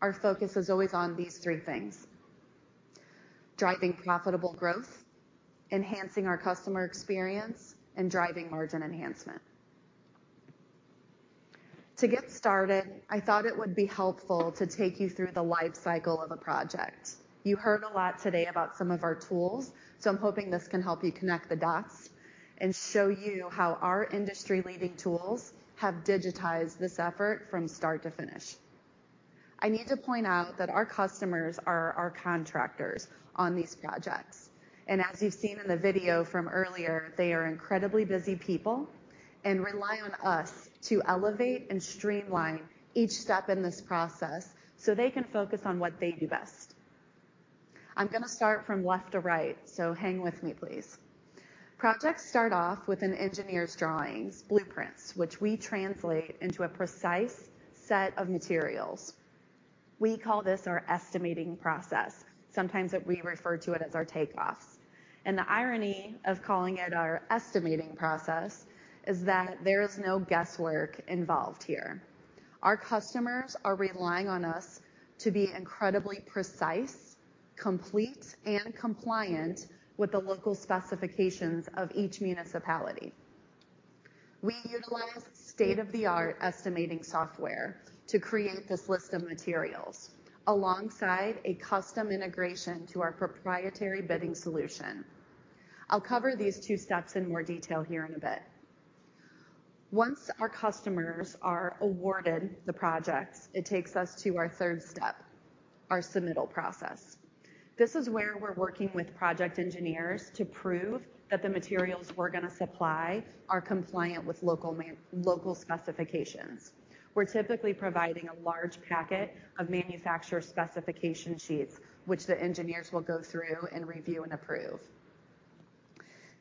our focus is always on these three things: driving profitable growth, enhancing our customer experience, and driving margin enhancement. To get started, I thought it would be helpful to take you through the life cycle of a project. You heard a lot today about some of our tools, so I'm hoping this can help you connect the dots and show you how our industry-leading tools have digitized this effort from start to finish. I need to point out that our customers are our contractors on these projects, and as you've seen in the video from earlier, they are incredibly busy people and rely on us to elevate and streamline each step in this process so they can focus on what they do best. I'm gonna start from left to right, so hang with me, please. Projects start off with an engineer's drawings, blueprints, which we translate into a precise set of materials. We call this our estimating process. Sometimes we refer to it as our takeoffs, and the irony of calling it our estimating process is that there is no guesswork involved here. Our customers are relying on us to be incredibly precise, complete, and compliant with the local specifications of each municipality. We utilize state-of-the-art estimating software to create this list of materials, alongside a custom integration to our proprietary bidding solution. I'll cover these two steps in more detail here in a bit. Once our customers are awarded the projects, it takes us to our third step, our submittal process. This is where we're working with project engineers to prove that the materials we're going to supply are compliant with local specifications. We're typically providing a large packet of manufacturer specification sheets, which the engineers will go through and review and approve.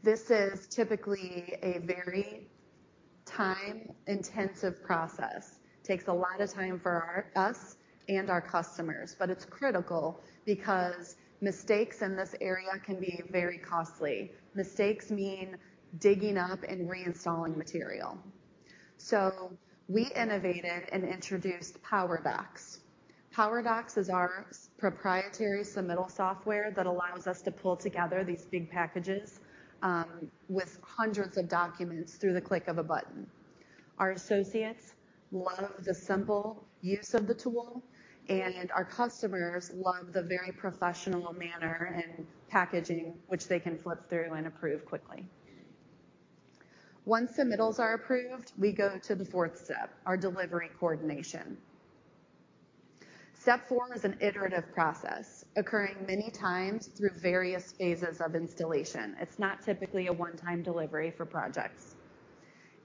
This is typically a very time-intensive process. Takes a lot of time for us and our customers, but it's critical because mistakes in this area can be very costly. Mistakes mean digging up and reinstalling material. So we innovated and introduced PowerDocs. PowerDocs is our proprietary submittal software that allows us to pull together these big packages, with hundreds of documents through the click of a button. Our associates love the simple use of the tool, and our customers love the very professional manner and packaging, which they can flip through and approve quickly. Once submittals are approved, we go to the fourth step, our delivery coordination. Step four is an iterative process, occurring many times through various phases of installation. It's not typically a one-time delivery for projects.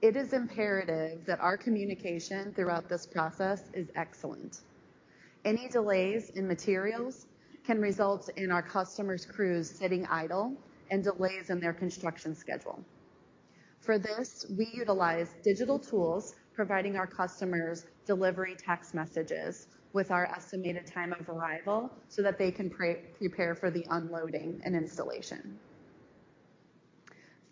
It is imperative that our communication throughout this process is excellent. Any delays in materials can result in our customers' crews sitting idle and delays in their construction schedule. For this, we utilize digital tools, providing our customers delivery text messages with our estimated time of arrival so that they can pre-prepare for the unloading and installation.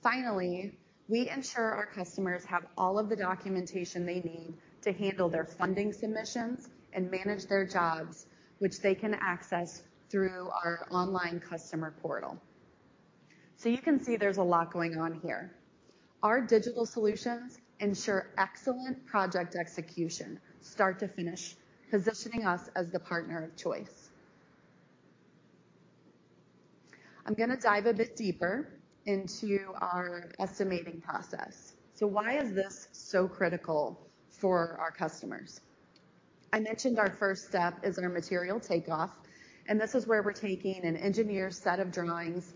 Finally, we ensure our customers have all of the documentation they need to handle their funding submissions and manage their jobs, which they can access through our online customer portal. So you can see there's a lot going on here. Our digital solutions ensure excellent project execution, start to finish, positioning us as the partner of choice. I'm going to dive a bit deeper into our estimating process. So why is this so critical for our customers? I mentioned our first step is our material takeoff, and this is where we're taking an engineer's set of drawings,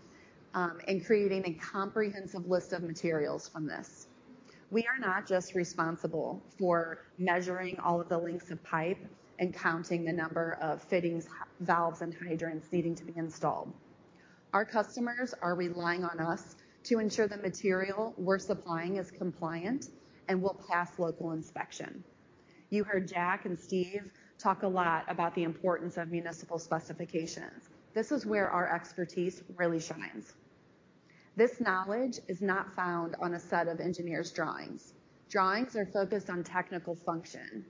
and creating a comprehensive list of materials from this. We are not just responsible for measuring all of the lengths of pipe and counting the number of fittings, valves, and hydrants needing to be installed. Our customers are relying on us to ensure the material we're supplying is compliant and will pass local inspection. You heard Jack and Steve talk a lot about the importance of municipal specifications. This is where our expertise really shines. This knowledge is not found on a set of engineer's drawings. Drawings are focused on technical function.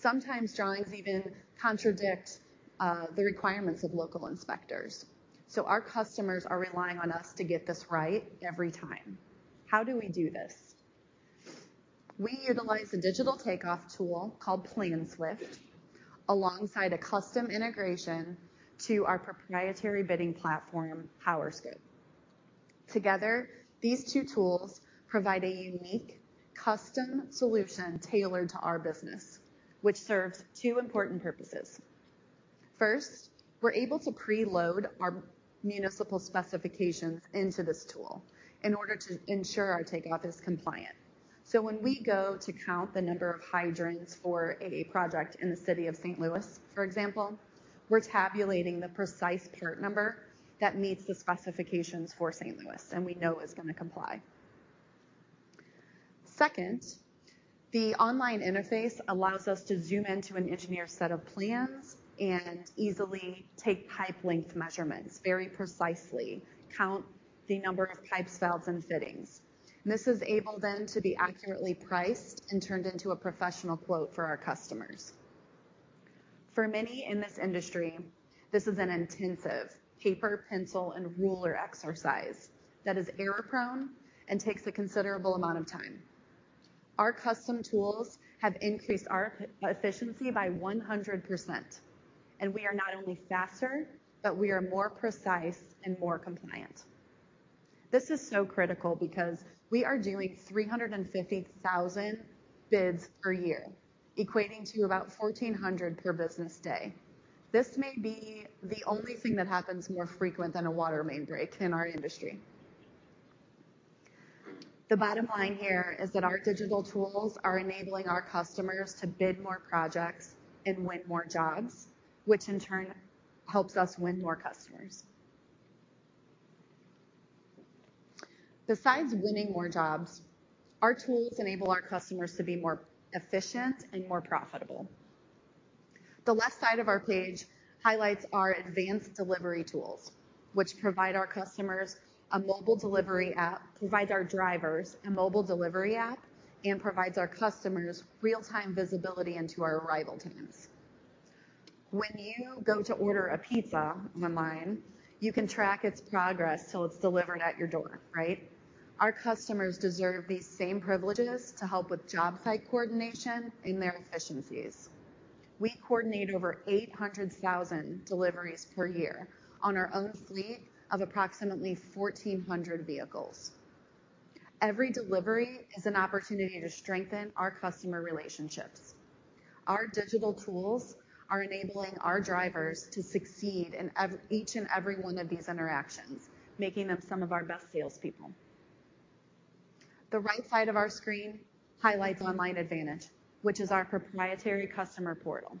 Sometimes drawings even contradict the requirements of local inspectors. So our customers are relying on us to get this right every time. How do we do this? We utilize a digital takeoff tool called PlanSwift, alongside a custom integration to our proprietary bidding platform, PowerScope. Together, these two tools provide a unique custom solution tailored to our business, which serves two important purposes. First, we're able to pre-load our municipal specifications into this tool in order to ensure our takeoff is compliant. So when we go to count the number of hydrants for a project in the city of St. Louis, for example, we're tabulating the precise part number that meets the specifications for St. Louis, and we know it's going to comply. Second, the online interface allows us to zoom into an engineer's set of plans and easily take pipe length measurements very precisely, count the number of pipe valves and fittings. This is able then to be accurately priced and turned into a professional quote for our customers. For many in this industry, this is an intensive paper, pencil, and ruler exercise that is error-prone and takes a considerable amount of time. Our custom tools have increased our efficiency by 100%, and we are not only faster, but we are more precise and more compliant. This is so critical because we are doing 350,000 bids per year, equating to about 1,400 per business day. This may be the only thing that happens more frequent than a water main break in our industry. The bottom line here is that our digital tools are enabling our customers to bid more projects and win more jobs, which in turn helps us win more customers. Besides winning more jobs, our tools enable our customers to be more efficient and more profitable. The left side of our page highlights our advanced delivery tools, which provide our customers a mobile delivery app, provides our drivers a mobile delivery app, and provides our customers real-time visibility into our arrival times. When you go to order a pizza online, you can track its progress till it's delivered at your door, right? Our customers deserve these same privileges to help with job site coordination and their efficiencies. We coordinate over 800,000 deliveries per year on our own fleet of approximately 1,400 vehicles.... Every delivery is an opportunity to strengthen our customer relationships. Our digital tools are enabling our drivers to succeed in each and every one of these interactions, making them some of our best salespeople. The right side of our screen highlights Online Advantage, which is our proprietary customer portal.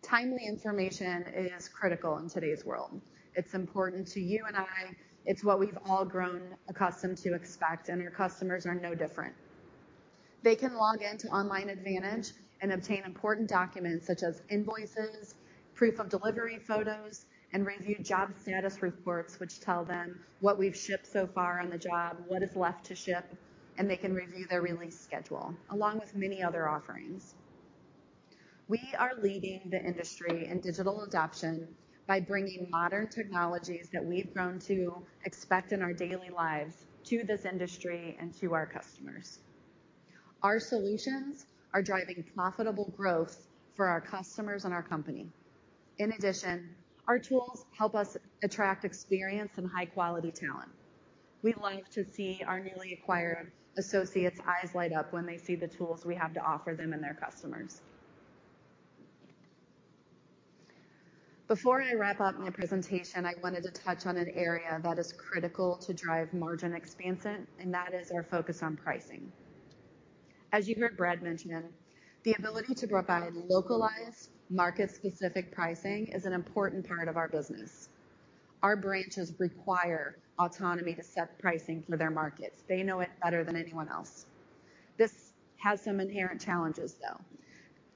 Timely information is critical in today's world. It's important to you and I. It's what we've all grown accustomed to expect, and your customers are no different. They can log in to Online Advantage and obtain important documents such as invoices, proof of delivery photos, and review job status reports, which tell them what we've shipped so far on the job, what is left to ship, and they can review their release schedule, along with many other offerings. We are leading the industry in digital adoption by bringing modern technologies that we've grown to expect in our daily lives to this industry and to our customers. Our solutions are driving profitable growth for our customers and our company. In addition, our tools help us attract, experience, and high-quality talent. We love to see our newly acquired associates' eyes light up when they see the tools we have to offer them and their customers. Before I wrap up my presentation, I wanted to touch on an area that is critical to drive margin expansion, and that is our focus on pricing. As you heard Brad mention, the ability to provide localized, market-specific pricing is an important part of our business. Our branches require autonomy to set pricing for their markets. They know it better than anyone else. This has some inherent challenges, though.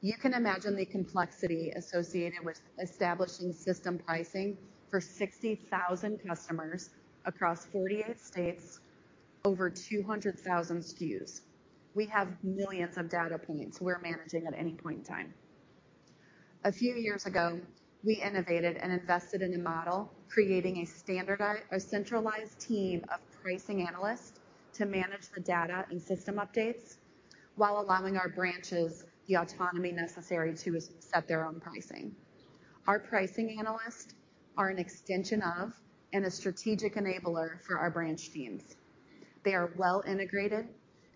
You can imagine the complexity associated with establishing system pricing for 60,000 customers across 48 states, over 200,000 SKUs. We have millions of data points we're managing at any point in time. A few years ago, we innovated and invested in a model, creating a standardized or centralized team of pricing analysts to manage the data and system updates while allowing our branches the autonomy necessary to set their own pricing. Our pricing analysts are an extension of and a strategic enabler for our branch teams. They are well integrated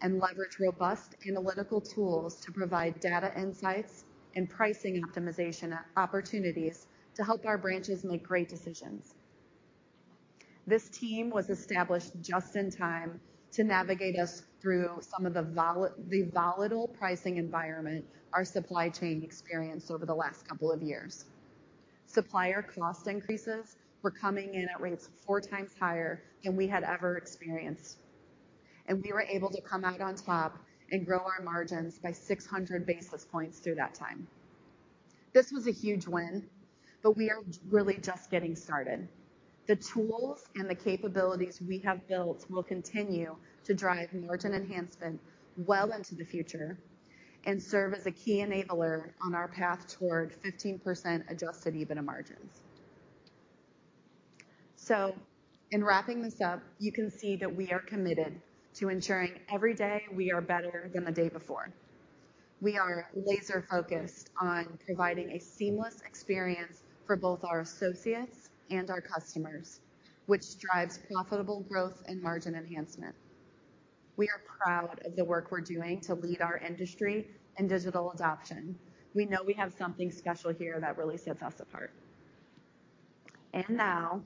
and leverage robust analytical tools to provide data, insights, and pricing optimization opportunities to help our branches make great decisions. This team was established just in time to navigate us through some of the volatile pricing environment our supply chain experienced over the last couple of years. Supplier cost increases were coming in at rates 4x higher than we had ever experienced, and we were able to come out on top and grow our margins by 600 basis points through that time. This was a huge win, but we are really just getting started. The tools and the capabilities we have built will continue to drive margin enhancement well into the future and serve as a key enabler on our path toward 15% Adjusted EBITDA margins. So in wrapping this up, you can see that we are committed to ensuring every day we are better than the day before. We are laser-focused on providing a seamless experience for both our associates and our customers, which drives profitable growth and margin enhancement. We are proud of the work we're doing to lead our industry in digital adoption. We know we have something special here that really sets us apart. And now,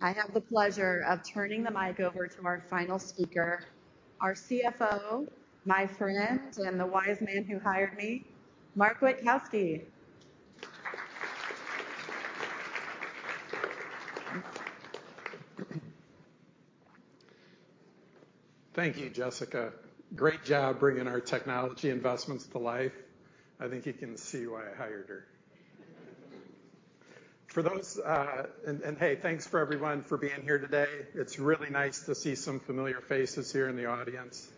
I have the pleasure of turning the mic over to our final speaker, our CFO, my friend, and the wise man who hired me, Mark Witkowski.
Thank you, Jessica. Great job bringing our technology investments to life. I think you can see why I hired her. For those... And hey, thanks for everyone for being here today. It's really nice to see some familiar faces here in the audience.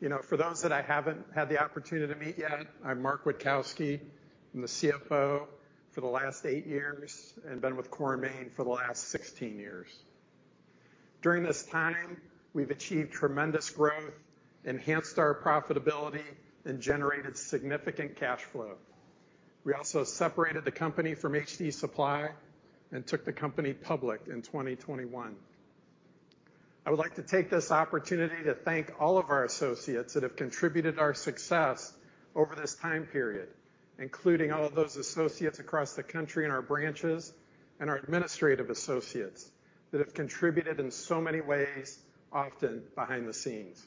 You know, for those that I haven't had the opportunity to meet yet, I'm Mark Witkowski. I'm the CFO for the last eight years and been with Core & Main for the last 16 years. During this time, we've achieved tremendous growth, enhanced our profitability, and generated significant cash flow. We also separated the company from HD Supply and took the company public in 2021. I would like to take this opportunity to thank all of our associates that have contributed to our success over this time period, including all of those associates across the country in our branches and our administrative associates that have contributed in so many ways, often behind the scenes.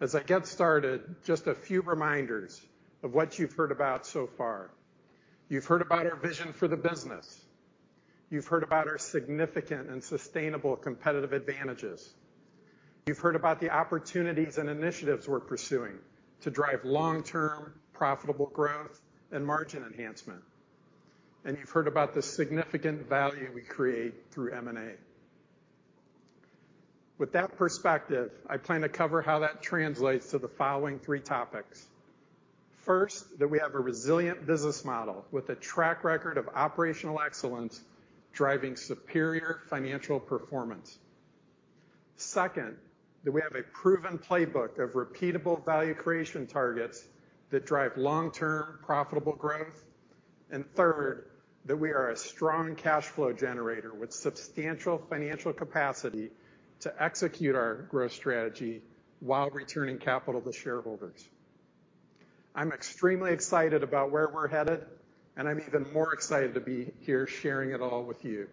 As I get started, just a few reminders of what you've heard about so far. You've heard about our vision for the business. You've heard about our significant and sustainable competitive advantages. You've heard about the opportunities and initiatives we're pursuing to drive long-term, profitable growth and margin enhancement. And you've heard about the significant value we create through M&A. With that perspective, I plan to cover how that translates to the following three topics. First, that we have a resilient business model with a track record of operational excellence, driving superior financial performance. Second, that we have a proven playbook of repeatable value creation targets that drive long-term, profitable growth. And third, that we are a strong cash flow generator with substantial financial capacity to execute our growth strategy while returning capital to shareholders. I'm extremely excited about where we're headed, and I'm even more excited to be here sharing it all with you.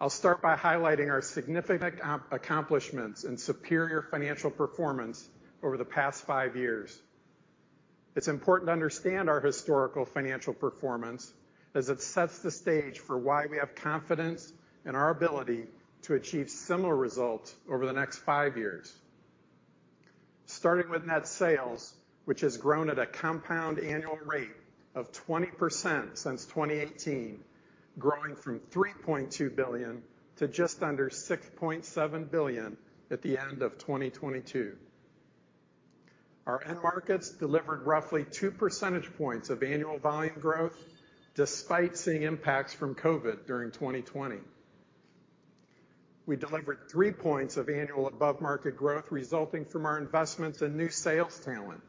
I'll start by highlighting our significant accomplishments and superior financial performance over the past five years. It's important to understand our historical financial performance as it sets the stage for why we have confidence in our ability to achieve similar results over the next five years. Starting with net sales, which has grown at a compound annual rate of 20% since 2018, growing from $3.2 billion to just under $6.7 billion at the end of 2022. Our end markets delivered roughly two percentage points of annual volume growth, despite seeing impacts from COVID during 2020. We delivered three points of annual above-market growth, resulting from our investments in new sales talent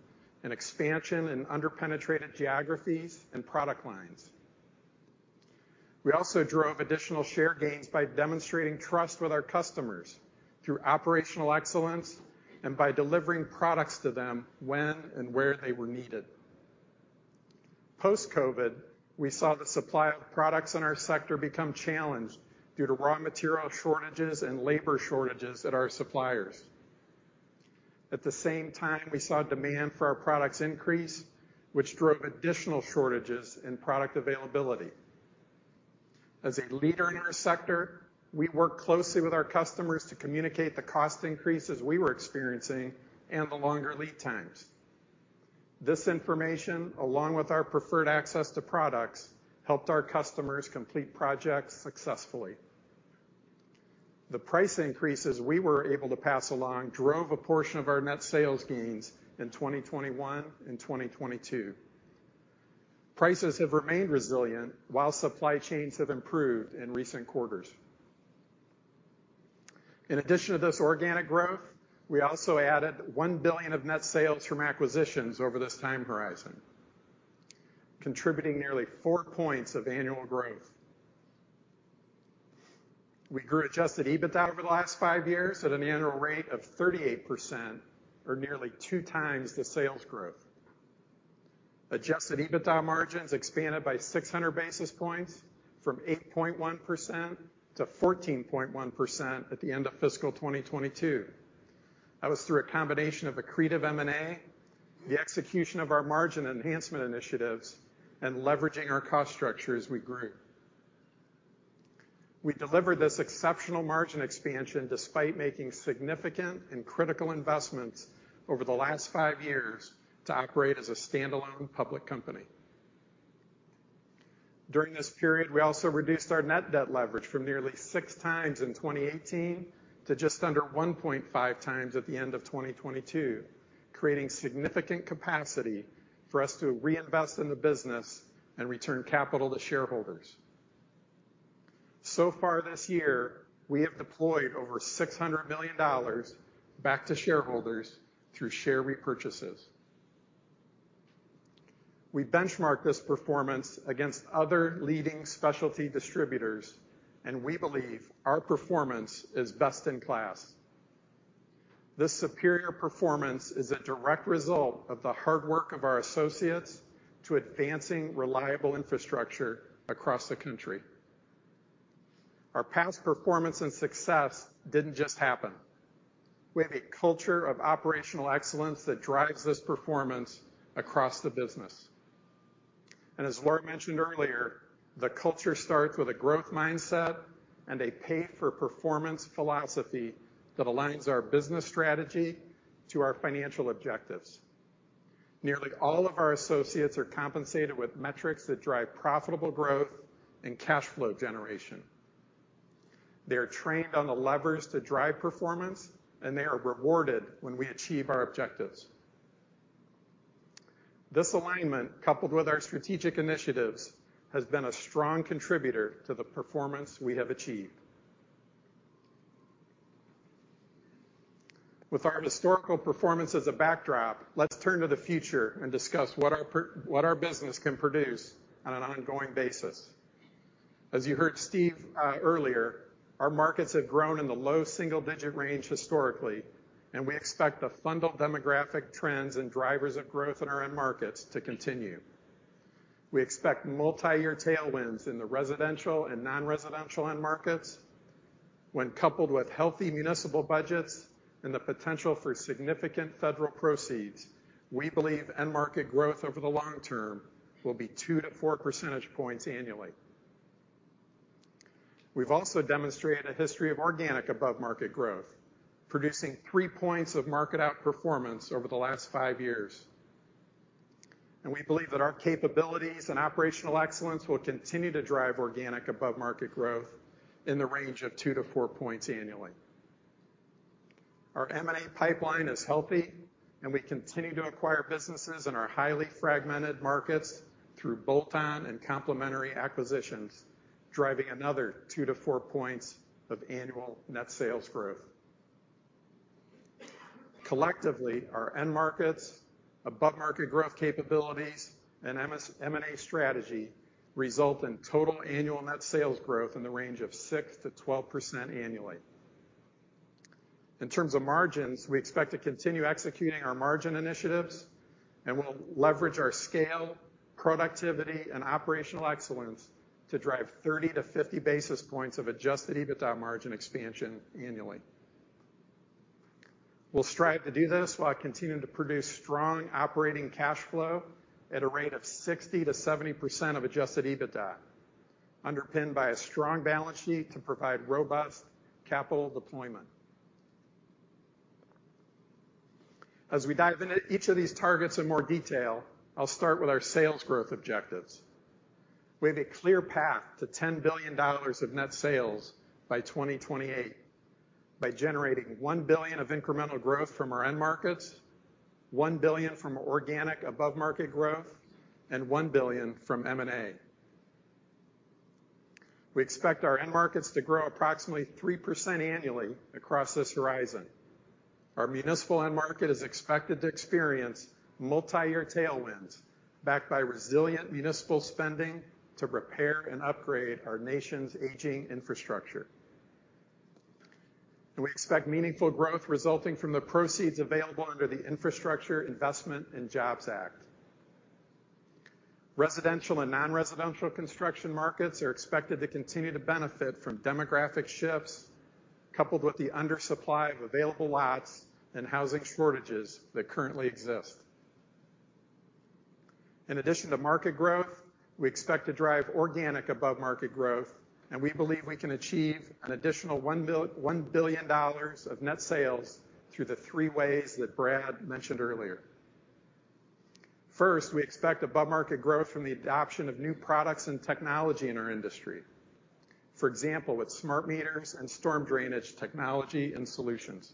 and expansion in under-penetrated geographies and product lines. We also drove additional share gains by demonstrating trust with our customers through operational excellence and by delivering products to them when and where they were needed. Post-COVID, we saw the supply of products in our sector become challenged due to raw material shortages and labor shortages at our suppliers. At the same time, we saw demand for our products increase, which drove additional shortages in product availability. As a leader in our sector, we worked closely with our customers to communicate the cost increases we were experiencing and the longer lead times. This information, along with our preferred access to products, helped our customers complete projects successfully. The price increases we were able to pass along drove a portion of our net sales gains in 2021 and 2022. Prices have remained resilient while supply chains have improved in recent quarters. In addition to this organic growth, we also added $1 billion of net sales from acquisitions over this time horizon, contributing nearly four points of annual growth. We grew adjusted EBITDA over the last five years at an annual rate of 38% or nearly 2x the sales growth. Adjusted EBITDA margins expanded by 600 basis points from 8.1% to 14.1% at the end of fiscal 2022. That was through a combination of accretive M&A, the execution of our margin enhancement initiatives, and leveraging our cost structure as we grew. We delivered this exceptional margin expansion despite making significant and critical investments over the last 5 years to operate as a standalone public company. During this period, we also reduced our net debt leverage from nearly 6x in 2018 to just under 1.5x at the end of 2022, creating significant capacity for us to reinvest in the business and return capital to shareholders. So far this year, we have deployed over $600 million back to shareholders through share repurchases. We benchmark this performance against other leading specialty distributors, and we believe our performance is best in class. This superior performance is a direct result of the hard work of our associates to advancing reliable infrastructure across the country. Our past performance and success didn't just happen. We have a culture of operational excellence that drives this performance across the business. And as Laura mentioned earlier, the culture starts with a growth mindset and a pay-for-performance philosophy that aligns our business strategy to our financial objectives. Nearly all of our associates are compensated with metrics that drive profitable growth and cash flow generation. They are trained on the levers to drive performance, and they are rewarded when we achieve our objectives. This alignment, coupled with our strategic initiatives, has been a strong contributor to the performance we have achieved. With our historical performance as a backdrop, let's turn to the future and discuss what our business can produce on an ongoing basis. As you heard Steve earlier, our markets have grown in the low single-digit range historically, and we expect the fundamental demographic trends and drivers of growth in our end markets to continue. We expect multiyear tailwinds in the residential and non-residential end markets. When coupled with healthy municipal budgets and the potential for significant federal proceeds, we believe end market growth over the long term will be two-four percentage points annually. We've also demonstrated a history of organic above-market growth, producing three points of market outperformance over the last five years. We believe that our capabilities and operational excellence will continue to drive organic above-market growth in the range of two-four points annually. Our M&A pipeline is healthy, and we continue to acquire businesses in our highly fragmented markets through bolt-on and complementary acquisitions, driving another two-four points of annual net sales growth. Collectively, our end markets, above-market growth capabilities, and M&A strategy result in total annual net sales growth in the range of 6%-12% annually. In terms of margins, we expect to continue executing our margin initiatives, and we'll leverage our scale, productivity, and operational excellence to drive 30-50 basis points of Adjusted EBITDA margin expansion annually. We'll strive to do this while continuing to produce strong operating cash flow at a rate of 60%-70% of Adjusted EBITDA, underpinned by a strong balance sheet to provide robust capital deployment. As we dive into each of these targets in more detail, I'll start with our sales growth objectives. We have a clear path to $10 billion of net sales by 2028 by generating $1 billion of incremental growth from our end markets, $1 billion from organic above-market growth, and $1 billion from M&A. We expect our end markets to grow approximately 3% annually across this horizon. Our municipal end market is expected to experience multiyear tailwinds, backed by resilient municipal spending to repair and upgrade our nation's aging infrastructure. We expect meaningful growth resulting from the proceeds available under the Infrastructure Investment and Jobs Act. Residential and non-residential construction markets are expected to continue to benefit from demographic shifts, coupled with the undersupply of available lots and housing shortages that currently exist. In addition to market growth, we expect to drive organic above-market growth, and we believe we can achieve an additional $1 billion of net sales through the three ways that Brad mentioned earlier. First, we expect above-market growth from the adoption of new products and technology in our industry. For example, with smart meters and storm drainage technology and solutions.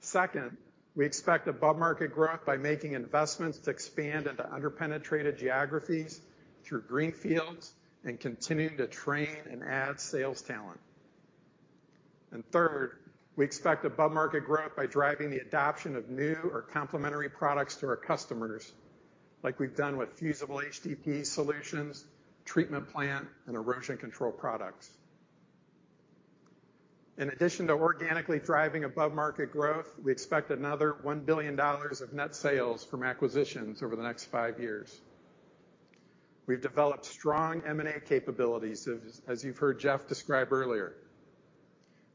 Second, we expect above-market growth by making investments to expand into underpenetrated geographies through greenfields and continuing to train and add sales talent. And third, we expect above-market growth by driving the adoption of new or complementary products to our customers, like we've done with fusible HDPE solutions, treatment plant, and erosion control products. In addition to organically driving above-market growth, we expect another $1 billion of net sales from acquisitions over the next 5 years. We've developed strong M&A capabilities, as you've heard Jeff describe earlier.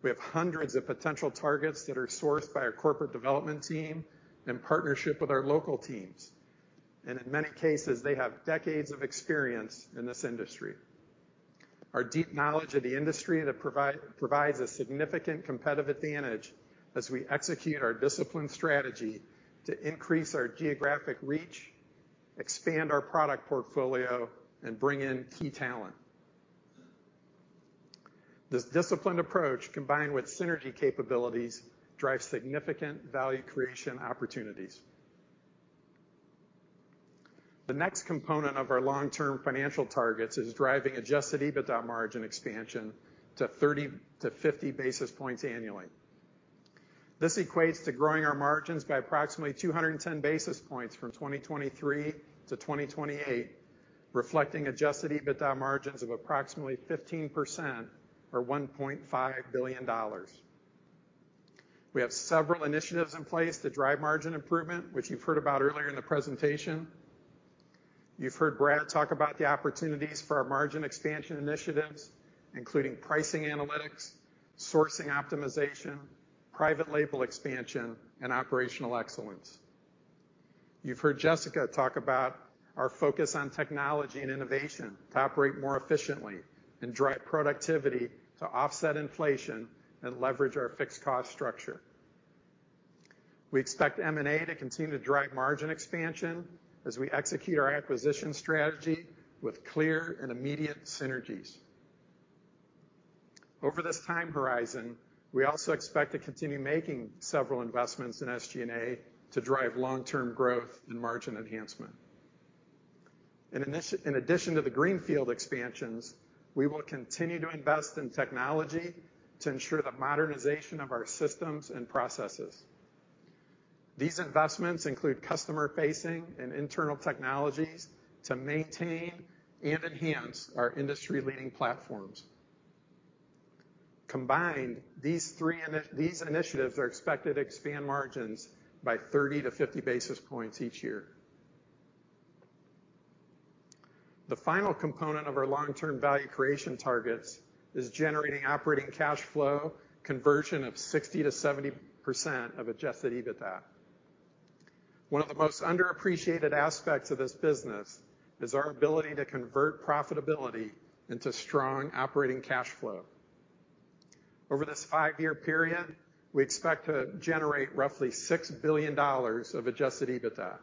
We have hundreds of potential targets that are sourced by our corporate development team in partnership with our local teams, and in many cases, they have decades of experience in this industry. Our deep knowledge of the industry provides a significant competitive advantage as we execute our disciplined strategy to increase our geographic reach, expand our product portfolio, and bring in key talent. This disciplined approach, combined with synergy capabilities, drives significant value creation opportunities. The next component of our long-term financial targets is driving Adjusted EBITDA margin expansion to 30-50 basis points annually. This equates to growing our margins by approximately 210 basis points from 2023 to 2028, reflecting Adjusted EBITDA margins of approximately 15% or $1.5 billion. We have several initiatives in place to drive margin improvement, which you've heard about earlier in the presentation. You've heard Brad talk about the opportunities for our margin expansion initiatives, including pricing analytics, sourcing optimization, private label expansion, and operational excellence. You've heard Jessica talk about our focus on technology and innovation to operate more efficiently and drive productivity to offset inflation and leverage our fixed cost structure. We expect M&A to continue to drive margin expansion as we execute our acquisition strategy with clear and immediate synergies. Over this time horizon, we also expect to continue making several investments in SG&A to drive long-term growth and margin enhancement. In addition to the greenfield expansions, we will continue to invest in technology to ensure the modernization of our systems and processes. These investments include customer-facing and internal technologies to maintain and enhance our industry-leading platforms. Combined, these three initiatives are expected to expand margins by 30-50 basis points each year. The final component of our long-term value creation targets is generating operating cash flow conversion of 60%-70% of adjusted EBITDA. One of the most underappreciated aspects of this business is our ability to convert profitability into strong operating cash flow. Over this five-year period, we expect to generate roughly $6 billion of adjusted EBITDA.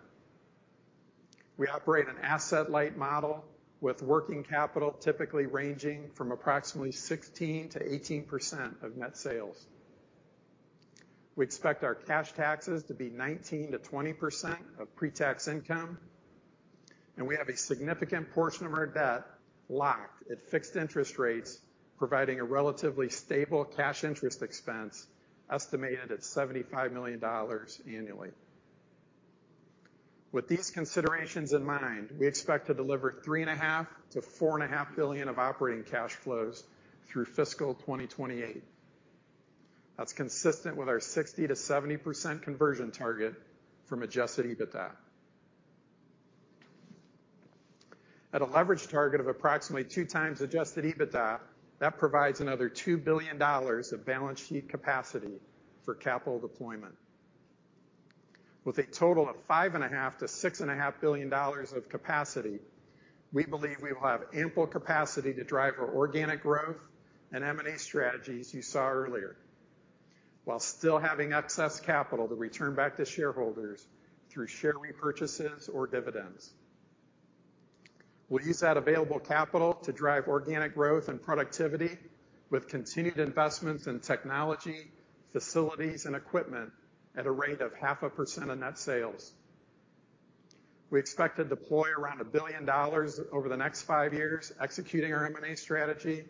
We operate an asset-light model with working capital typically ranging from approximately 16%-18% of net sales. We expect our cash taxes to be 19%-20% of pre-tax income, and we have a significant portion of our debt locked at fixed interest rates, providing a relatively stable cash interest expense, estimated at $75 million annually. With these considerations in mind, we expect to deliver $3.5 billion-$4.5 billion of operating cash flows through fiscal 2028. That's consistent with our 60%-70% conversion target for adjusted EBITDA. At a leverage target of approximately 2x Adjusted EBITDA, that provides another $2 billion of balance sheet capacity for capital deployment. With a total of $5.5 billion-$6.5 billion of capacity, we believe we will have ample capacity to drive our organic growth and M&A strategies you saw earlier, while still having excess capital to return back to shareholders through share repurchases or dividends. We'll use that available capital to drive organic growth and productivity, with continued investments in technology, facilities, and equipment at a rate of 0.5% of net sales. We expect to deploy around $1 billion over the next five years, executing our M&A strategy,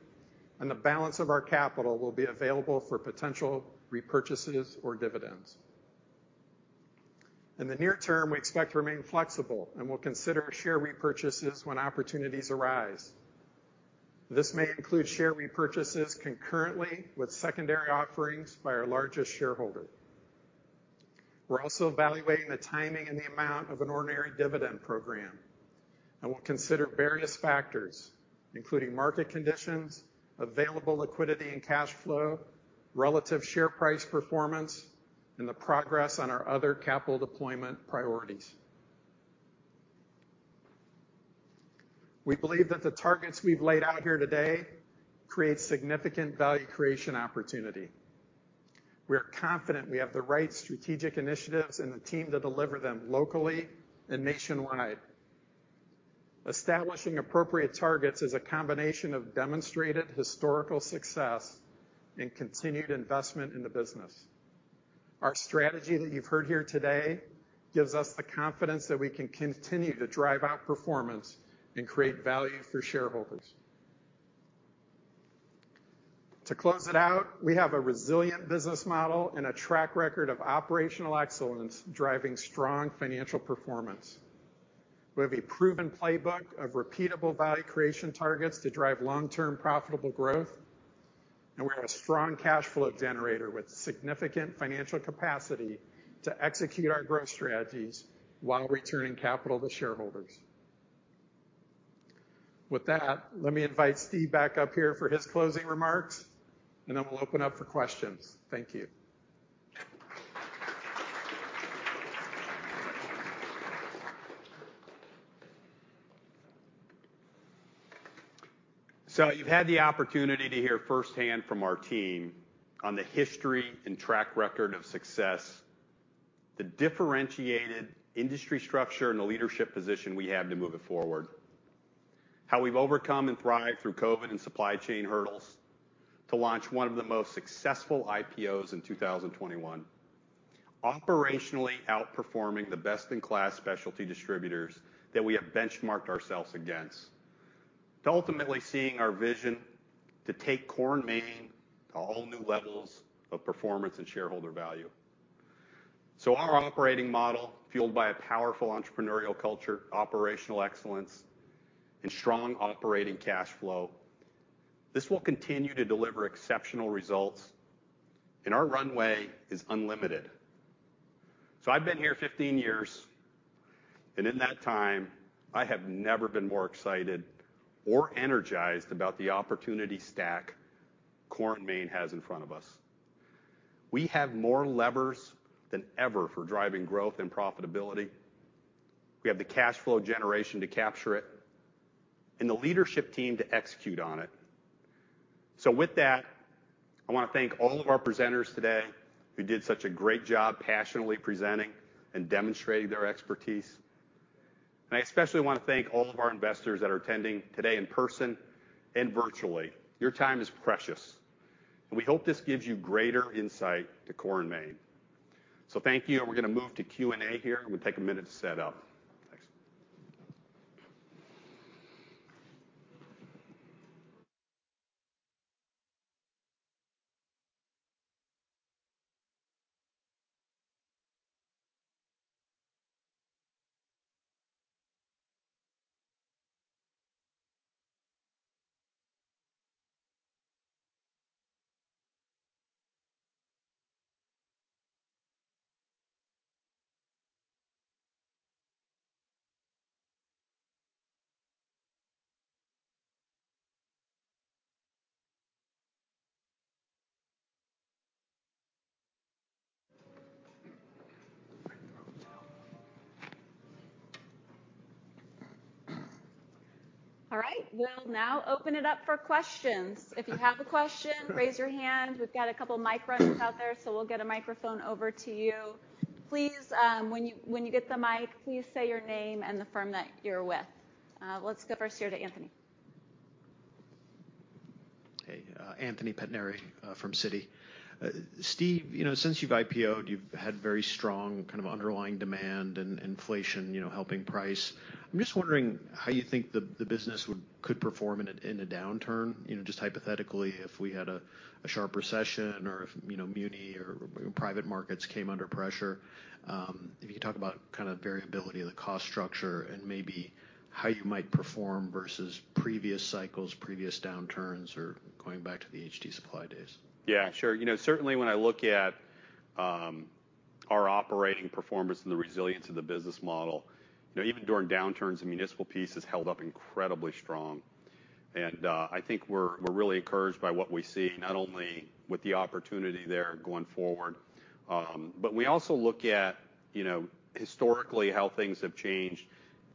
and the balance of our capital will be available for potential repurchases or dividends. In the near term, we expect to remain flexible and will consider share repurchases when opportunities arise. This may include share repurchases concurrently with secondary offerings by our largest shareholder. We're also evaluating the timing and the amount of an ordinary dividend program, and we'll consider various factors, including market conditions, available liquidity and cash flow, relative share price performance, and the progress on our other capital deployment priorities. We believe that the targets we've laid out here today create significant value creation opportunity. We are confident we have the right strategic initiatives and the team to deliver them locally and nationwide. Establishing appropriate targets is a combination of demonstrated historical success and continued investment in the business. Our strategy that you've heard here today gives us the confidence that we can continue to drive out performance and create value for shareholders. To close it out, we have a resilient business model and a track record of operational excellence, driving strong financial performance. We have a proven playbook of repeatable value creation targets to drive long-term profitable growth, and we're a strong cash flow generator with significant financial capacity to execute our growth strategies while returning capital to shareholders. With that, let me invite Steve back up here for his closing remarks, and then we'll open up for questions. Thank you.
So you've had the opportunity to hear firsthand from our team on the history and track record of success, the differentiated industry structure, and the leadership position we have to move it forward. How we've overcome and thrived through COVID and supply chain hurdles to launch one of the most successful IPOs in 2021. Operationally outperforming the best-in-class specialty distributors that we have benchmarked ourselves against, to ultimately seeing our vision to take Core & Main to whole new levels of performance and shareholder value. So our operating model, fueled by a powerful entrepreneurial culture, operational excellence, and strong operating cash flow, this will continue to deliver exceptional results, and our runway is unlimited. So I've been here 15 years, and in that time, I have never been more excited or energized about the opportunity stack Core & Main has in front of us. We have more levers than ever for driving growth and profitability. We have the cash flow generation to capture it and the leadership team to execute on it. With that, I want to thank all of our presenters today who did such a great job passionately presenting and demonstrating their expertise. I especially want to thank all of our investors that are attending today in person and virtually. Your time is precious, and we hope this gives you greater insight to Core & Main. Thank you, and we're going to move to Q&A here, and we'll take a minute to set up. Thanks.
All right, we'll now open it up for questions. If you have a question, raise your hand. We've got a couple of mic runners out there, so we'll get a microphone over to you. Please, when you get the mic, please say your name and the firm that you're with. Let's go first here to Anthony.
Hey, Anthony Pettinari, from Citi. Steve, you know, since you've IPO'd, you've had very strong kind of underlying demand and inflation, you know, helping price. I'm just wondering how you think the business could perform in a downturn, you know, just hypothetically, if we had a sharp recession or if, you know, muni or private markets came under pressure. If you could talk about kind of variability of the cost structure and maybe how you might perform versus previous cycles, previous downturns, or going back to the HD Supply days.
Yeah, sure. You know, certainly when I look at our operating performance and the resilience of the business model, you know, even during downturns, the municipal piece has held up incredibly strong. And I think we're really encouraged by what we see, not only with the opportunity there going forward, but we also look at, you know, historically, how things have changed.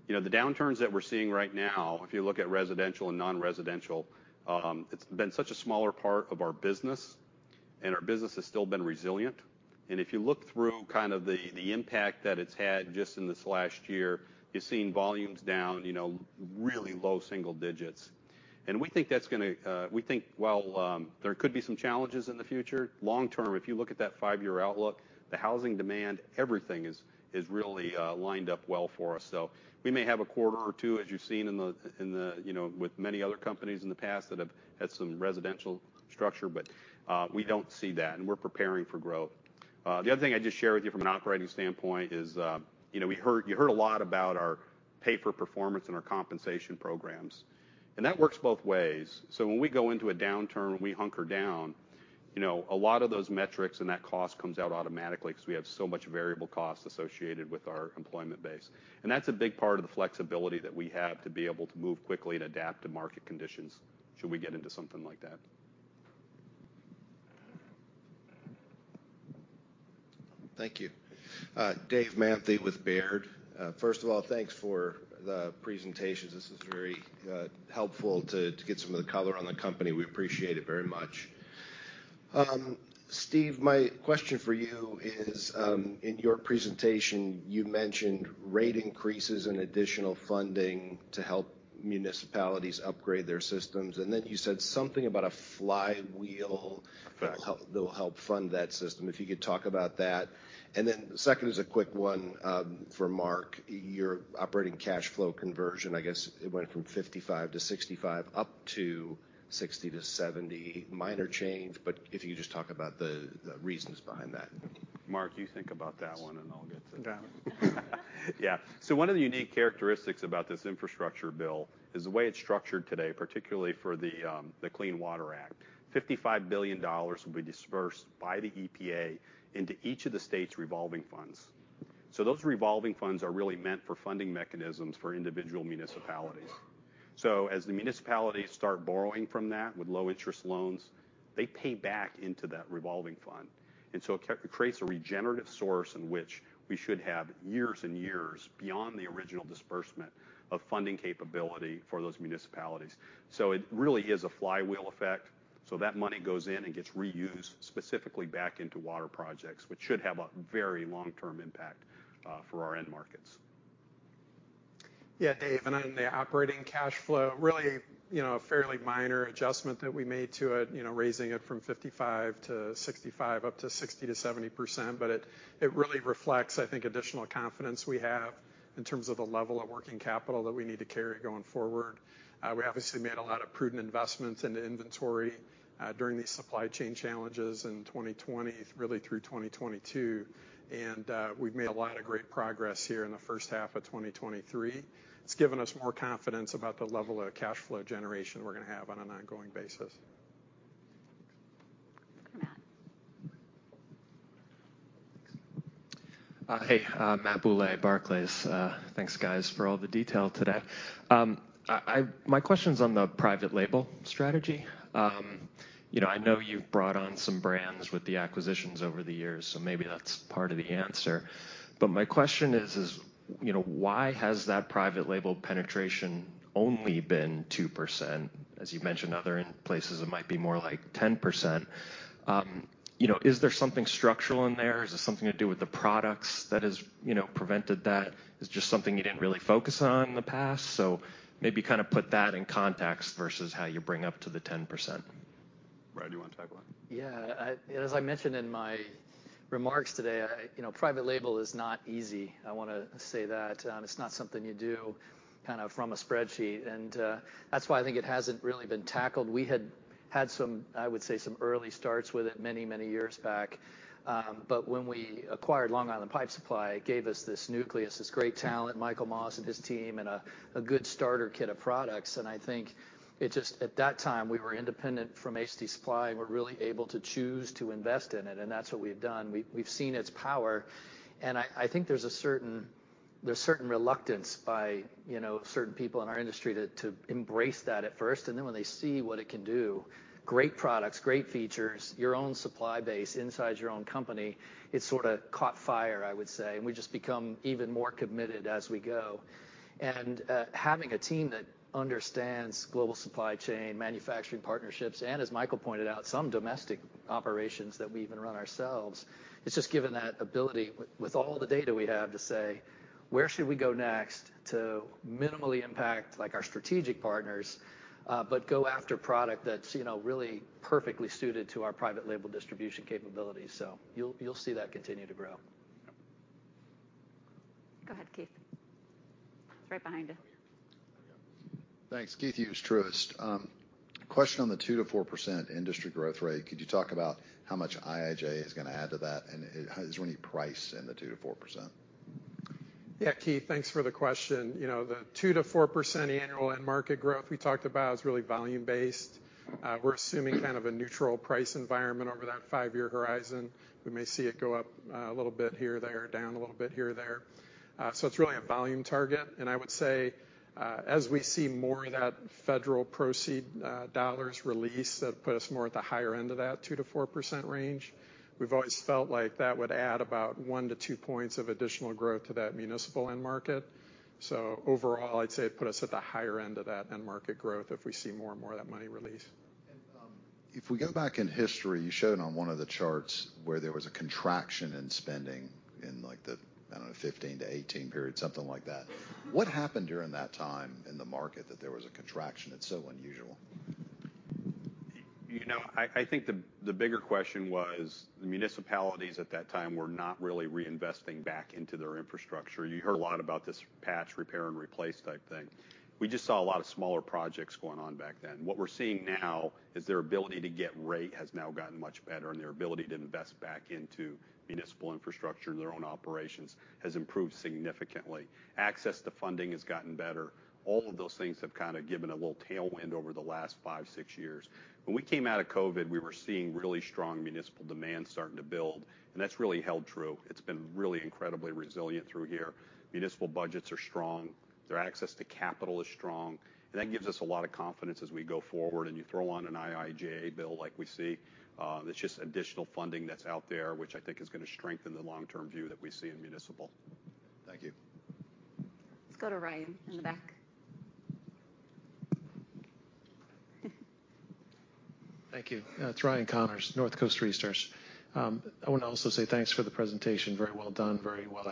You know, the downturns that we're seeing right now, if you look at residential and non-residential, it's been such a smaller part of our business, and our business has still been resilient. And if you look through kind of the impact that it's had just in this last year, you're seeing volumes down, you know, really low single digits. And we think that's gonna... We think while there could be some challenges in the future, long term, if you look at that five-year outlook, the housing demand, everything is really lined up well for us. So we may have a quarter or two, as you've seen in the, in the, you know, with many other companies in the past that have had some residential structure, but we don't see that, and we're preparing for growth. The other thing I'd just share with you from an operating standpoint is, you know, we heard—you heard a lot about our pay for performance and our compensation programs, and that works both ways. So when we go into a downturn, and we hunker down, you know, a lot of those metrics and that cost comes out automatically because we have so much variable cost associated with our employment base. That's a big part of the flexibility that we have to be able to move quickly and adapt to market conditions should we get into something like that.
Thank you. Dave Manthey with Baird. First of all, thanks for the presentation. This was very helpful to get some of the color on the company. We appreciate it very much. Steve, my question for you is, in your presentation, you mentioned rate increases and additional funding to help municipalities upgrade their systems. And then you said something about a flywheel-
Effect.
- That'll help, that'll help fund that system. If you could talk about that. And then the second is a quick one, for Mark. Your operating cash flow conversion, I guess, it went from 55% to 65%, up to 60%-70%. Minor change, but if you could just talk about the reasons behind that.
Mark, you think about that one, and I'll get to it.
Got it.
Yeah. One of the unique characteristics about this infrastructure bill is the way it's structured today, particularly for the Clean Water Act. $55 billion will be dispersed by the EPA into each of the state's revolving funds. Those revolving funds are really meant for funding mechanisms for individual municipalities. As the municipalities start borrowing from that, with low interest loans, they pay back into that revolving fund. So it creates a regenerative source in which we should have years and years beyond the original disbursement of funding capability for those municipalities. It really is a flywheel effect. That money goes in and gets reused, specifically back into water projects, which should have a very long-term impact for our end markets.
Yeah, Dave, and on the operating cash flow, really, you know, a fairly minor adjustment that we made to it, you know, raising it from 55 to 65, up to 60%-70%. But it, it really reflects, I think, additional confidence we have in terms of the level of working capital that we need to carry going forward. We obviously made a lot of prudent investments into inventory during these supply chain challenges in 2020, really through 2022. And, we've made a lot of great progress here in the first half of 2023. It's given us more confidence about the level of cash flow generation we're going to have on an ongoing basis.
Matt?
Hey, Matt Bouley, Barclays. Thanks, guys, for all the detail today. My question's on the private label strategy. You know, I know you've brought on some brands with the acquisitions over the years, so maybe that's part of the answer. But my question is, you know, why has that private label penetration only been 2%? As you mentioned, other places, it might be more like 10%. You know, is there something structural in there? Is it something to do with the products that has, you know, prevented that? Is it just something you didn't really focus on in the past? So maybe kind of put that in context versus how you bring up to the 10%.
Brad, do you want to take a look?
Yeah. I, as I mentioned in my remarks today, I—you know, private label is not easy. I wanna say that. It's not something you do kind of from a spreadsheet, and that's why I think it hasn't really been tackled. We had had some, I would say, some early starts with it many, many years back. But when we acquired Long Island Pipe Supply, it gave us this nucleus, this great talent, Michael Moss and his team, and a good starter kit of products. And I think it just, at that time, we were independent from HD Supply, and we're really able to choose to invest in it, and that's what we've done. We've seen its power, and I think there's a certain reluctance by, you know, certain people in our industry to embrace that at first, and then when they see what it can do, great products, great features, your own supply base inside your own company, it sort of caught fire, I would say. We just become even more committed as we go. ...And, having a team that understands global supply chain, manufacturing partnerships, and as Michael pointed out, some domestic operations that we even run ourselves, it's just given that ability with all the data we have, to say, "Where should we go next to minimally impact, like, our strategic partners, but go after product that's, you know, really perfectly suited to our private label distribution capabilities?" So you'll see that continue to grow.
Go ahead, Keith. It's right behind you.
Thanks. Keith Hughes, Truist. Question on the 2%-4% industry growth rate. Could you talk about how much IIJA is gonna add to that, and, is there any price in the 2%-4%?
Yeah, Keith, thanks for the question. You know, the 2%-4% annual end market growth we talked about is really volume-based. We're assuming kind of a neutral price environment over that five-year horizon. We may see it go up, a little bit here or there, down a little bit here or there. So it's really a volume target, and I would say, as we see more of that federal funding dollars release, that put us more at the higher end of that 2%-4% range. We've always felt like that would add about 1-2 points of additional growth to that municipal end market. So overall, I'd say it put us at the higher end of that end market growth if we see more and more of that money released.
If we go back in history, you showed on one of the charts where there was a contraction in spending in like the, I don't know, 2015-2018 period, something like that. What happened during that time in the market that there was a contraction? It's so unusual.
You know, I think the bigger question was, the municipalities at that time were not really reinvesting back into their infrastructure. You heard a lot about this patch, repair, and replace type thing. We just saw a lot of smaller projects going on back then. What we're seeing now is their ability to get rate has now gotten much better, and their ability to invest back into municipal infrastructure and their own operations has improved significantly. Access to funding has gotten better. All of those things have kind of given a little tailwind over the last 5-6 years. When we came out of COVID, we were seeing really strong municipal demand starting to build, and that's really held true. It's been really incredibly resilient through here. Municipal budgets are strong, their access to capital is strong, and that gives us a lot of confidence as we go forward. And you throw on an IIJA bill like we see, that's just additional funding that's out there, which I think is gonna strengthen the long-term view that we see in municipal.
Thank you.
Let's go to Ryan in the back.
Thank you. It's Ryan Connors, North Coast Research. I wanna also say thanks for the presentation. Very well done, very well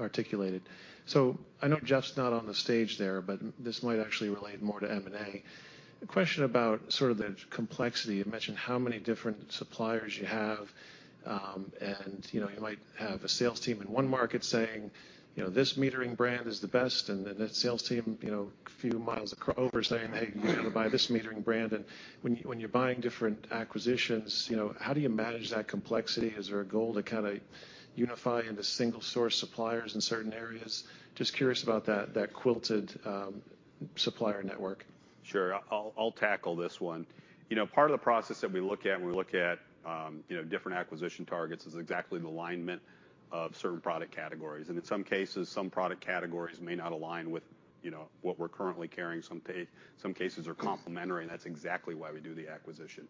articulated. So I know Jeff's not on the stage there, but this might actually relate more to M&A. A question about sort of the complexity. You mentioned how many different suppliers you have, and, you know, you might have a sales team in one market saying, you know, "This metering brand is the best," and then that sales team, you know, a few miles across saying, "Hey, you gotta buy this metering brand." And when you, when you're buying different acquisitions, you know, how do you manage that complexity? Is there a goal to kind of unify into single-source suppliers in certain areas? Just curious about that, that quilted, supplier network.
Sure. I'll tackle this one. You know, part of the process that we look at when we look at, you know, different acquisition targets is exactly the alignment of certain product categories. And in some cases, some product categories may not align with, you know, what we're currently carrying. Some cases are complementary, and that's exactly why we do the acquisition.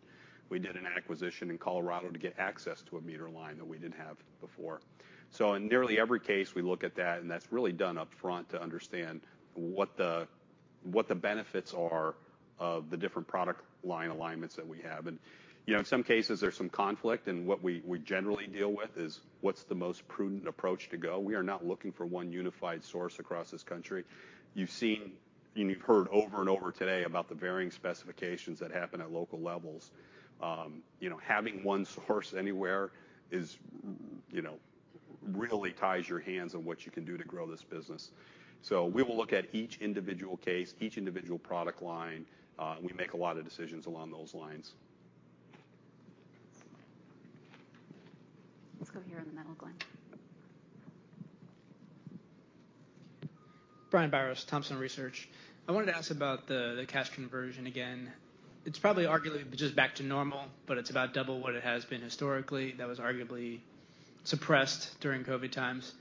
We did an acquisition in Colorado to get access to a meter line that we didn't have before. So in nearly every case, we look at that, and that's really done upfront to understand what the, what the benefits are of the different product line alignments that we have. And, you know, in some cases, there's some conflict, and what we, we generally deal with is what's the most prudent approach to go? We are not looking for one unified source across this country. You've seen and you've heard over and over today about the varying specifications that happen at local levels. You know, having one source anywhere is, you know, really ties your hands on what you can do to grow this business. So we will look at each individual case, each individual product line, and we make a lot of decisions along those lines.
Let's go here in the middle, Glenn.
Brian Biros, Thompson Research. I wanted to ask about the cash conversion again. It's probably arguably just back to normal, but it's about double what it has been historically. That was arguably suppressed during COVID times.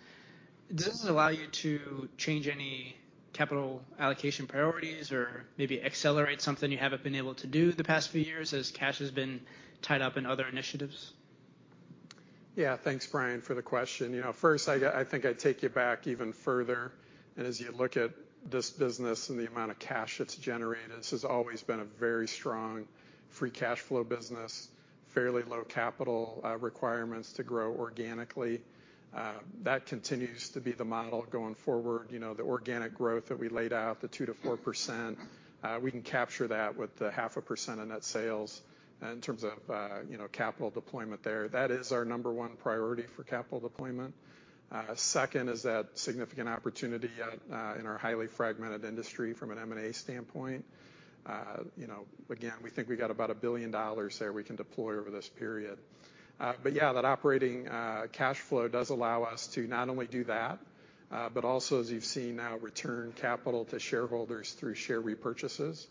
Does this allow you to change any capital allocation priorities or maybe accelerate something you haven't been able to do the past few years, as cash has been tied up in other initiatives?
Yeah. Thanks, Brian, for the question. You know, first, I think I'd take you back even further. As you look at this business and the amount of cash it's generated, this has always been a very strong free cash flow business, fairly low capital requirements to grow organically. That continues to be the model going forward. You know, the organic growth that we laid out, the 2%-4%, we can capture that with the 0.5% of net sales, in terms of, you know, capital deployment there. That is our number one priority for capital deployment. Second is that significant opportunity at, in our highly fragmented industry from an M&A standpoint. You know, again, we think we got about $1 billion there we can deploy over this period. But yeah, that operating cash flow does allow us to not only do that, but also, as you've seen now, return capital to shareholders through share repurchases.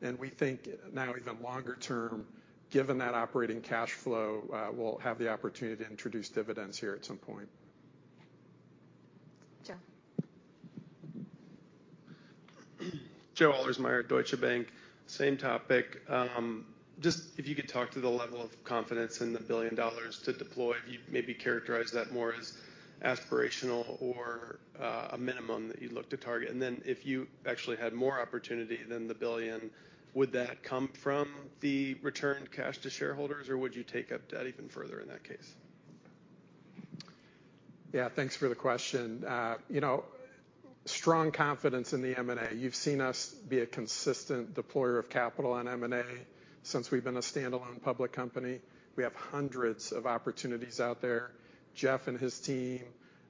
And we think now, even longer term, given that operating cash flow, we'll have the opportunity to introduce dividends here at some point.
John?
Joe Ahlersmeyer at Deutsche Bank. Same topic. Just if you could talk to the level of confidence in the $1 billion to deploy, if you'd maybe characterize that more as aspirational or, a minimum that you'd look to target. And then if you actually had more opportunity than the $1 billion, would that come from the return cash to shareholders, or would you take up debt even further in that case?
Yeah, thanks for the question. You know, strong confidence in the M&A. You've seen us be a consistent deployer of capital on M&A since we've been a standalone public company. We have hundreds of opportunities out there. Jeff and his team,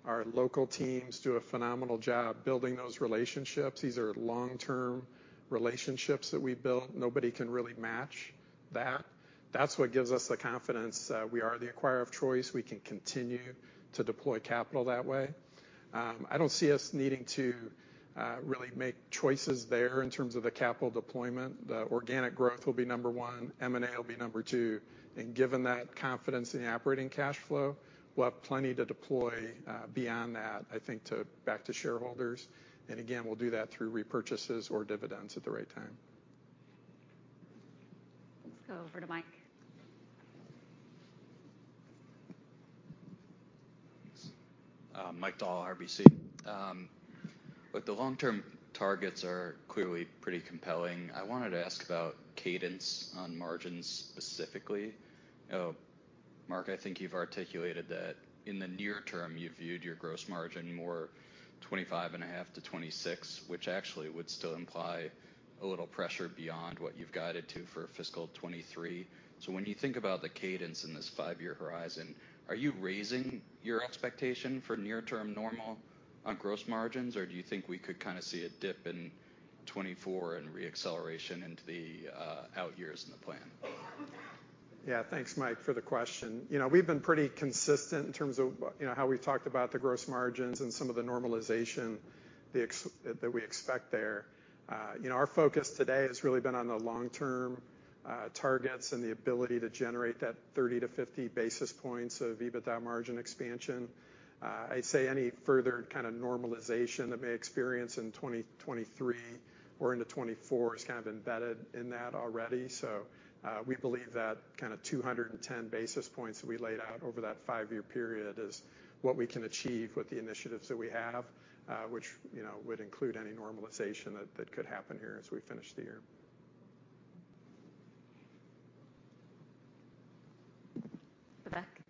our local teams, do a phenomenal job building those relationships. These are long-term relationships that we've built. Nobody can really match that. That's what gives us the confidence that we are the acquirer of choice. We can continue to deploy capital that way. I don't see us needing to really make choices there in terms of the capital deployment. The organic growth will be number one, M&A will be number two, and given that confidence in the operating cash flow, we'll have plenty to deploy beyond that, I think, to back to shareholders. Again, we'll do that through repurchases or dividends at the right time.
Let's go over to Mike.
Mike Dahl, RBC. Look, the long-term targets are clearly pretty compelling. I wanted to ask about cadence on margins, specifically. You know, Mark, I think you've articulated that in the near term, you viewed your gross margin more 25.5-26, which actually would still imply a little pressure beyond what you've guided to for fiscal 2023. So when you think about the cadence in this five-year horizon, are you raising your expectation for near-term normal on gross margins, or do you think we could kind of see a dip in 2024 and reacceleration into the out years in the plan?
Yeah. Thanks, Mike, for the question. You know, we've been pretty consistent in terms of, you know, how we've talked about the gross margins and some of the normalization that we expect there. You know, our focus today has really been on the long-term targets and the ability to generate that 30-50 basis points of EBITDA margin expansion. I'd say any further kind of normalization that may experience in 2023 or into 2024 is kind of embedded in that already. So, we believe that kind of 210 basis points that we laid out over that five-year period is what we can achieve with the initiatives that we have, which, you know, would include any normalization that could happen here as we finish the year.
The back.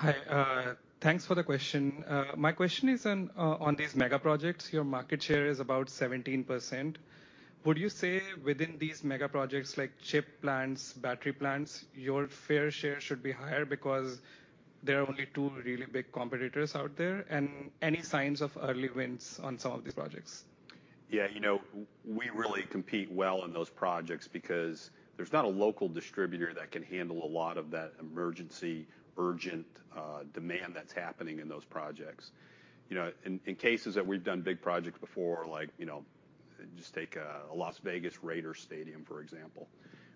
Thanks. Hi, thanks for the question. My question is on these mega projects. Your market share is about 17%. Would you say within these mega projects, like chip plants, battery plants, your fair share should be higher because there are only two really big competitors out there? And any signs of early wins on some of these projects?
Yeah, you know, we really compete well in those projects because there's not a local distributor that can handle a lot of that emergency, urgent, demand that's happening in those projects. You know, in cases that we've done big projects before, like, you know, just take a Las Vegas Raiders Stadium, for example,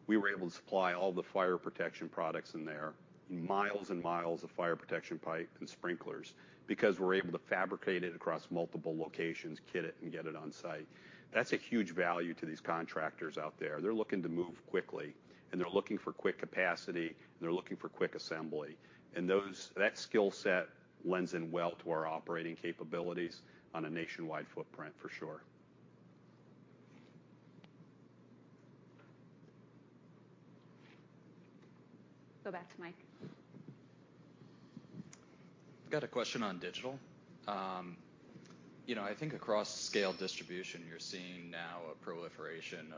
we were able to supply all the fire protection products in there, miles and miles of fire protection pipe and sprinklers, because we're able to fabricate it across multiple locations, kit it, and get it on site. That's a huge value to these contractors out there. They're looking to move quickly, and they're looking for quick capacity, and they're looking for quick assembly. And those... That skill set lends in well to our operating capabilities on a nationwide footprint, for sure.
Go back to Mike.
I've got a question on digital. You know, I think across scale distribution, you're seeing now a proliferation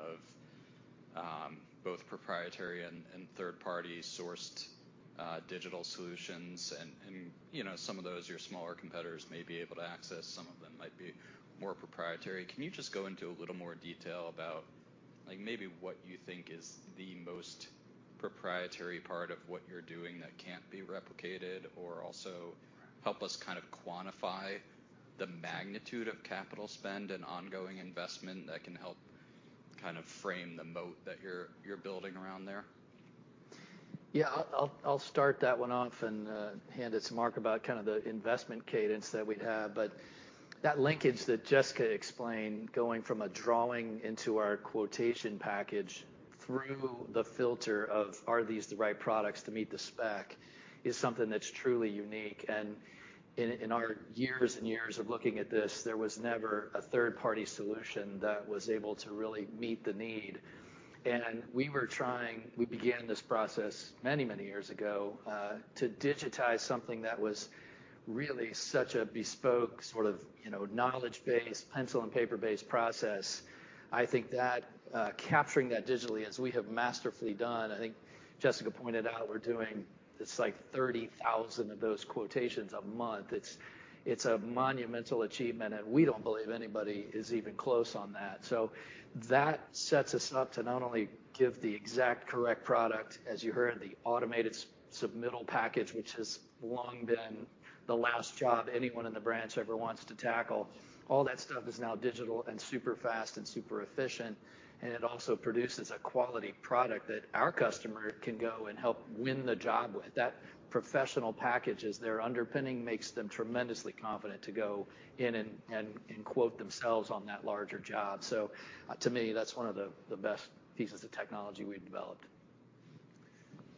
of both proprietary and third-party sourced digital solutions. And you know, some of those your smaller competitors may be able to access, some of them might be more proprietary. Can you just go into a little more detail about, like, maybe what you think is the most proprietary part of what you're doing that can't be replicated, or also help us kind of quantify the magnitude of capital spend and ongoing investment that can help kind of frame the moat that you're building around there?
Yeah. I'll start that one off and hand it to Mark about kind of the investment cadence that we have. But that linkage that Jessica explained, going from a drawing into our quotation package through the filter of, "Are these the right products to meet the spec?" is something that's truly unique. And in our years and years of looking at this, there was never a third-party solution that was able to really meet the need. We began this process many, many years ago to digitize something that was really such a bespoke, sort of, you know, knowledge-based, pencil and paper-based process. I think that capturing that digitally, as we have masterfully done, I think Jessica pointed out we're doing, it's like 30,000 of those quotations a month. It's a monumental achievement, and we don't believe anybody is even close on that. So that sets us up to not only give the exact correct product, as you heard, the automated submittal package, which has long been the last job anyone in the branch ever wants to tackle. All that stuff is now digital and super fast and super efficient, and it also produces a quality product that our customer can go and help win the job with. That professional package as their underpinning makes them tremendously confident to go in and quote themselves on that larger job. So, to me, that's one of the best pieces of technology we've developed.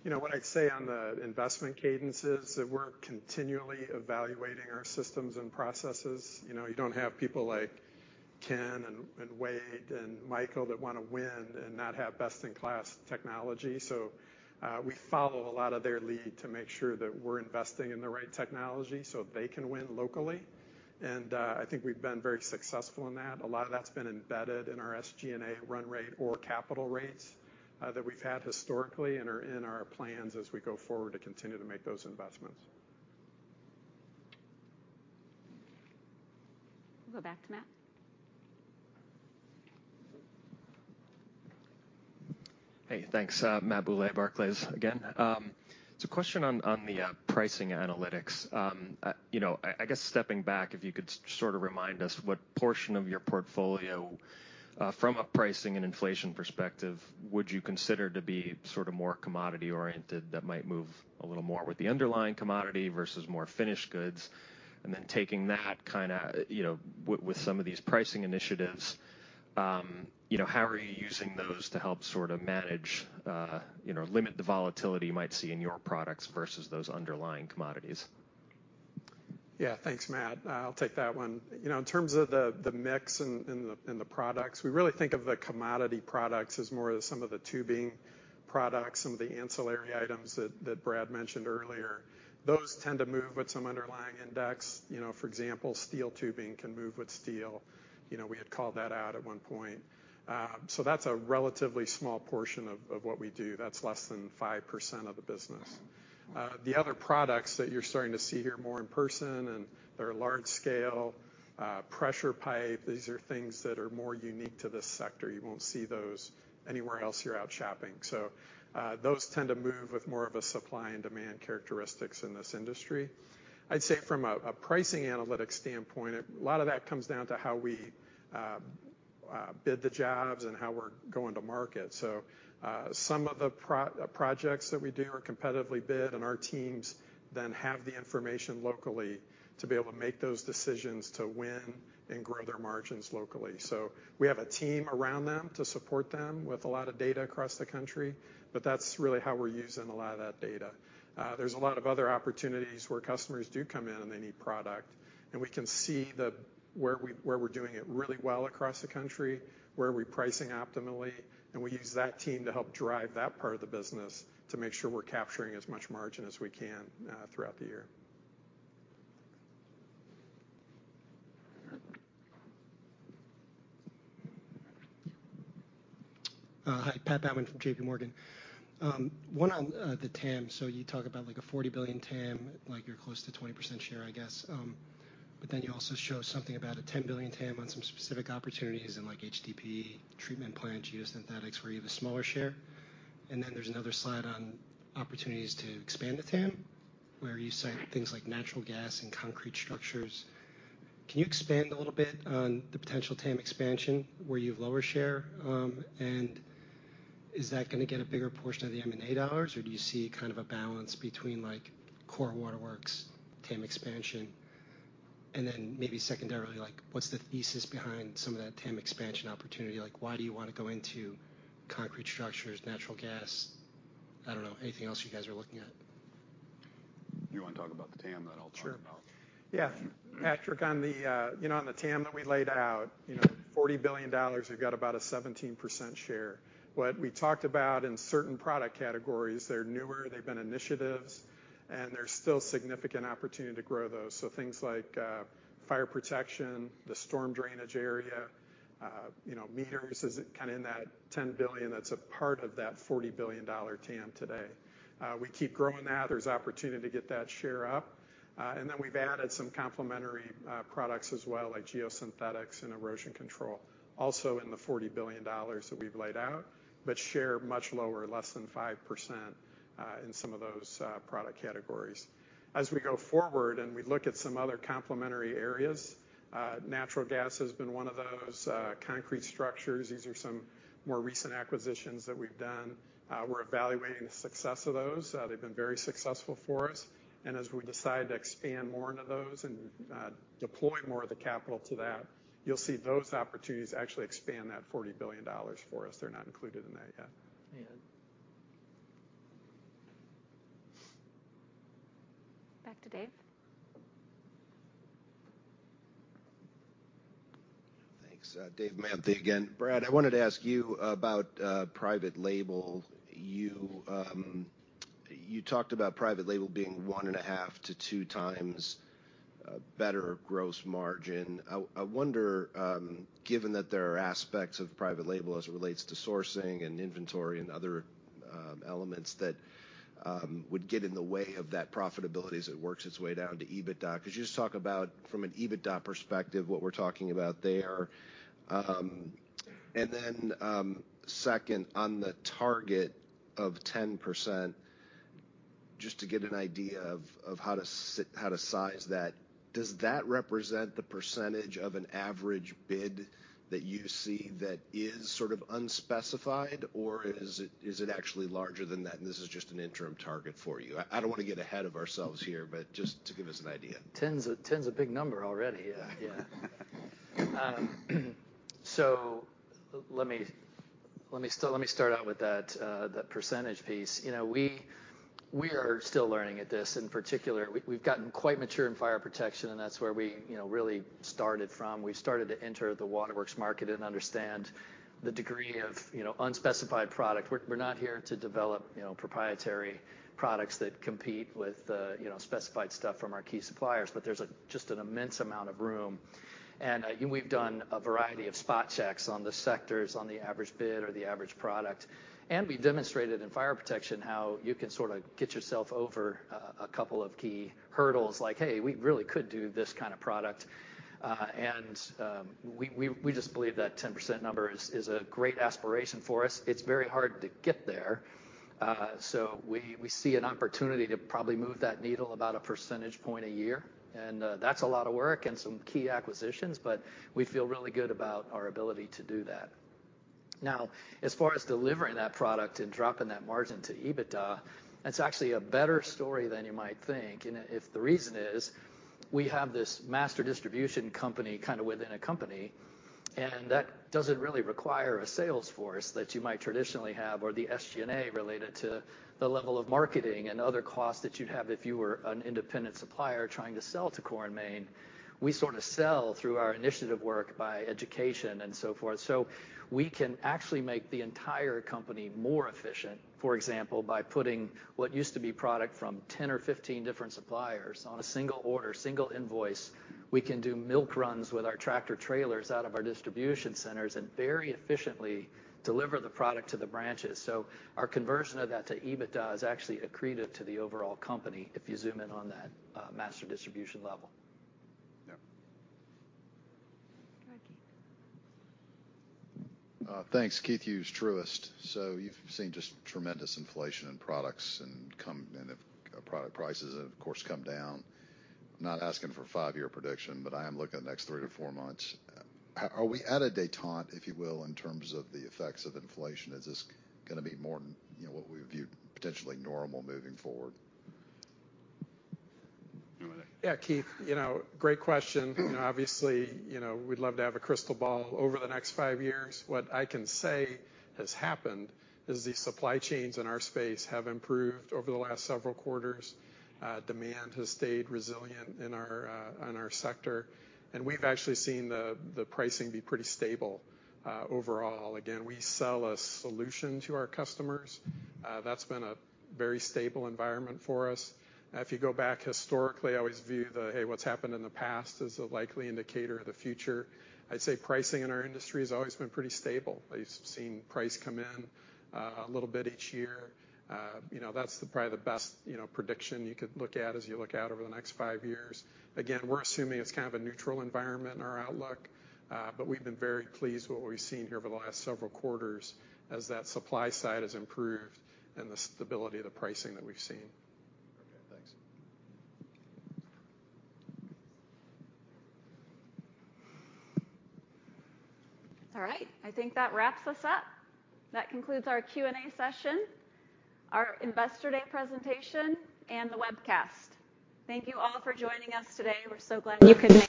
...You know, what I'd say on the investment cadences, that we're continually evaluating our systems and processes. You know, you don't have people like Ken and Wade and Michael that want to win and not have best-in-class technology. So, we follow a lot of their lead to make sure that we're investing in the right technology so they can win locally. And, I think we've been very successful in that. A lot of that's been embedded in our SG&A run rate or capital rates, that we've had historically and are in our plans as we go forward to continue to make those investments.
We'll go back to Matt.
Hey, thanks. Matt Bouley, Barclays, again. So question on, on the, pricing analytics. You know, I, I guess stepping back, if you could sort of remind us what portion of your portfolio, from a pricing and inflation perspective, would you consider to be sort of more commodity-oriented, that might move a little more with the underlying commodity versus more finished goods? And then taking that kind of, you know, with, with some of these pricing initiatives, you know, how are you using those to help sort of manage, you know, limit the volatility you might see in your products versus those underlying commodities?
Yeah. Thanks, Matt. I'll take that one. You know, in terms of the mix and the products, we really think of the commodity products as more of some of the tubing products, some of the ancillary items that Brad mentioned earlier. Those tend to move with some underlying index. You know, for example, steel tubing can move with steel. You know, we had called that out at one point. So that's a relatively small portion of what we do. That's less than 5% of the business. The other products that you're starting to see here more in person, and they're large scale, pressure pipe, these are things that are more unique to this sector. You won't see those anywhere else you're out shopping. So those tend to move with more of a supply and demand characteristics in this industry. I'd say from a pricing analytics standpoint, a lot of that comes down to how we bid the jobs and how we're going to market. So, some of the projects that we do are competitively bid, and our teams then have the information locally to be able to make those decisions to win and grow their margins locally. So we have a team around them to support them with a lot of data across the country, but that's really how we're using a lot of that data. There's a lot of other opportunities where customers do come in, and they need product, and we can see where we're doing it really well across the country, where are we pricing optimally, and we use that team to help drive that part of the business to make sure we're capturing as much margin as we can throughout the year.
Hi, Pat Baumann from JPMorgan. One on the TAM. So you talk about, like, a $40 billion TAM, like, you're close to 20% share, I guess. But then you also show something about a $10 billion TAM on some specific opportunities in, like, HDPE, treatment plant, geosynthetics, where you have a smaller share. And then there's another slide on opportunities to expand the TAM, where you cite things like natural gas and concrete structures. Can you expand a little bit on the potential TAM expansion, where you have lower share, and is that gonna get a bigger portion of the M&A dollars? Or do you see kind of a balance between, like, core waterworks, TAM expansion? And then maybe secondarily, like, what's the thesis behind some of that TAM expansion opportunity? Like, why do you want to go into concrete structures, natural gas? I don't know. Anything else you guys are looking at?
You want to talk about the TAM, then I'll talk about-
Sure. Yeah, Patrick, on the, you know, on the TAM that we laid out, you know, $40 billion, we've got about a 17% share. What we talked about in certain product categories, they're newer, they've been initiatives, and there's still significant opportunity to grow those. So things like, fire protection, the storm drainage area, you know, meters is kind of in that $10 billion that's a part of that $40 billion TAM today. We keep growing that. There's opportunity to get that share up. And then we've added some complementary, products as well, like geosynthetics and erosion control, also in the $40 billion that we've laid out, but share much lower, less than 5%, in some of those, product categories. As we go forward, and we look at some other complementary areas, natural gas has been one of those, concrete structures. These are some more recent acquisitions that we've done. We're evaluating the success of those. They've been very successful for us, and as we decide to expand more into those and, deploy more of the capital to that, you'll see those opportunities actually expand that $40 billion for us. They're not included in that yet.
Yeah.
Back to Dave.
Thanks. Dave Manthey again. Brad, I wanted to ask you about, private label. You, you talked about private label being 1.5-2x better gross margin. I, I wonder, given that there are aspects of private label as it relates to sourcing and inventory and other, elements that, would get in the way of that profitability as it works its way down to EBITDA. Could you just talk about, from an EBITDA perspective, what we're talking about there? And then, second, on the target of 10%, just to get an idea of, of how to size that, does that represent the percentage of an average bid that you see that is sort of unspecified, or is it, is it actually larger than that, and this is just an interim target for you? I don't want to get ahead of ourselves here, but just to give us an idea.
10's a big number already. Yeah, yeah.... So, let me start out with that percentage piece. You know, we are still learning at this. In particular, we've gotten quite mature in fire protection, and that's where you know, really started from. We've started to enter the waterworks market and understand the degree of, you know, unspecified product. We're not here to develop, you know, proprietary products that compete with, you know, specified stuff from our key suppliers, but there's just an immense amount of room. And we've done a variety of spot checks on the sectors, on the average bid or the average product. We've demonstrated in fire protection how you can sort of get yourself over a couple of key hurdles, like, "Hey, we really could do this kind of product." We just believe that 10% number is a great aspiration for us. It's very hard to get there. We see an opportunity to probably move that needle about a percentage point a year, and that's a lot of work and some key acquisitions, but we feel really good about our ability to do that. Now, as far as delivering that product and dropping that margin to EBITDA, that's actually a better story than you might think. If the reason is, we have this master distribution company kind of within a company, and that doesn't really require a sales force that you might traditionally have, or the SG&A related to the level of marketing and other costs that you'd have if you were an independent supplier trying to sell to Core & Main. We sort of sell through our initiative work by education and so forth. So we can actually make the entire company more efficient, for example, by putting what used to be product from 10 or 15 different suppliers on a single order, single invoice. We can do milk runs with our tractor trailers out of our distribution centers and very efficiently deliver the product to the branches. So our conversion of that to EBITDA is actually accretive to the overall company, if you zoom in on that, master distribution level.
Yeah.
Go ahead, Keith.
Thanks. Keith Hughes, Truist. So you've seen just tremendous inflation in products, and if product prices, of course, come down. I'm not asking for a five-year prediction, but I am looking at the next three to four months. Are we at a detente, if you will, in terms of the effects of inflation? Is this gonna be more than, you know, what we viewed potentially normal moving forward?
Yeah, Keith, you know, great question. You know, obviously, you know, we'd love to have a crystal ball over the next five years. What I can say has happened is the supply chains in our space have improved over the last several quarters. Demand has stayed resilient in our, in our sector, and we've actually seen the, the pricing be pretty stable overall. Again, we sell a solution to our customers. That's been a very stable environment for us. If you go back historically, I always view the "Hey, what's happened in the past" as a likely indicator of the future. I'd say pricing in our industry has always been pretty stable. I've seen price come in a little bit each year. You know, that's the probably the best, you know, prediction you could look at as you look out over the next five years. Again, we're assuming it's kind of a neutral environment in our outlook, but we've been very pleased with what we've seen here over the last several quarters as that supply side has improved and the stability of the pricing that we've seen.
Okay, thanks.
All right. I think that wraps us up. That concludes our Q&A session, our Investor Day presentation, and the webcast. Thank you all for joining us today. We're so glad you could make it.